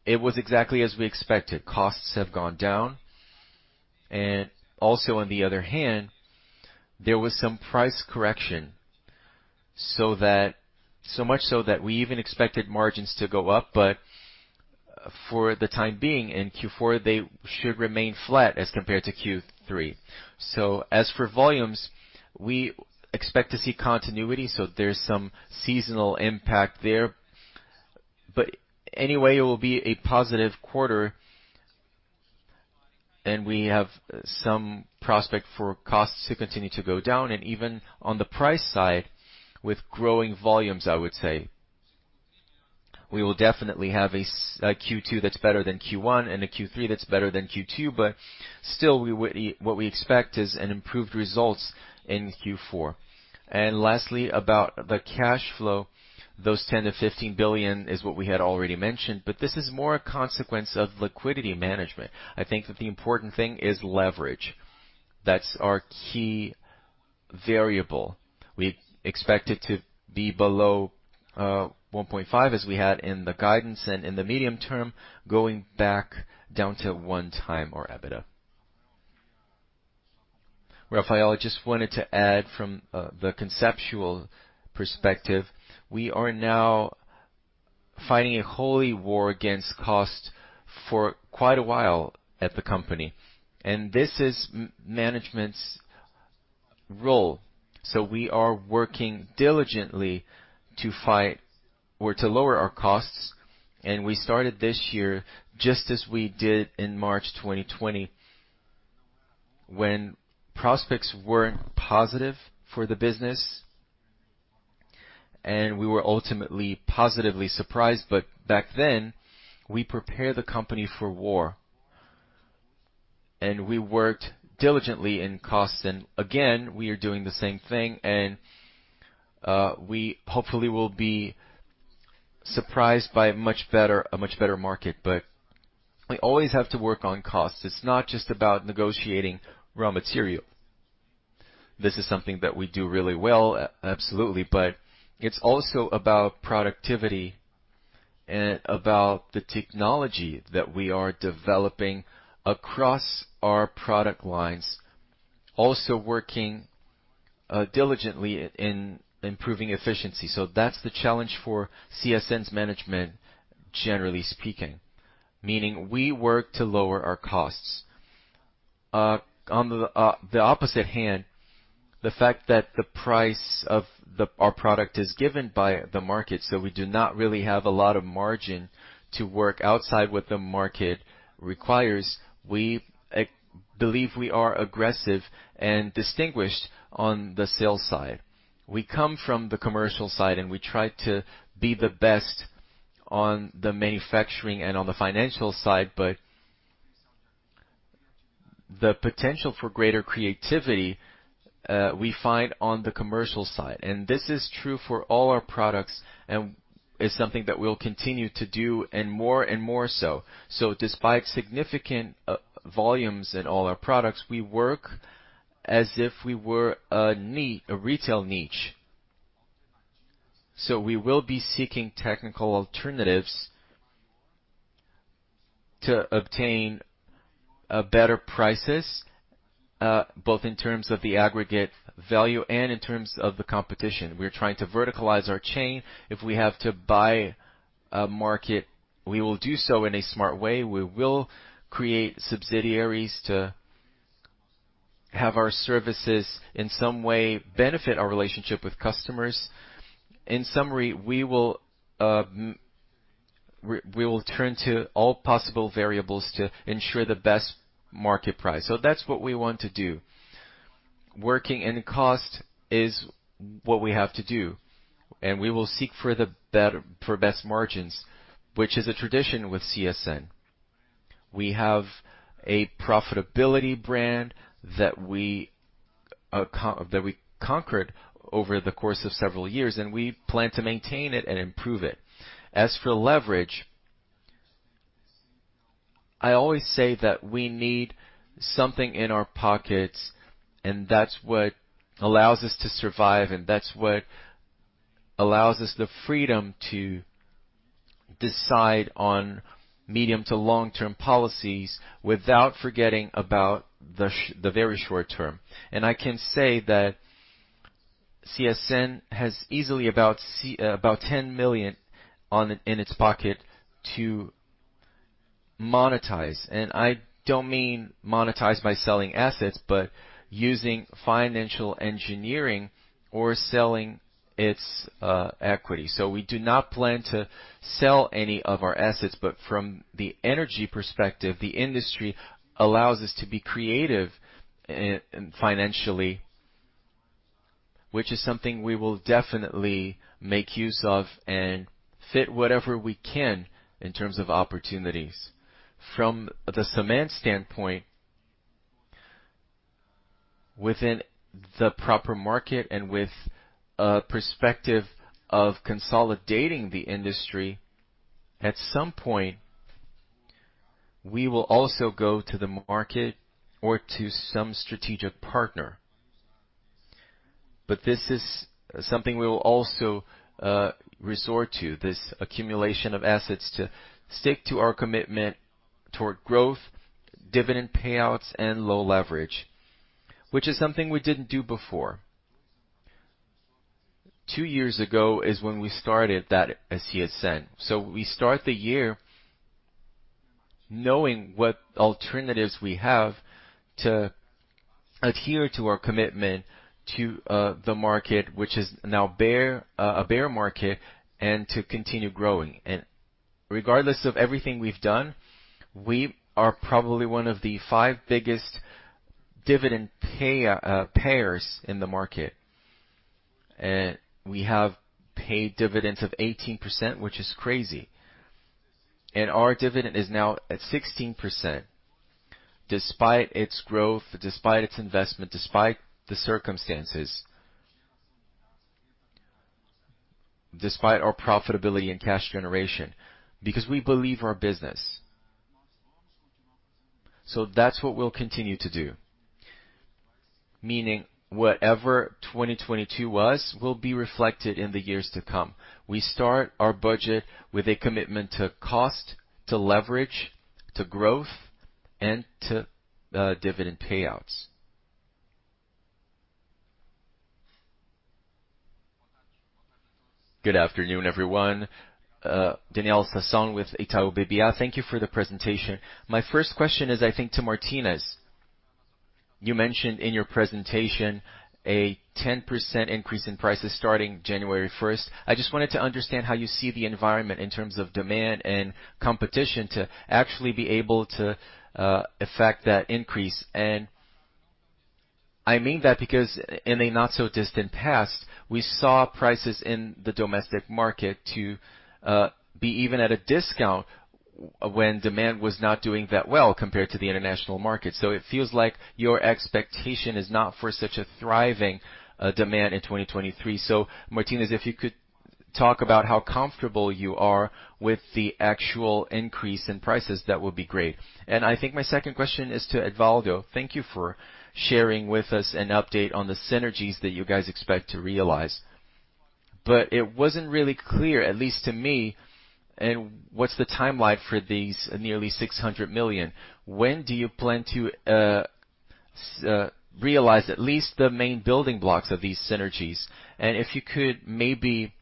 it was exactly as we expected. Costs have gone down. Also, on the other hand, there was some price correction, so much so that we even expected margins to go up. For the time being, in Q4, they should remain flat as compared to Q3. As for volumes, we expect to see continuity, so there's some seasonal impact there. Anyway, it will be a positive quarter, we have some prospect for costs to continue to go down. Even on the price side, with growing volumes, I would say, we will definitely have a Q2 that's better than Q1 and a Q3 that's better than Q2. Still we would what we expect is an improved results in Q4. Lastly, about the cash flow, those $10 billion-$15 billion is what we had already mentioned, this is more a consequence of liquidity management. I think that the important thing is leverage. That's our key variable. We expect it to be below 1.5, as we had in the guidance, and in the medium term, going back down to 1x our EBITDA. Rafael, I just wanted to add from the conceptual perspective, we are now fighting a holy war against cost for quite a while at the company, and this is management's role. We are working diligently to fight or to lower our costs, and we started this year just as we did in March 2020, when prospects weren't positive for the business and we were ultimately positively surprised. Back then, we prepared the company for war, and we worked diligently in costs. Again, we are doing the same thing, and we hopefully will be surprised by a much better market. We always have to work on costs. It's not just about negotiating raw material. This is something that we do really well, absolutely. It's also about productivity and about the technology that we are developing across our product lines, also working diligently in improving efficiency. That's the challenge for CSN's management, generally speaking. Meaning we work to lower our costs. On the opposite hand, the fact that the price of our product is given by the market, so we do not really have a lot of margin to work outside what the market requires. We believe we are aggressive and distinguished on the sales side. We come from the commercial side, and we try to be the best on the manufacturing and on the financial side, but the potential for greater creativity, we find on the commercial side. This is true for all our products and is something that we'll continue to do, and more and more so. Despite significant volumes in all our products, we work as if we were a retail niche. We will be seeking technical alternatives to obtain better prices, both in terms of the aggregate value and in terms of the competition. We're trying to verticalize our chain. If we have to buy a market, we will do so in a smart way. We will create subsidiaries to have our services, in some way, benefit our relationship with customers. In summary, we will turn to all possible variables to ensure the best market price. That's what we want to do. Working in cost is what we have to do, and we will seek for best margins, which is a tradition with CSN. We have a profitability brand that we conquered over the course of several years. We plan to maintain it and improve it. As for leverage, I always say that we need something in our pockets, and that's what allows us to survive, and that's what allows us the freedom to decide on medium to long-term policies without forgetting about the very short term. I can say that CSN has easily about 10 million in its pocket to monetize. I don't mean monetize by selling assets, but using financial engineering or selling its equity. We do not plan to sell any of our assets. From the energy perspective, the industry allows us to be creative financially, which is something we will definitely make use of and fit whatever we can in terms of opportunities. From the cement standpoint, within the proper market and with a perspective of consolidating the industry, at some point, we will also go to the market or to some strategic partner. This is something we will also resort to, this accumulation of assets, to stick to our commitment toward growth, dividend payouts, and low leverage, which is something we didn't do before. Two years ago is when we started that as CSN. We start the year knowing what alternatives we have to adhere to our commitment to the market, which is now bear, a bear market, and to continue growing. Regardless of everything we've done, we are probably one of the five biggest dividend payers in the market. We have paid dividends of 18%, which is crazy. Our dividend is now at 16% despite its growth, despite its investment, despite the circumstances. Despite our profitability and cash generation, because we believe our business. That's what we'll continue to do. Meaning whatever 2022 was, will be reflected in the years to come. We start our budget with a commitment to cost, to leverage, to growth, and to dividend payouts. Good afternoon, everyone. Daniel Sasson with Itaú BBA. Thank you for the presentation. My first question is, I think, to Martinez. You mentioned in your presentation a 10% increase in prices starting January first. I just wanted to understand how you see the environment in terms of demand and competition to actually be able to affect that increase. I mean that because in a not so distant past, we saw prices in the domestic market to be even at a discount when demand was not doing that well compared to the international market. It feels like your expectation is not for such a thriving demand in 2023. Martinez, if you could talk about how comfortable you are with the actual increase in prices, that would be great. I think my second question is to Edvaldo. Thank you for sharing with us an update on the synergies that you guys expect to realize. It wasn't really clear, at least to me, and what's the timeline for these nearly $600 million? When do you plan to realize at least the main building blocks of these synergies? If you could maybe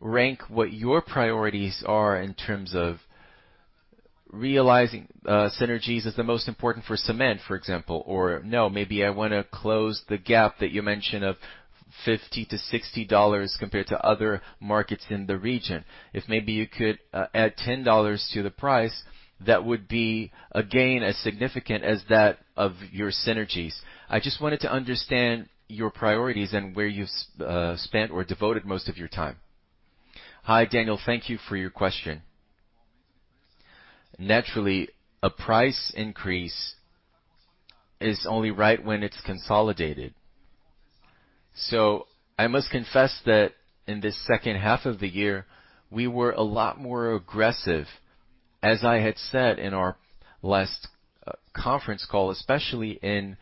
rank what your priorities are in terms of realizing synergies as the most important for cement, for example, or no, maybe I wanna close the gap that you mentioned of $50-$60 compared to other markets in the region. If maybe you could add $10 to the price, that would be, again, as significant as that of your synergies. I just wanted to understand your priorities and where you've spent or devoted most of your time? Hi, Daniel. Thank you for your question. Naturally, a price increase is only right when it's consolidated. I must confess that in this second half of the year, we were a lot more aggressive, as I had said in our last conference call, especially in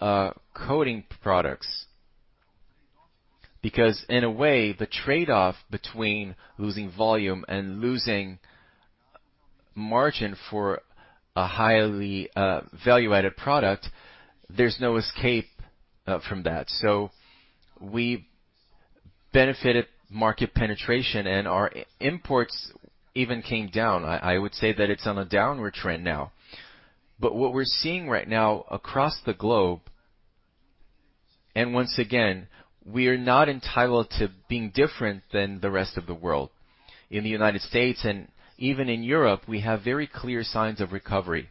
coating products. In a way, the trade-off between losing volume and losing margin for a highly value-added product, there's no escape from that. We benefited market penetration, and our imports even came down. I would say that it's on a downward trend now. What we're seeing right now across the globe, and once again, we are not entitled to being different than the rest of the world. In the United States and even in Europe, we have very clear signs of recovery.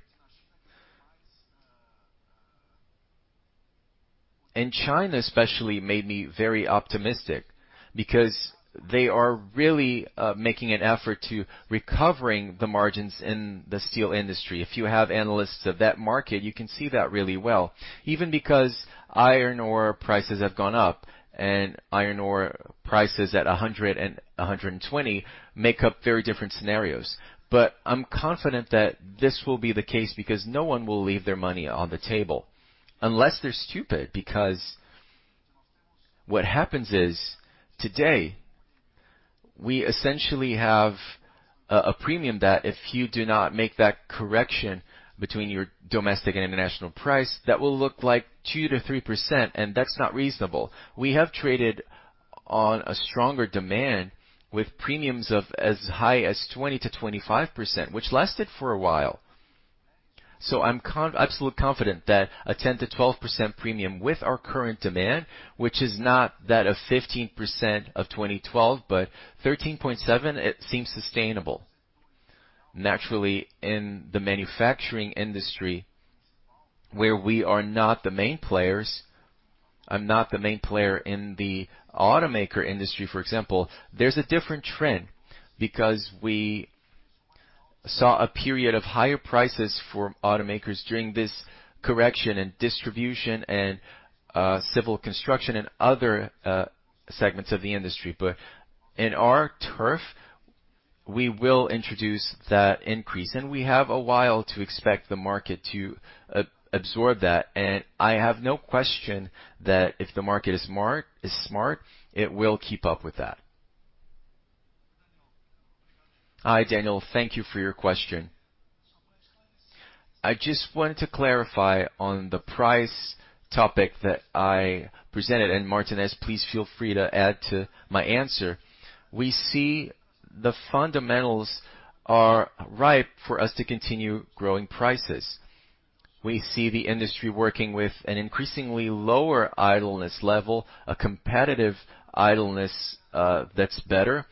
China especially made me very optimistic because they are really making an effort to recovering the margins in the steel industry. If you have analysts of that market, you can see that really well, even because iron ore prices have gone up and iron ore prices at $100 and $120 make up very different scenarios. I'm confident that this will be the case because no one will leave their money on the table unless they're stupid. What happens is, today, we essentially have a premium that if you do not make that correction between your domestic and international price, that will look like 2%-3%, and that's not reasonable. We have traded on a stronger demand with premiums of as high as 20%-25%, which lasted for a while. I'm absolutely confident that a 10%-12% premium with our current demand, which is not that of 15% of 2012, but 13.7%, it seems sustainable. Naturally, in the manufacturing industry, where we are not the main players, I'm not the main player in the automaker industry, for example, there's a different trend because we saw a period of higher prices for automakers during this correction and distribution and civil construction and other segments of the industry. In our turf, we will introduce that increase, and we have a while to expect the market to absorb that. I have no question that if the market is smart, it will keep up with that. Hi, Daniel. Thank you for your question. I just want to clarify on the price topic that I presented, and Martinez, please feel free to add to my answer. We see the fundamentals are ripe for us to continue growing prices. We see the industry working with an increasingly lower idleness level, a competitive idleness, that's better.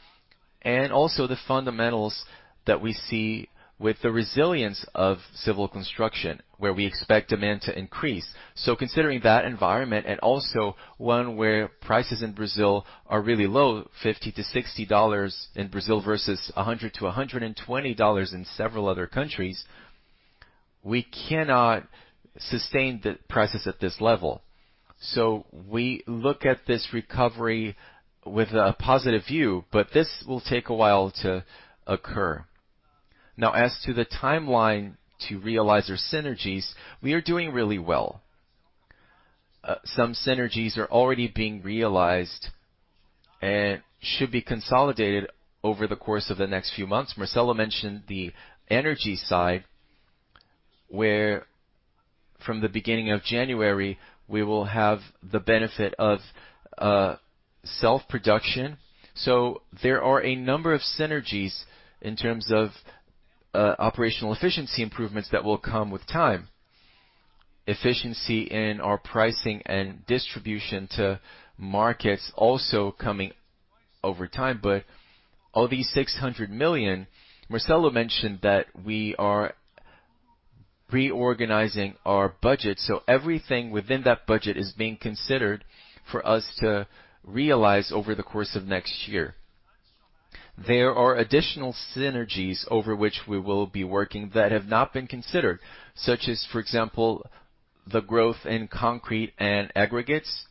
Also the fundamentals that we see with the resilience of civil construction, where we expect demand to increase. Considering that environment and also one where prices in Brazil are really low, $50-$60 in Brazil versus $100-$120 in several other countries, we cannot sustain the prices at this level. We look at this recovery with a positive view, but this will take a while to occur. As to the timeline to realize our synergies, we are doing really well. Some synergies are already being realized and should be consolidated over the course of the next few months. Marcelo mentioned the energy side, where from the beginning of January we will have the benefit of self-production. There are a number of synergies in terms of operational efficiency improvements that will come with time. Efficiency in our pricing and distribution to markets also coming over time. Of these 600 million, Marcelo mentioned that we are reorganizing our budget, everything within that budget is being considered for us to realize over the course of next year. There are additional synergies over which we will be working that have not been considered, such as, for example, the growth in concrete and aggregates,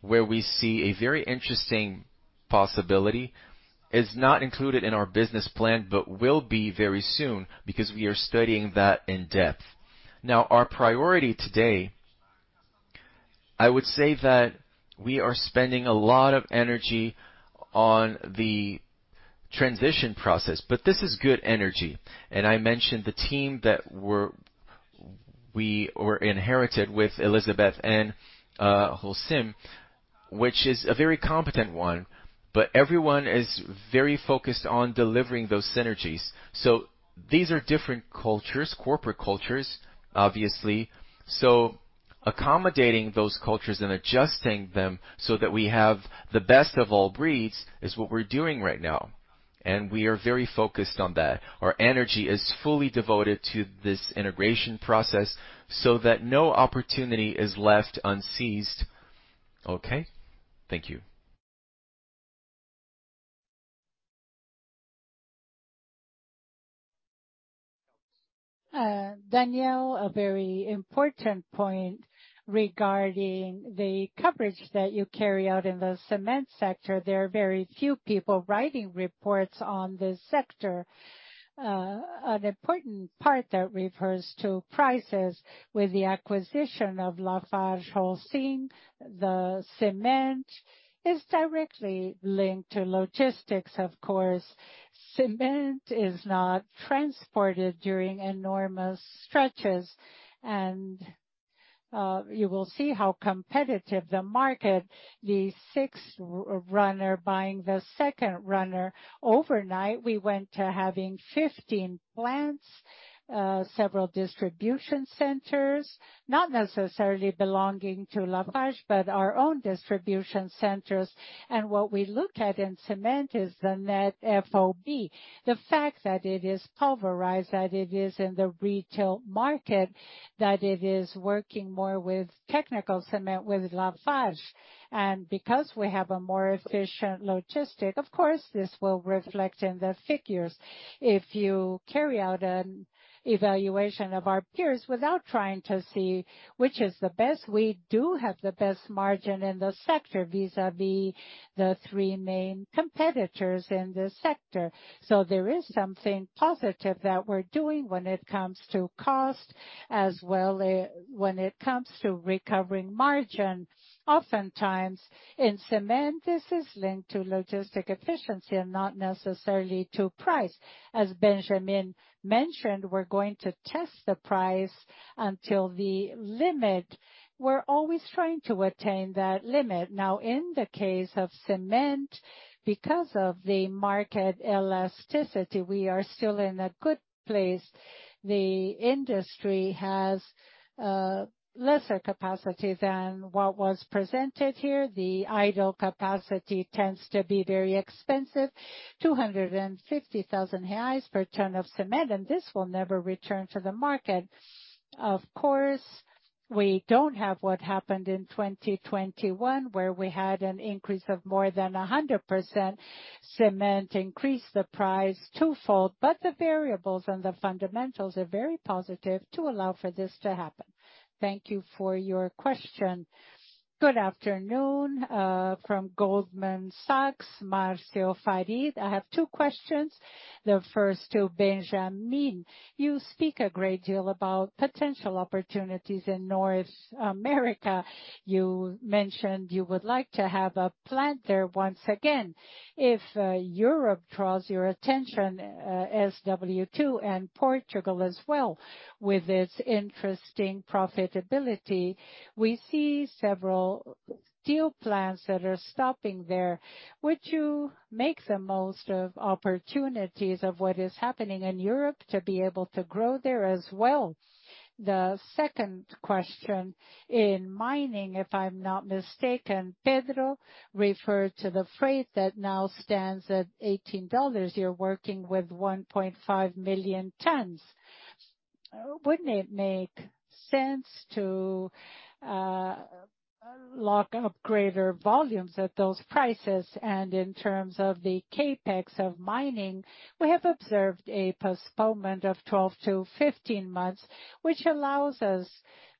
where we see a very interesting possibility. It's not included in our business plan, will be very soon because we are studying that in depth. Our priority today, I would say that we are spending a lot of energy on the transition process, this is good energy. I mentioned the team that we inherited with Elizabeth and Holcim, which is a very competent one, everyone is very focused on delivering those synergies. These are different cultures, corporate cultures, obviously. Accommodating those cultures and adjusting them so that we have the best of all breeds is what we're doing right now, and we are very focused on that. Our energy is fully devoted to this integration process so that no opportunity is left unseized. Okay. Thank you. Daniel, a very important point regarding the coverage that you carry out in the cement sector. There are very few people writing reports on this sector. An important part that refers to prices with the acquisition of LafargeHolcim. The cement is directly linked to logistics, of course. Cement is not transported during enormous stretches. You will see how competitive the market, the sixth runner buying the second runner. Overnight, we went to having 15 plants, several distribution centers, not necessarily belonging to LafargeHolcim, but our own distribution centers. What we look at in cement is the net FOB. The fact that it is pulverized, that it is in the retail market, that it is working more with technical cement, with LafargeHolcim. Because we have a more efficient logistic, of course, this will reflect in the figures. If you carry out an evaluation of our peers without trying to see which is the best, we do have the best margin in the sector vis-à-vis the three main competitors in this sector. There is something positive that we're doing when it comes to cost as well, when it comes to recovering margin. Oftentimes in cement, this is linked to logistic efficiency and not necessarily to price. As Benjamin mentioned, we're going to test the price until the limit. We're always trying to attain that limit. In the case of cement, because of the market elasticity, we are still in a good place. The industry has lesser capacity than what was presented here. The idle capacity tends to be very expensive, 250,000 reais per ton of cement, and this will never return to the market. Of course, we don't have what happened in 2021, where we had an increase of more than 100%. Cement increased the price twofold, the variables and the fundamentals are very positive to allow for this to happen. Thank you for your question. Good afternoon, from Goldman Sachs, Marcio Farid. I have two questions. The first to Benjamin. You speak a great deal about potential opportunities in North America. You mentioned you would like to have a plant there once again. If Europe draws your attention, as W2 and Portugal as well, with its interesting profitability, we see several steel plants that are stopping there. Would you make the most of opportunities of what is happening in Europe to be able to grow there as well? The second question. In mining, if I'm not mistaken, Pedro referred to the freight that now stands at $18. You're working with 1.5 million tons. Wouldn't it make sense to lock up greater volumes at those prices? In terms of the CapEx of mining, we have observed a postponement of 12 months-15 months, which allows us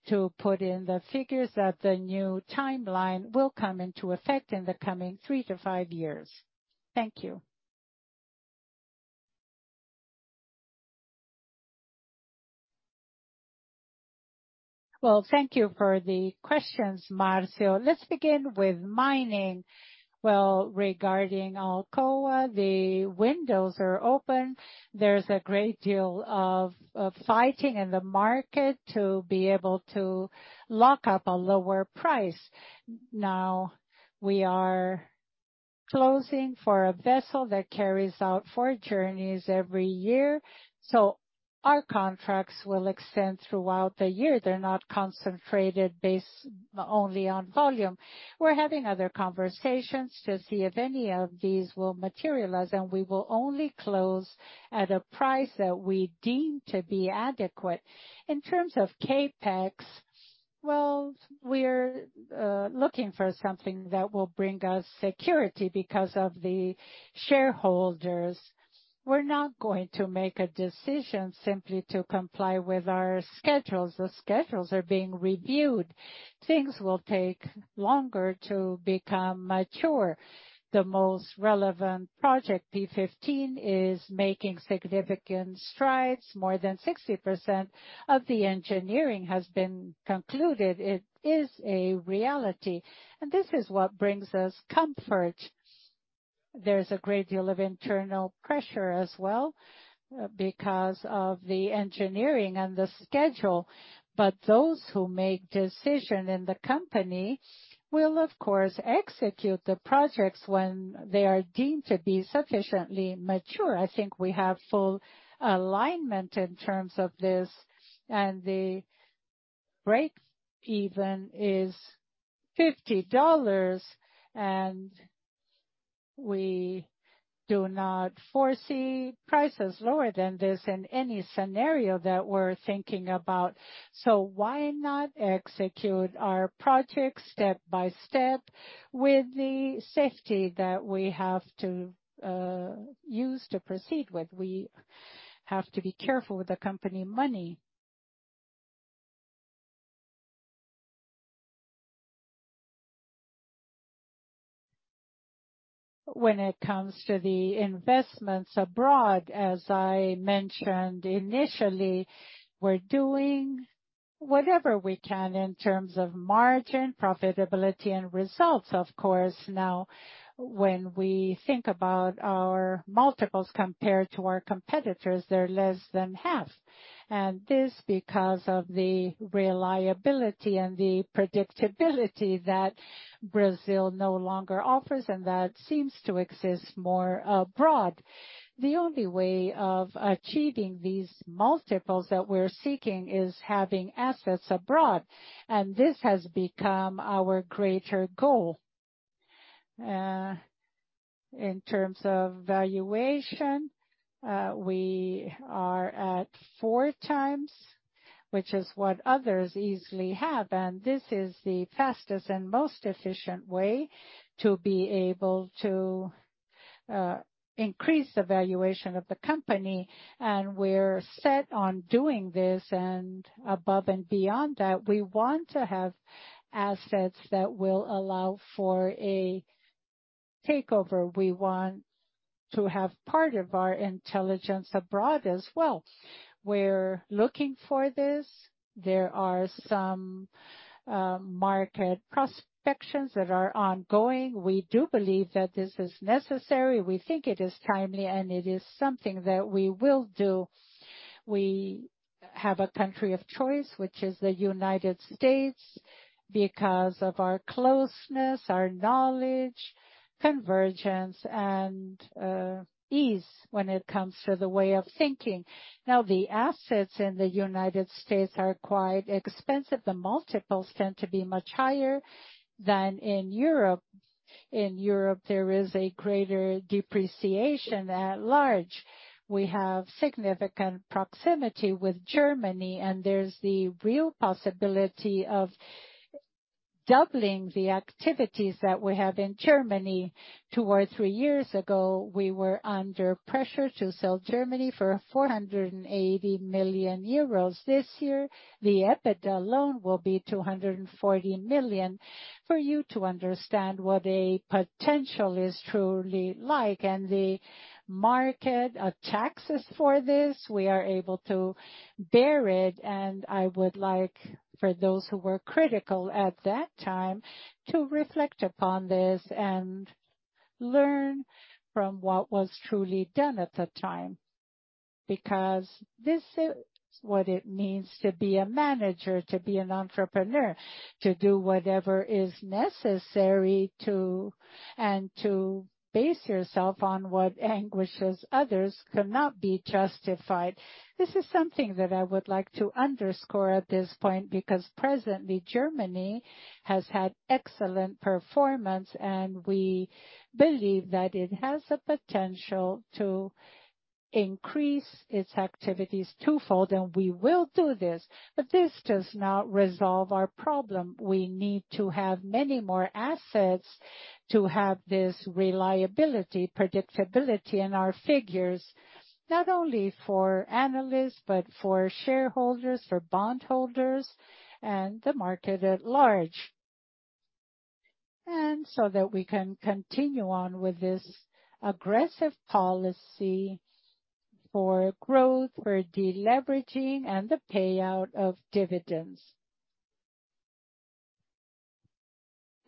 to put in the figures that the new timeline will come into effect in the coming 3 years-5 years. Thank you. Thank you for the questions, Marcio. Let's begin with mining. Regarding Alcoa, the windows are open. There's a great deal of fighting in the market to be able to lock up a lower price. Now, we are closing for a vessel that carries out four journeys every year, so our contracts will extend throughout the year. They're not concentrated based only on volume. We're having other conversations to see if any of these will materialize. We will only close at a price that we deem to be adequate. In terms of CapEx, well, we're looking for something that will bring us security because of the shareholders. We're not going to make a decision simply to comply with our schedules. The schedules are being reviewed. Things will take longer to become mature. The most relevant project, P15, is making significant strides. More than 60% of the engineering has been concluded. It is a reality. This is what brings us comfort. There's a great deal of internal pressure as well, because of the engineering and the schedule, but those who make decision in the company will, of course, execute the projects when they are deemed to be sufficiently mature. I think we have full alignment in terms of this. The break even is $50. We do not foresee prices lower than this in any scenario that we're thinking about. Why not execute our project step by step with the safety that we have to use to proceed with? We have to be careful with the company money. When it comes to the investments abroad, as I mentioned initially, we're doing whatever we can in terms of margin, profitability and results, of course. When we think about our multiples compared to our competitors, they're less than half. This because of the reliability and the predictability that Brazil no longer offers and that seems to exist more abroad. The only way of achieving these multiples that we're seeking is having assets abroad. This has become our greater goal. In terms of valuation, we are at 4x, which is what others easily have, this is the fastest and most efficient way to be able to increase the valuation of the company. We're set on doing this. Above and beyond that, we want to have assets that will allow for a takeover. We want to have part of our intelligence abroad as well. We're looking for this. There are some market prospections that are ongoing. We do believe that this is necessary. We think it is timely, and it is something that we will do. We have a country of choice, which is the United States, because of our closeness, our knowledge, convergence and ease when it comes to the way of thinking. The assets in the United States are quite expensive. The multiples tend to be much higher than in Europe. In Europe, there is a greater depreciation at large. We have significant proximity with Germany, and there's the real possibility of doubling the activities that we have in Germany. Two or three years ago, we were under pressure to sell Germany for 480 million euros. This year, the EBITDA loan will be 240 million. For you to understand what a potential is truly like and the market taxes for this, we are able to bear it. I would like for those who were critical at that time to reflect upon this and learn from what was truly done at the time. This is what it means to be a manager, to be an entrepreneur, to do whatever is necessary to, and to base yourself on what anguishes others could not be justified. This is something that I would like to underscore at this point, because presently Germany has had excellent performance, and we believe that it has the potential to increase its activities twofold, and we will do this. This does not resolve our problem. We need to have many more assets to have this reliability, predictability in our figures, not only for analysts, but for shareholders, for bondholders, and the market at large. So that we can continue on with this aggressive policy for growth, for deleveraging, and the payout of dividends.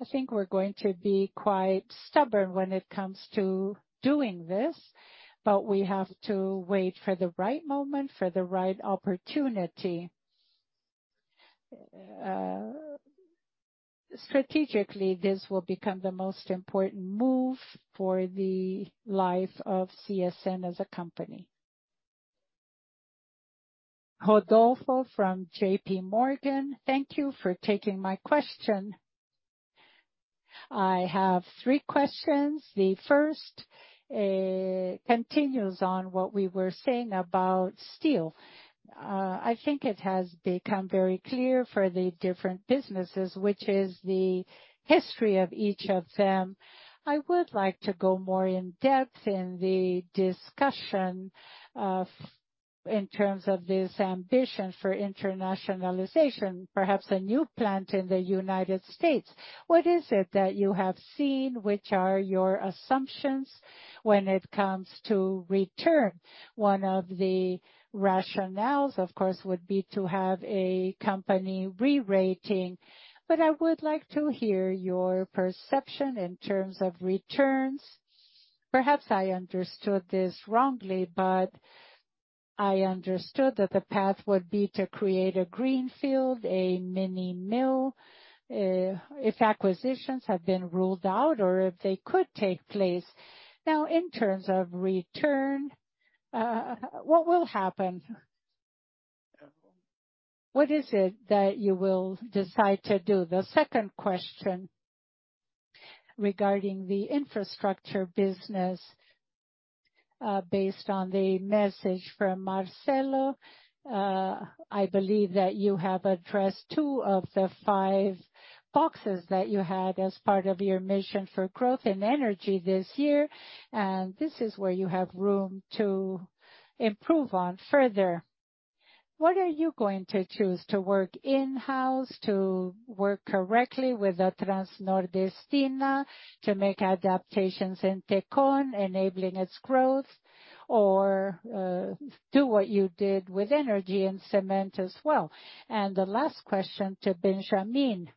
I think we're going to be quite stubborn when it comes to doing this, but we have to wait for the right moment, for the right opportunity. Strategically, this will become the most important move for the life of CSN as a company. Rodolfo from JP Morgan. Thank you for taking my question. I have three questions. The first continues on what we were saying about steel. I think it has become very clear for the different businesses, which is the history of each of them. I would like to go more in depth in the discussion of, in terms of this ambition for internationalization, perhaps a new plant in the United States. What is it that you have seen, which are your assumptions when it comes to return? One of the rationales, of course, would be to have a company re-rating, but I would like to hear your perception in terms of returns. Perhaps I understood this wrongly, but I understood that the path would be to create a greenfield, a mini mill, if acquisitions have been ruled out or if they could take place. Now, in terms of return, what will happen? What is it that you will decide to do? The second question regarding the infrastructure business, based on the message from Marcelo, I believe that you have addressed two of the five boxes that you had as part of your mission for growth in energy this year, and this is where you have room to improve on further. What are you going to choose to work in-house, to work correctly with the Transnordestina to make adaptations in Tecon, enabling its growth or, do what you did with energy and cement as well. The last question to Benjamin,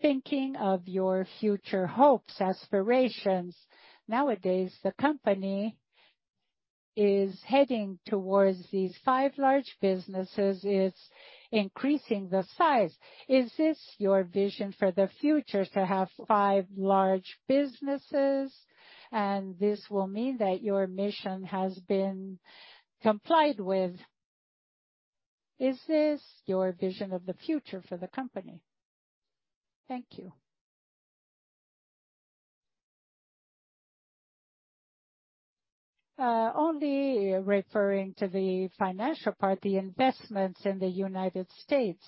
thinking of your future hopes, aspirations. Nowadays, the company is heading towards these five large businesses. It's increasing the size. Is this your vision for the future to have five large businesses? This will mean that your mission has been complied with. Is this your vision of the future for the company? Thank you. Only referring to the financial part, the investments in the United States.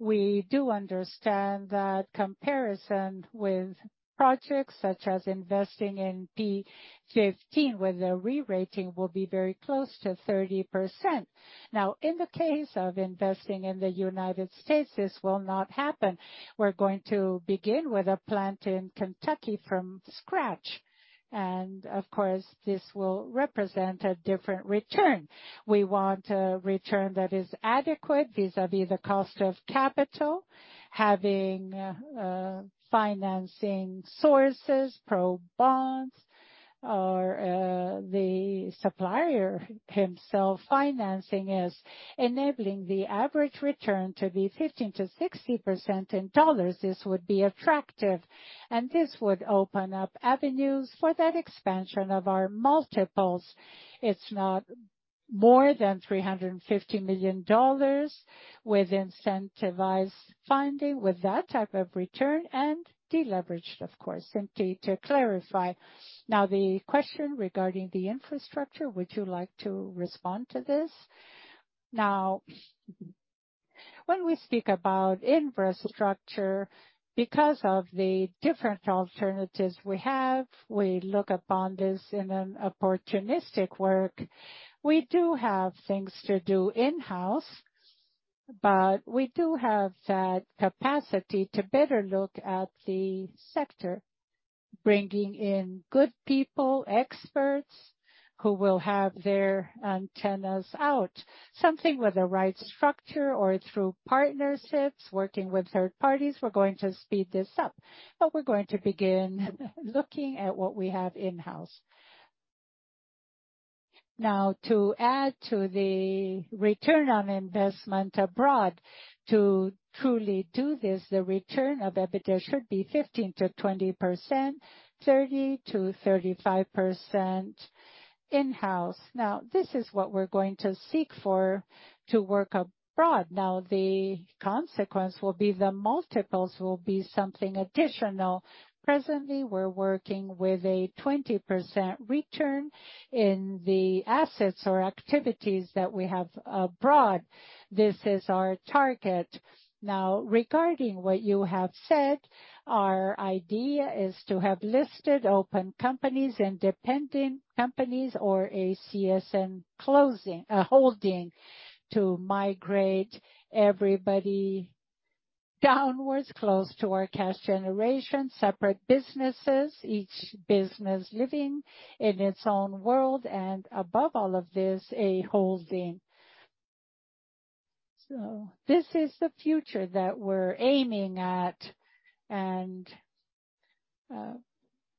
We do understand that comparison with projects such as investing in P15, where the re-rating will be very close to 30%. In the case of investing in the United States, this will not happen. We're going to begin with a plant in Kentucky from scratch. Of course, this will represent a different return. We want a return that is adequate vis-à-vis the cost of capital, having financing sources, pro bonds or the supplier himself financing is enabling the average return to be 15%-60% in dollars. This would be attractive, and this would open up avenues for that expansion of our multiples. It's not more than $350 million with incentivized funding, with that type of return and deleveraged, of course. Simply to clarify. The question regarding the infrastructure, would you like to respond to this? When we speak about infrastructure, because of the different alternatives we have, we look upon this in an opportunistic work. We do have things to do in-house, but we do have that capacity to better look at the sector, bringing in good people, experts who will have their antennas out, something with the right structure or through partnerships, working with third parties. We're going to speed this up, but we're going to begin looking at what we have in-house. To add to the return on investment abroad. To truly do this, the return of EBITDA should be 15%-20%, 30%-35% in-house. This is what we're going to seek for to work abroad. The consequence will be the multiples will be something additional. Presently, we're working with a 20% return in the assets or activities that we have abroad. This is our target. Regarding what you have said, our idea is to have listed open companies, independent companies or a CSN holding to migrate everybody downwards close to our cash generation, separate businesses, each business living in its own world, and above all of this, a holding. This is the future that we're aiming at.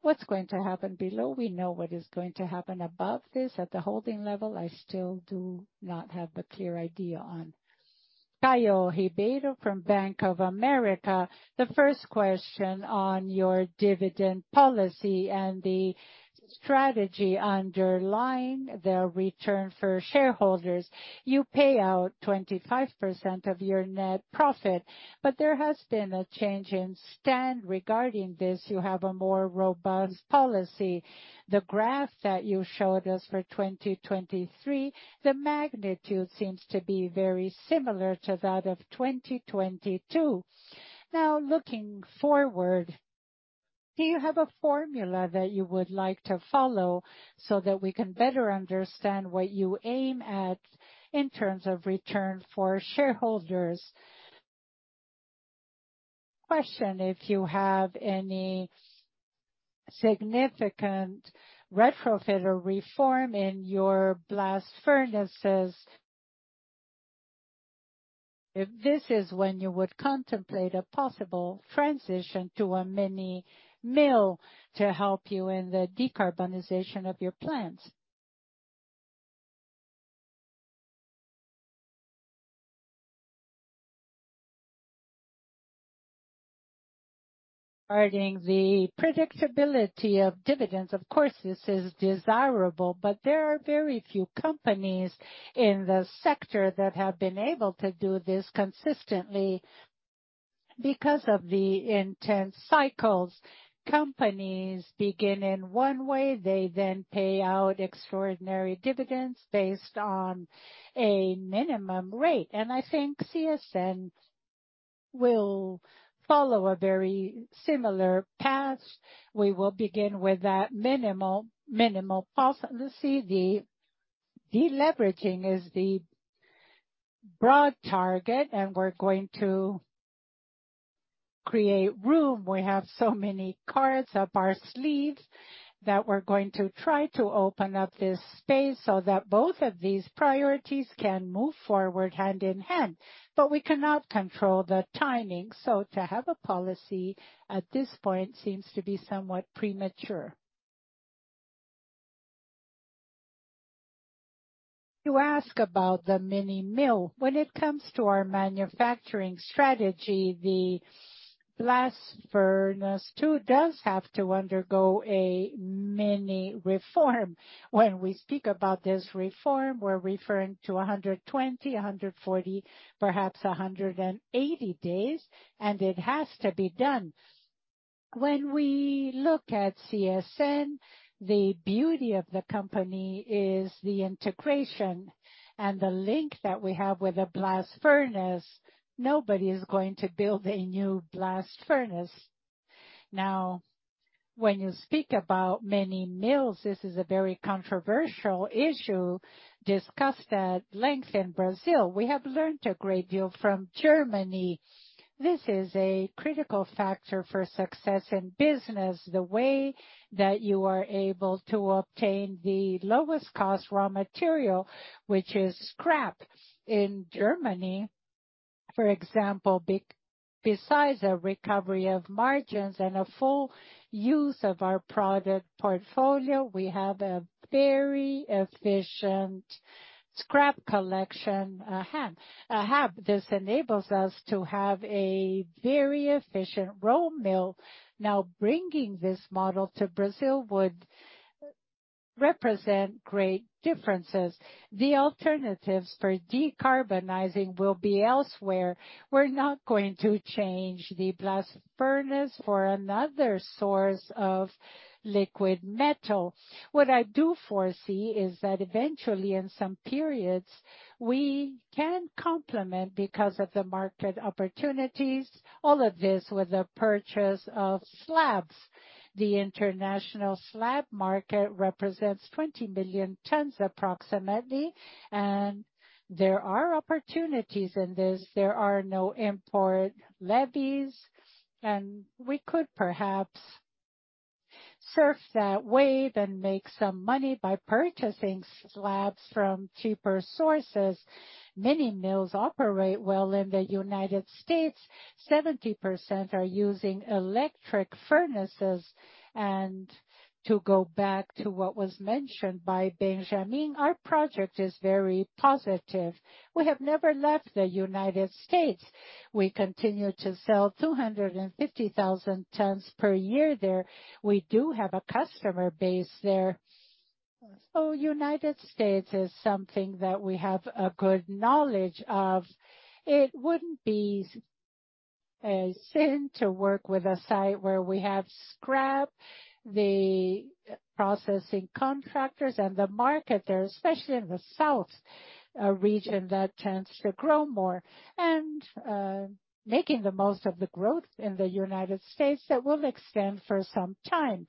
What's going to happen below, we know what is going to happen above this at the holding level, I still do not have a clear idea on. Caio Ribeiro from Bank of America. The first question on your dividend policy and the strategy underlying the return for shareholders. You pay out 25% of your net profit, but there has been a change in stand regarding this. You have a more robust policy. The graph that you showed us for 2023, the magnitude seems to be very similar to that of 2022. Looking forward, do you have a formula that you would like to follow so that we can better understand what you aim at in terms of return for shareholders? Question, if you have any significant retrofit or reform in your blast furnaces. If this is when you would contemplate a possible transition to a mini mill to help you in the decarbonization of your plants? Because of the predictability of dividends, of course, this is desirable, but there are very few companies in the sector that have been able to do this consistently. Because of the intense cycles, companies begin in one way. They then pay out extraordinary dividends based on a minimum rate. I think CSN will follow a very similar path. We will begin with that minimal pulse. The deleveraging is the broad target, and we're going to create room. We have so many cards up our sleeves that we're going to try to open up this space so that both of these priorities can move forward hand in hand. We cannot control the timing. To have a policy at this point seems to be somewhat premature. You ask about the mini mill. When it comes to our manufacturing strategy, the blast furnace too does have to undergo a mini reform. When we speak about this reform, we're referring to 120 days, 140 days, perhaps 180 days, and it has to be done. When we look at CSN, the beauty of the company is the integration and the link that we have with the blast furnace. Nobody is going to build a new blast furnace. When you speak about mini mills, this is a very controversial issue discussed at length in Brazil. We have learned a great deal from Germany. This is a critical factor for success in business, the way that you are able to obtain the lowest cost raw material, which is scrap. In Germany, for example, besides a recovery of margins and a full use of our product portfolio, we have a very efficient scrap collection hub. This enables us to have a very efficient raw mill. Bringing this model to Brazil would represent great differences. The alternatives for decarbonizing will be elsewhere. We're not going to change the blast furnace for another source of liquid metal. What I do foresee is that eventually in some periods, we can complement because of the market opportunities. All of this with the purchase of slabs. The international slab market represents 20 million tons approximately. There are opportunities in this. There are no import levies. We could perhaps surf that wave and make some money by purchasing slabs from cheaper sources. Many mills operate well in the United States. 70% are using electric furnaces. To go back to what was mentioned by Benjamin, our project is very positive. We have never left the United States. We continue to sell 250,000 tons per year there. We do have a customer base there. United States is something that we have a good knowledge of. It wouldn't be a sin to work with a site where we have scrap, the processing contractors and the market there, especially in the South, a region that tends to grow more, making the most of the growth in the United States that will extend for some time.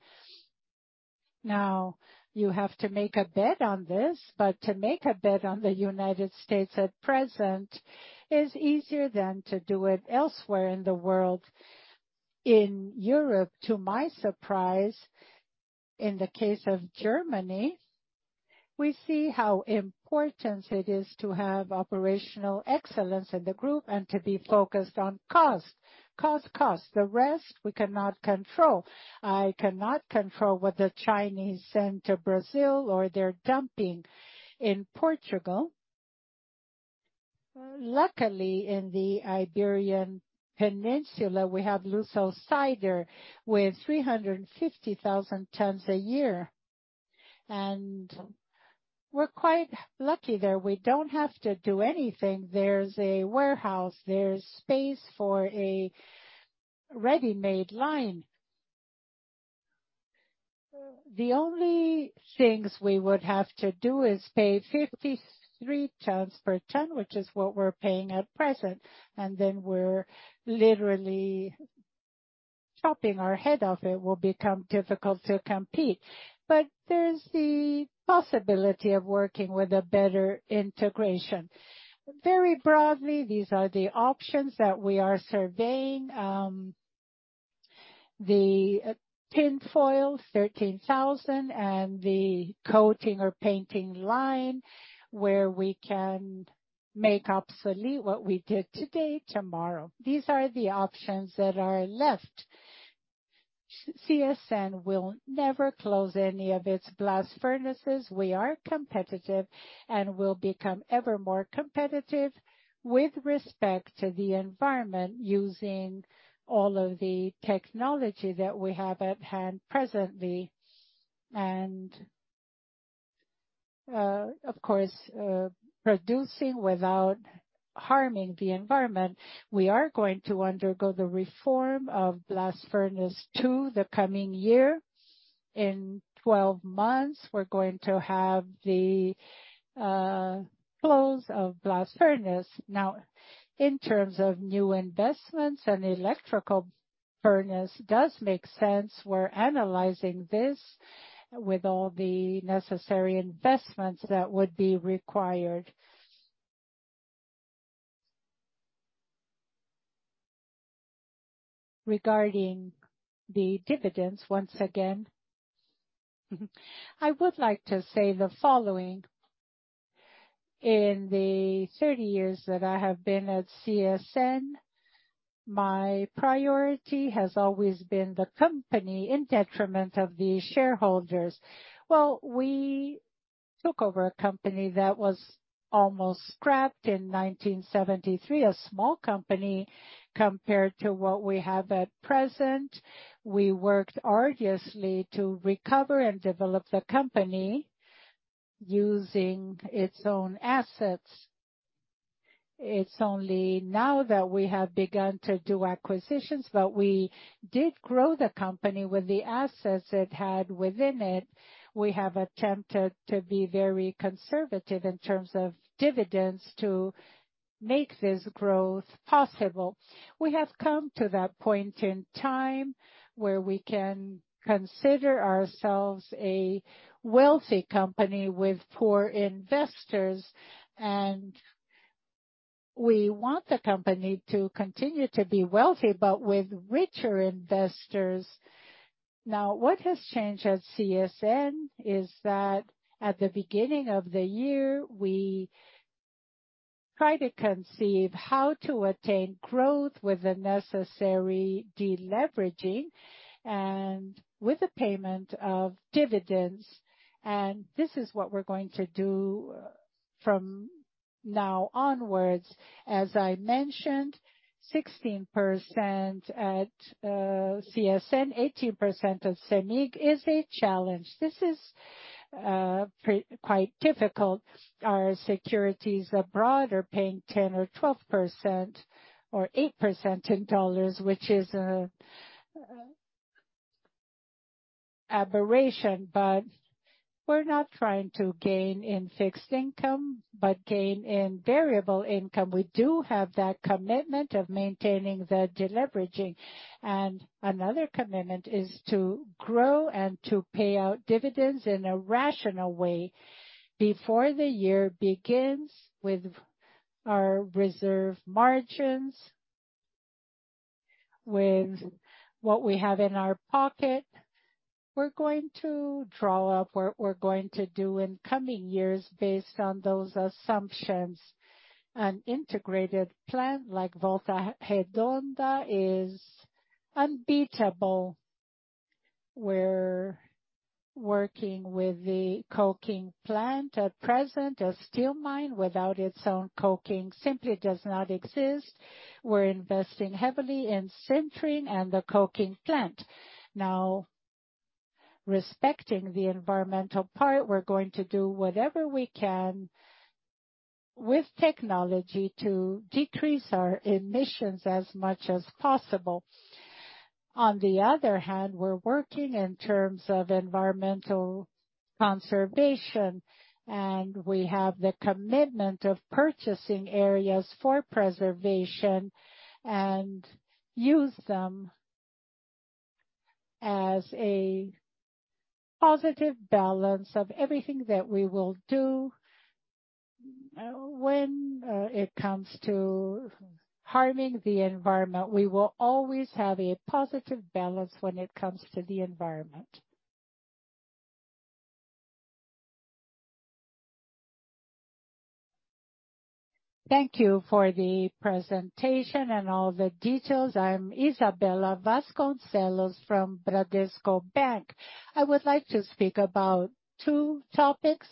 You have to make a bet on this, to make a bet on the United States at present is easier than to do it elsewhere in the world. In Europe, to my surprise, in the case of Germany, we see how important it is to have operational excellence in the group and to be focused on cost. Cost, cost. The rest we cannot control. I cannot control what the Chinese send to Brazil or they're dumping in Portugal. Luckily, in the Iberian Peninsula, we have Lusosider with 350,000 tons a year. We're quite lucky there. We don't have to do anything. There's a warehouse, there's space for a ready-made line. The only things we would have to do is pay 53 tons per ton, which is what we're paying at present, and then we're literally chopping our head off. It will become difficult to compete. There's the possibility of working with a better integration. Very broadly, these are the options that we are surveying. The tinfoil, 13,000, and the coating or painting line where we can make obsolete what we did today, tomorrow. These are the options that are left. CSN will never close any of its blast furnaces. We are competitive and will become ever more competitive with respect to the environment, using all of the technology that we have at hand presently. Of course, producing without harming the environment. We are going to undergo the reform of blast furnace two the coming year. In 12 months, we're going to have the close of blast furnace. In terms of new investments, an electrical furnace does make sense. We're analyzing this with all the necessary investments that would be required. Regarding the dividends, once again, I would like to say the following. In the 30 years that I have been at CSN, my priority has always been the company in detriment of the shareholders. Well, we took over a company that was almost scrapped in 1973, a small company compared to what we have at present. We worked arduously to recover and develop the company using its own assets. It's only now that we have begun to do acquisitions, but we did grow the company with the assets it had within it. We have attempted to be very conservative in terms of dividends to make this growth possible. We have come to that point in time where we can consider ourselves a wealthy company with poor investors. We want the company to continue to be wealthy but with richer investors. What has changed at CSN is that at the beginning of the year, we try to conceive how to attain growth with the necessary deleveraging and with the payment of dividends. This is what we're going to do. Now onwards, as I mentioned, 16% at CSN, 18% at Cemig is a challenge. This is quite difficult. Our securities abroad are paying 10% or 12% or 8% in dollars, which is a aberration. We're not trying to gain in fixed income, but gain in variable income. We do have that commitment of maintaining the deleveraging. Another commitment is to grow and to pay out dividends in a rational way before the year begins. With our reserve margins, with what we have in our pocket, we're going to draw up what we're going to do in coming years based on those assumptions. An integrated plant like Volta Redonda is unbeatable. We're working with the coking plant. At present, a steel mine without its own coking simply does not exist. We're investing heavily in sintering and the coking plant. Respecting the environmental part, we're going to do whatever we can with technology to decrease our emissions as much as possible. We're working in terms of environmental conservation, we have the commitment of purchasing areas for preservation and use them as a positive balance of everything that we will do. When it comes to harming the environment, we will always have a positive balance when it comes to the environment. Thank you for the presentation and all the details. I'm Isabella Vasconcelos from Bradesco Bank. I would like to speak about two topics.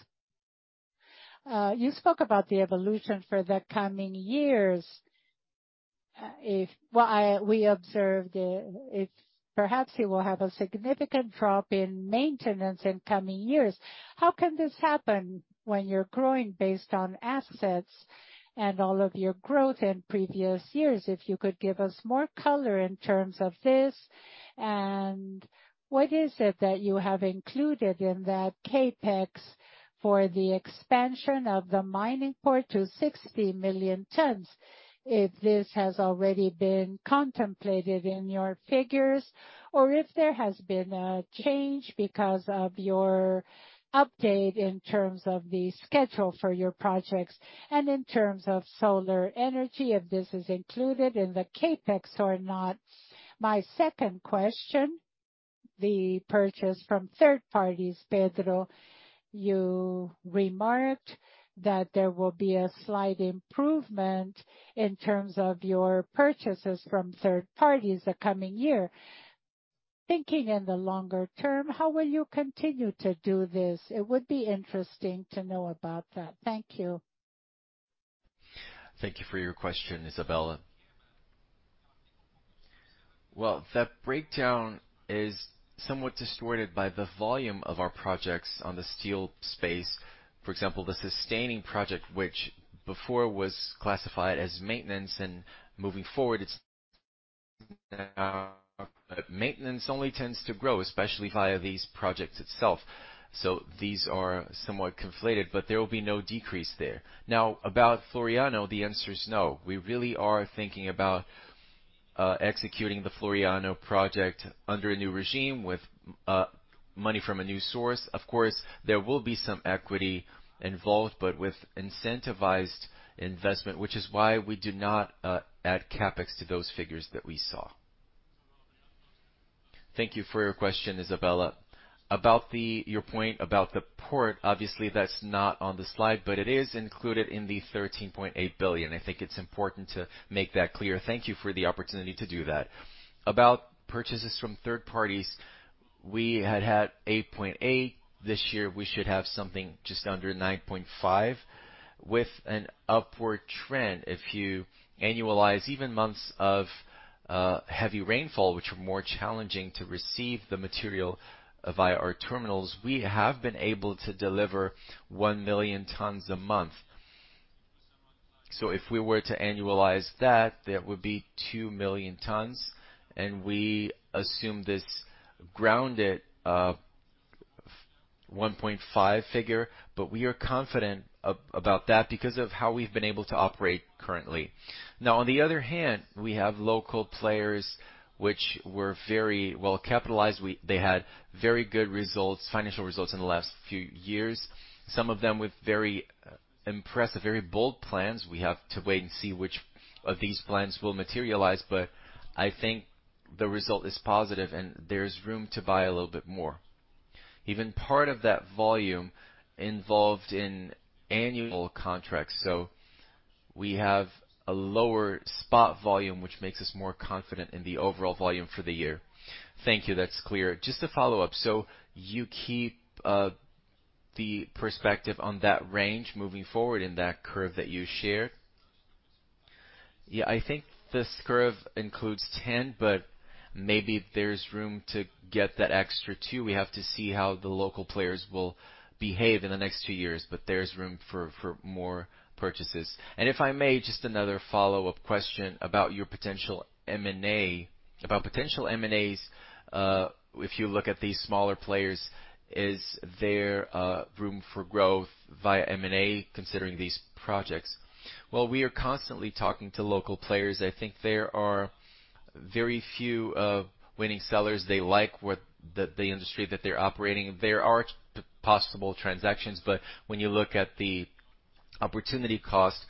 You spoke about the evolution for the coming years. If what we observed, if perhaps you will have a significant drop in maintenance in coming years. How can this happen when you're growing based on assets and all of your growth in previous years? If you could give us more color in terms of this. What is it that you have included in that CapEx for the expansion of the mining port to 60 million tons? If this has already been contemplated in your figures or if there has been a change because of your update in terms of the schedule for your projects and in terms of solar energy, if this is included in the CapEx or not. My second question, the purchase from third parties, Pedro. You remarked that there will be a slight improvement in terms of your purchases from third parties the coming year. Thinking in the longer term, how will you continue to do this? It would be interesting to know about that. Thank you. Thank you for your question, Isabella. The breakdown is somewhat distorted by the volume of our projects on the steel space. For example, the sustaining project which before was classified as maintenance. Moving forward, it's maintenance only tends to grow, especially via these projects itself. These are somewhat conflated, but there will be no decrease there. About Floriano, the answer is no. We really are thinking about executing the Floriano project under a new regime with money from a new source. Of course, there will be some equity involved, but with incentivized investment, which is why we do not add CapEx to those figures that we saw. Thank you for your question, Isabella. About your point about the port, obviously that's not on the slide, but it is included in the 13.8 billion. I think it's important to make that clear. Thank you for the opportunity to do that. About purchases from third parties, we had 8.8. This year, we should have something just under 9.5 with an upward trend. If you annualize even months of heavy rainfall, which are more challenging to receive the material via our terminals, we have been able to deliver 1 million tons a month. If we were to annualize that would be 2 million tons, and we assume this grounded 1.5 figure. We are confident about that because of how we've been able to operate currently. Now, on the other hand, we have local players which were very well capitalized. They had very good results, financial results in the last few years, some of them with very impressive, very bold plans. We have to wait and see which of these plans will materialize, but I think the result is positive, and there's room to buy a little bit more. Even part of that volume involved in annual contracts. We have a lower spot volume, which makes us more confident in the overall volume for the year. Thank you. That's clear. Just a follow-up. You keep the perspective on that range moving forward in that curve that you shared? Yeah, I think this curve includes 10, but maybe there's room to get that extra two. We have to see how the local players will behave in the next two years. There's room for more purchases. If I may, just another follow-up question about your potential M&A. About potential M&As, if you look at these smaller players, is there room for growth via M&A considering these projects? We are constantly talking to local players. I think there are very few winning sellers. They like what the industry that they're operating. There are possible transactions, but when you look at the opportunity cost,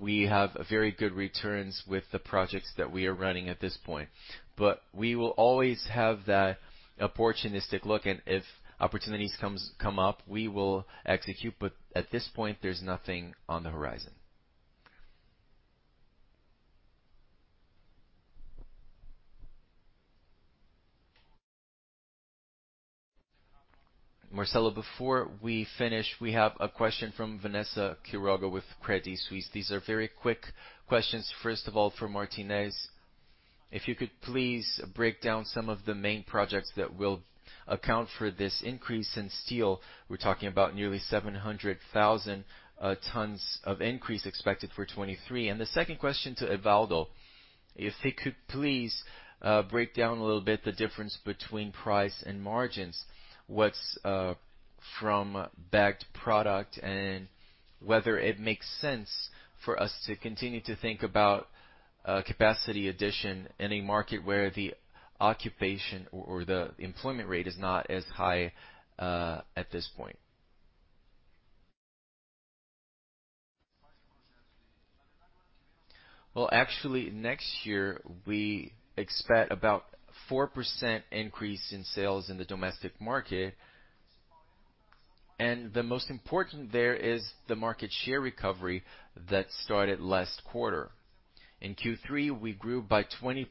we have a very good returns with the projects that we are running at this point. We will always have that opportunistic look, and if opportunities come up, we will execute. At this point, there's nothing on the horizon. Marcelo, before we finish, we have a question from Vanessa Quiroga with Credit Suisse. These are very quick questions. First of all, for Martinez, if you could please break down some of the main projects that will account for this increase in steel. We're talking about nearly 700,000 tons of increase expected for 2023. The second question to Evaldo, if he could please break down a little bit the difference between price and margins, what's from bagged product, and whether it makes sense for us to continue to think about capacity addition in a market where the occupation or the employment rate is not as high at this point. Well, actually next year we expect about 4% increase in sales in the domestic market. The most important there is the market share recovery that started last quarter. In Q3, we grew by 20%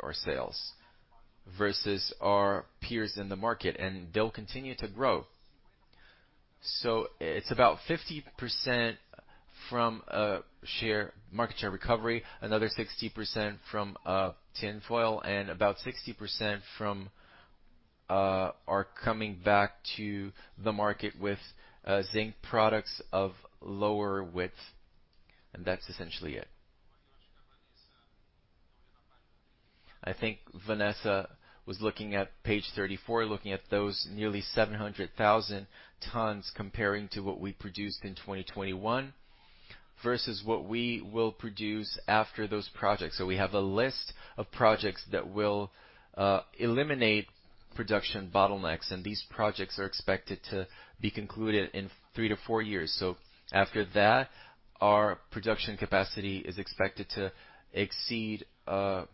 our sales versus our peers in the market, and they'll continue to grow. It's about 50% from share, market share recovery, another 60% from tin foil and about 60% from are coming back to the market with zinc products of lower width. That's essentially it. I think Vanessa was looking at page 34, looking at those nearly 700,000 tons comparing to what we produced in 2021 versus what we will produce after those projects. We have a list of projects that will eliminate production bottlenecks, and these projects are expected to be concluded in 3-4 years. After that, our production capacity is expected to exceed or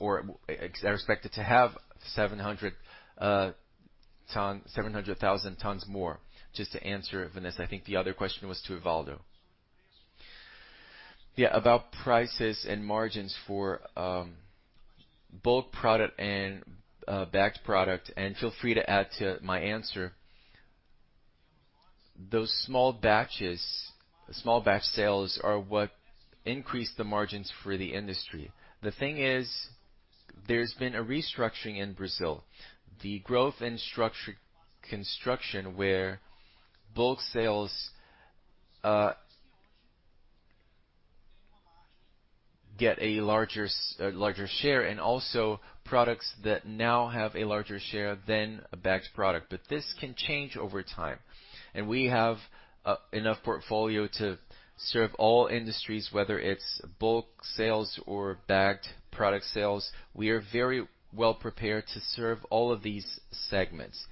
are expected to have 700,000 tons more. Just to answer, Vanessa. I think the other question was to Evaldo. Yeah, about prices and margins for bulk product and bagged product, feel free to add to my answer. Those small batch sales are what increase the margins for the industry. The thing is, there's been a restructuring in Brazil, the growth in construction where bulk sales get a larger share and also products that now have a larger share than a bagged product. This can change over time, we have enough portfolio to serve all industries, whether it's bulk sales or bagged product sales. We are very well prepared to serve all of these segments.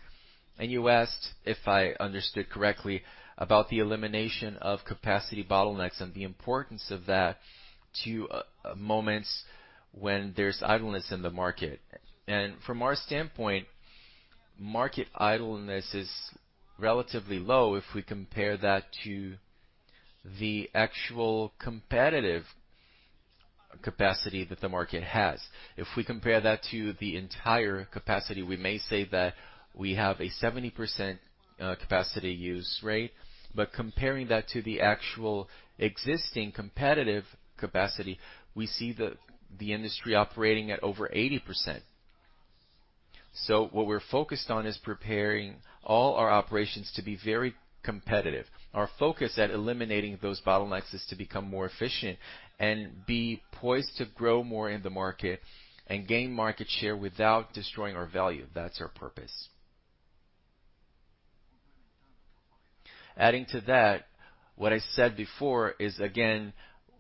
You asked, if I understood correctly, about the elimination of capacity bottlenecks and the importance of that to moments when there's idleness in the market. From our standpoint, market idleness is relatively low if we compare that to the actual competitive capacity that the market has. If we compare that to the entire capacity, we may say that we have a 70% capacity use rate. Comparing that to the actual existing competitive capacity, we see the industry operating at over 80%. What we're focused on is preparing all our operations to be very competitive. Our focus at eliminating those bottlenecks is to become more efficient and be poised to grow more in the market and gain market share without destroying our value. That's our purpose. Adding to that, what I said before is, again,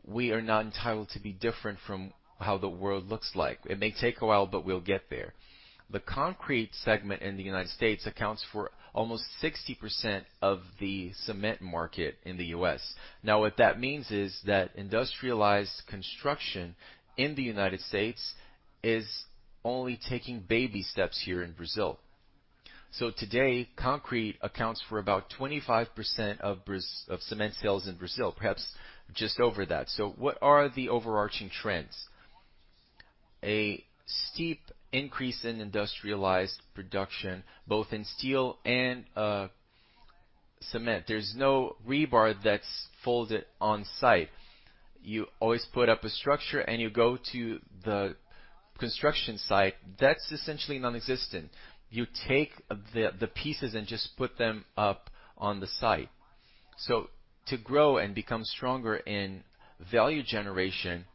we are not entitled to be different from how the world looks like. It may take a while, but we'll get there. The concrete segment in the United States accounts for almost 60% of the cement market in the U.S. What that means is that industrialized construction in the United States is only taking baby steps here in Brazil. Today, concrete accounts for about 25% of cement sales in Brazil, perhaps just over that. What are the overarching trends? A steep increase in industrialized production, both in steel and cement. There's no rebar that's folded on-site. You always put up a structure, and you go to the construction site. That's essentially nonexistent. You take the pieces and just put them up on the site. To grow and become stronger in value generation,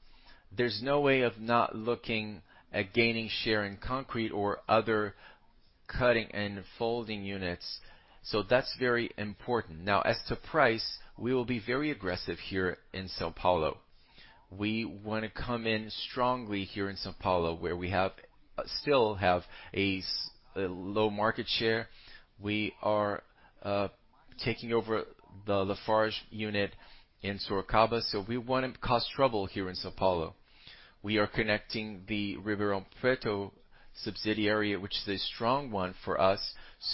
there's no way of not looking at gaining share in concrete or other cutting and folding units. That's very important. As to price, we will be very aggressive here in São Paulo. We wanna come in strongly here in São Paulo, where we still have a low market share. We are taking over the LafargeHolcim unit in Sorocaba, we wanna cause trouble here in São Paulo. We are connecting the Ribeirão Preto subsidiary, which is a strong one for us.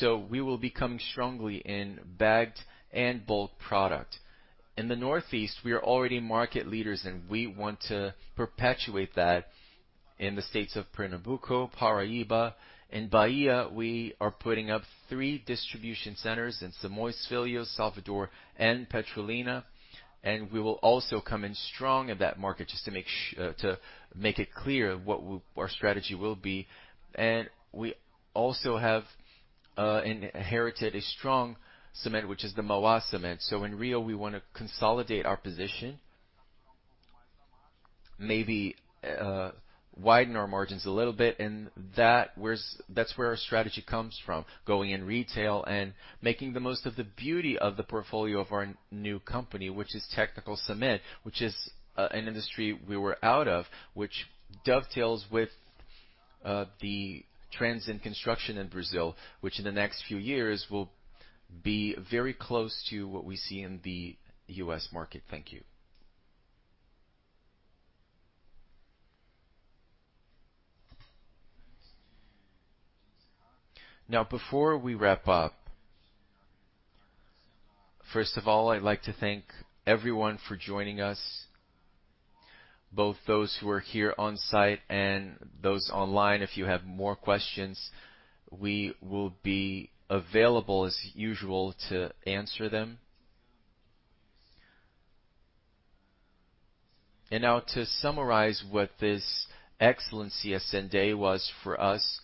We will be coming strongly in bagged and bulk product. In the Northeast, we are already market leaders, and we want to perpetuate that in the states of Pernambuco, Paraíba. In Bahia, we are putting up three distribution centers in Simões Filho, Salvador, and Petrolina, and we will also come in strong in that market just to make it clear what our strategy will be. We also have inherited a strong cement, which is the Mauá Cement. In Rio, we wanna consolidate our position. Maybe, widen our margins a little bit, and that's where our strategy comes from, going in retail and making the most of the beauty of the portfolio of our new company, which is technical cement, which is an industry we were out of, which dovetails with the trends in construction in Brazil, which in the next few years will be very close to what we see in the U.S. market. Thank you. Now, before we wrap up, first of all, I'd like to thank everyone for joining us, both those who are here on site and those online. If you have more questions, we will be available as usual to answer them. Now to summarize what this excellent CSN Day was for us,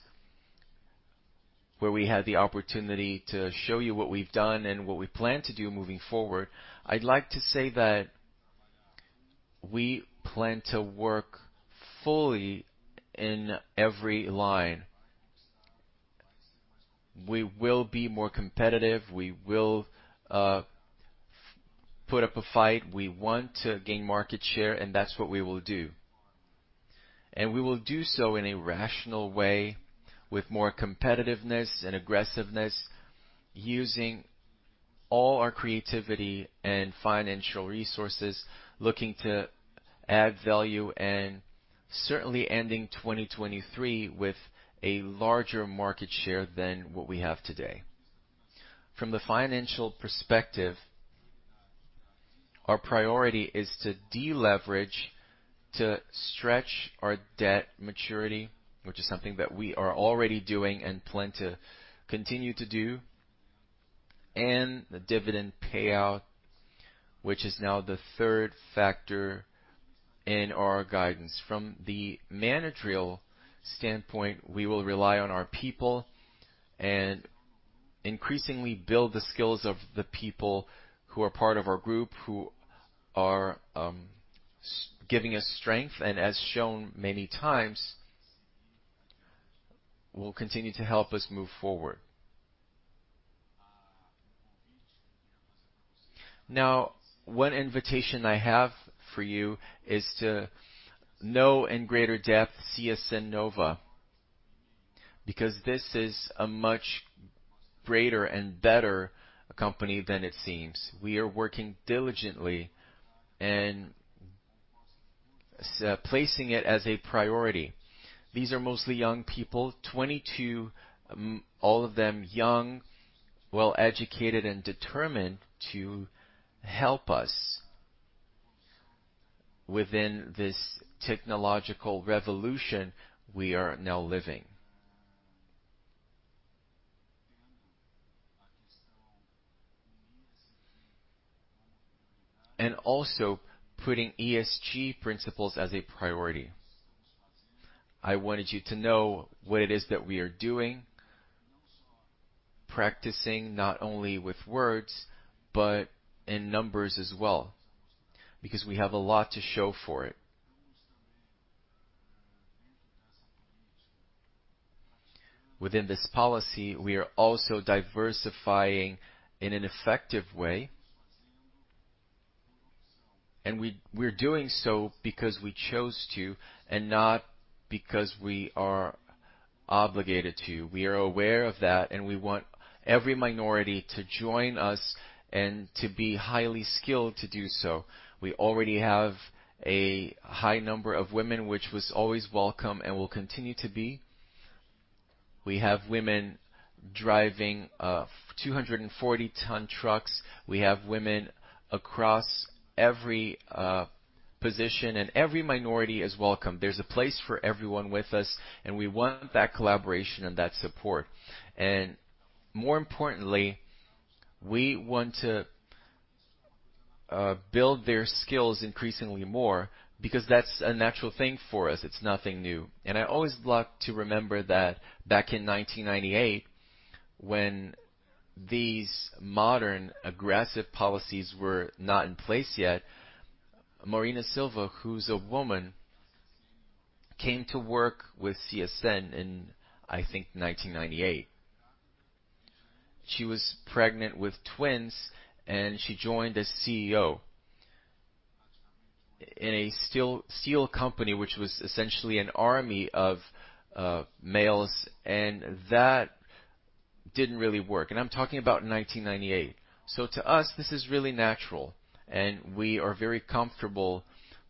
where we had the opportunity to show you what we've done and what we plan to do moving forward, I'd like to say that we plan to work fully in every line. We will be more competitive. We will put up a fight. We want to gain market share, and that's what we will do. We will do so in a rational way, with more competitiveness and aggressiveness, using all our creativity and financial resources, looking to add value, and certainly ending 2023 with a larger market share than what we have today. From the financial perspective, our priority is to deleverage, to stretch our debt maturity, which is something that we are already doing and plan to continue to do, and the dividend payout, which is now the third factor in our guidance. From the managerial standpoint, we will rely on our people and increasingly build the skills of the people who are part of our group, who are giving us strength, and as shown many times, will continue to help us move forward. One invitation I have for you is to know in greater depth CSN Inova, because this is a much greater and better company than it seems. We are working diligently and placing it as a priority. These are mostly young people, 22, all of them young, well-educated, and determined to help us within this technological revolution we are now living. Also putting ESG principles as a priority. I wanted you to know what it is that we are doing, practicing not only with words, but in numbers as well, because we have a lot to show for it. Within this policy, we are also diversifying in an effective way. We're doing so because we chose to, and not because we are obligated to. We are aware of that. We want every minority to join us and to be highly skilled to do so. We already have a high number of women, which was always welcome and will continue to be. We have women driving 240 ton trucks. We have women across every position. Every minority is welcome. There's a place for everyone with us. We want that collaboration and that support. More importantly, we want to build their skills increasingly more because that's a natural thing for us. It's nothing new. I always like to remember that back in 1998, when these modern aggressive policies were not in place yet, Marina Silva, who's a woman, came to work with CSN in, I think, 1998. She was pregnant with twins, she joined as CEO in a steel company, which was essentially an army of males, that didn't really work. I'm talking about 1998. To us, this is really natural, and we are very comfortable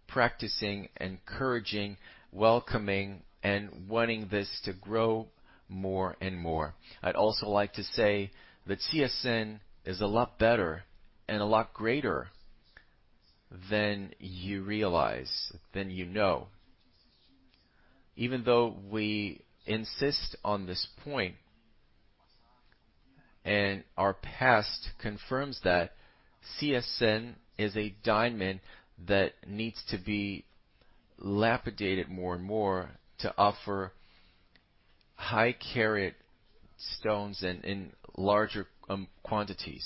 practicing, encouraging, welcoming, and wanting this to grow more and more. I'd also like to say that CSN is a lot better and a lot greater than you realize, than you know. Even though we insist on this point, and our past confirms that CSN is a diamond that needs to be lapidated more and more to offer high carat stones in larger quantities.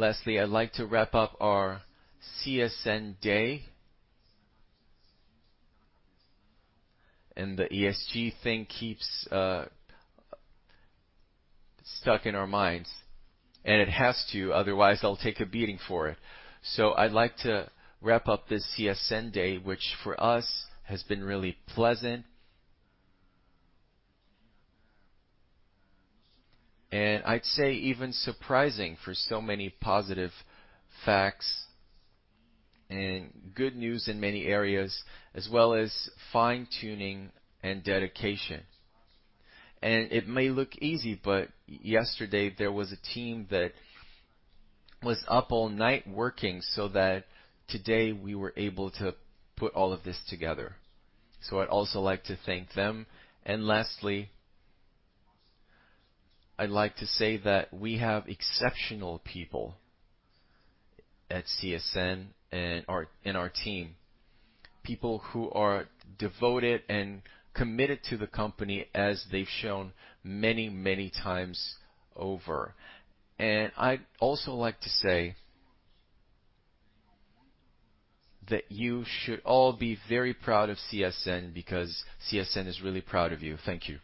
I'd like to wrap up our CSN day. The ESG thing keeps stuck in our minds, and it has to, otherwise I'll take a beating for it. I'd like to wrap up this CSN day, which for us has been really pleasant. I'd say even surprising for so many positive facts and good news in many areas, as well as fine-tuning and dedication. It may look easy, but yesterday there was a team that was up all night working so that today we were able to put all of this together. I'd also like to thank them. Lastly, I'd like to say that we have exceptional people at CSN in our team. People who are devoted and committed to the company as they've shown many times over. I'd also like to say that you should all be very proud of CSN because CSN is really proud of you. Thank you.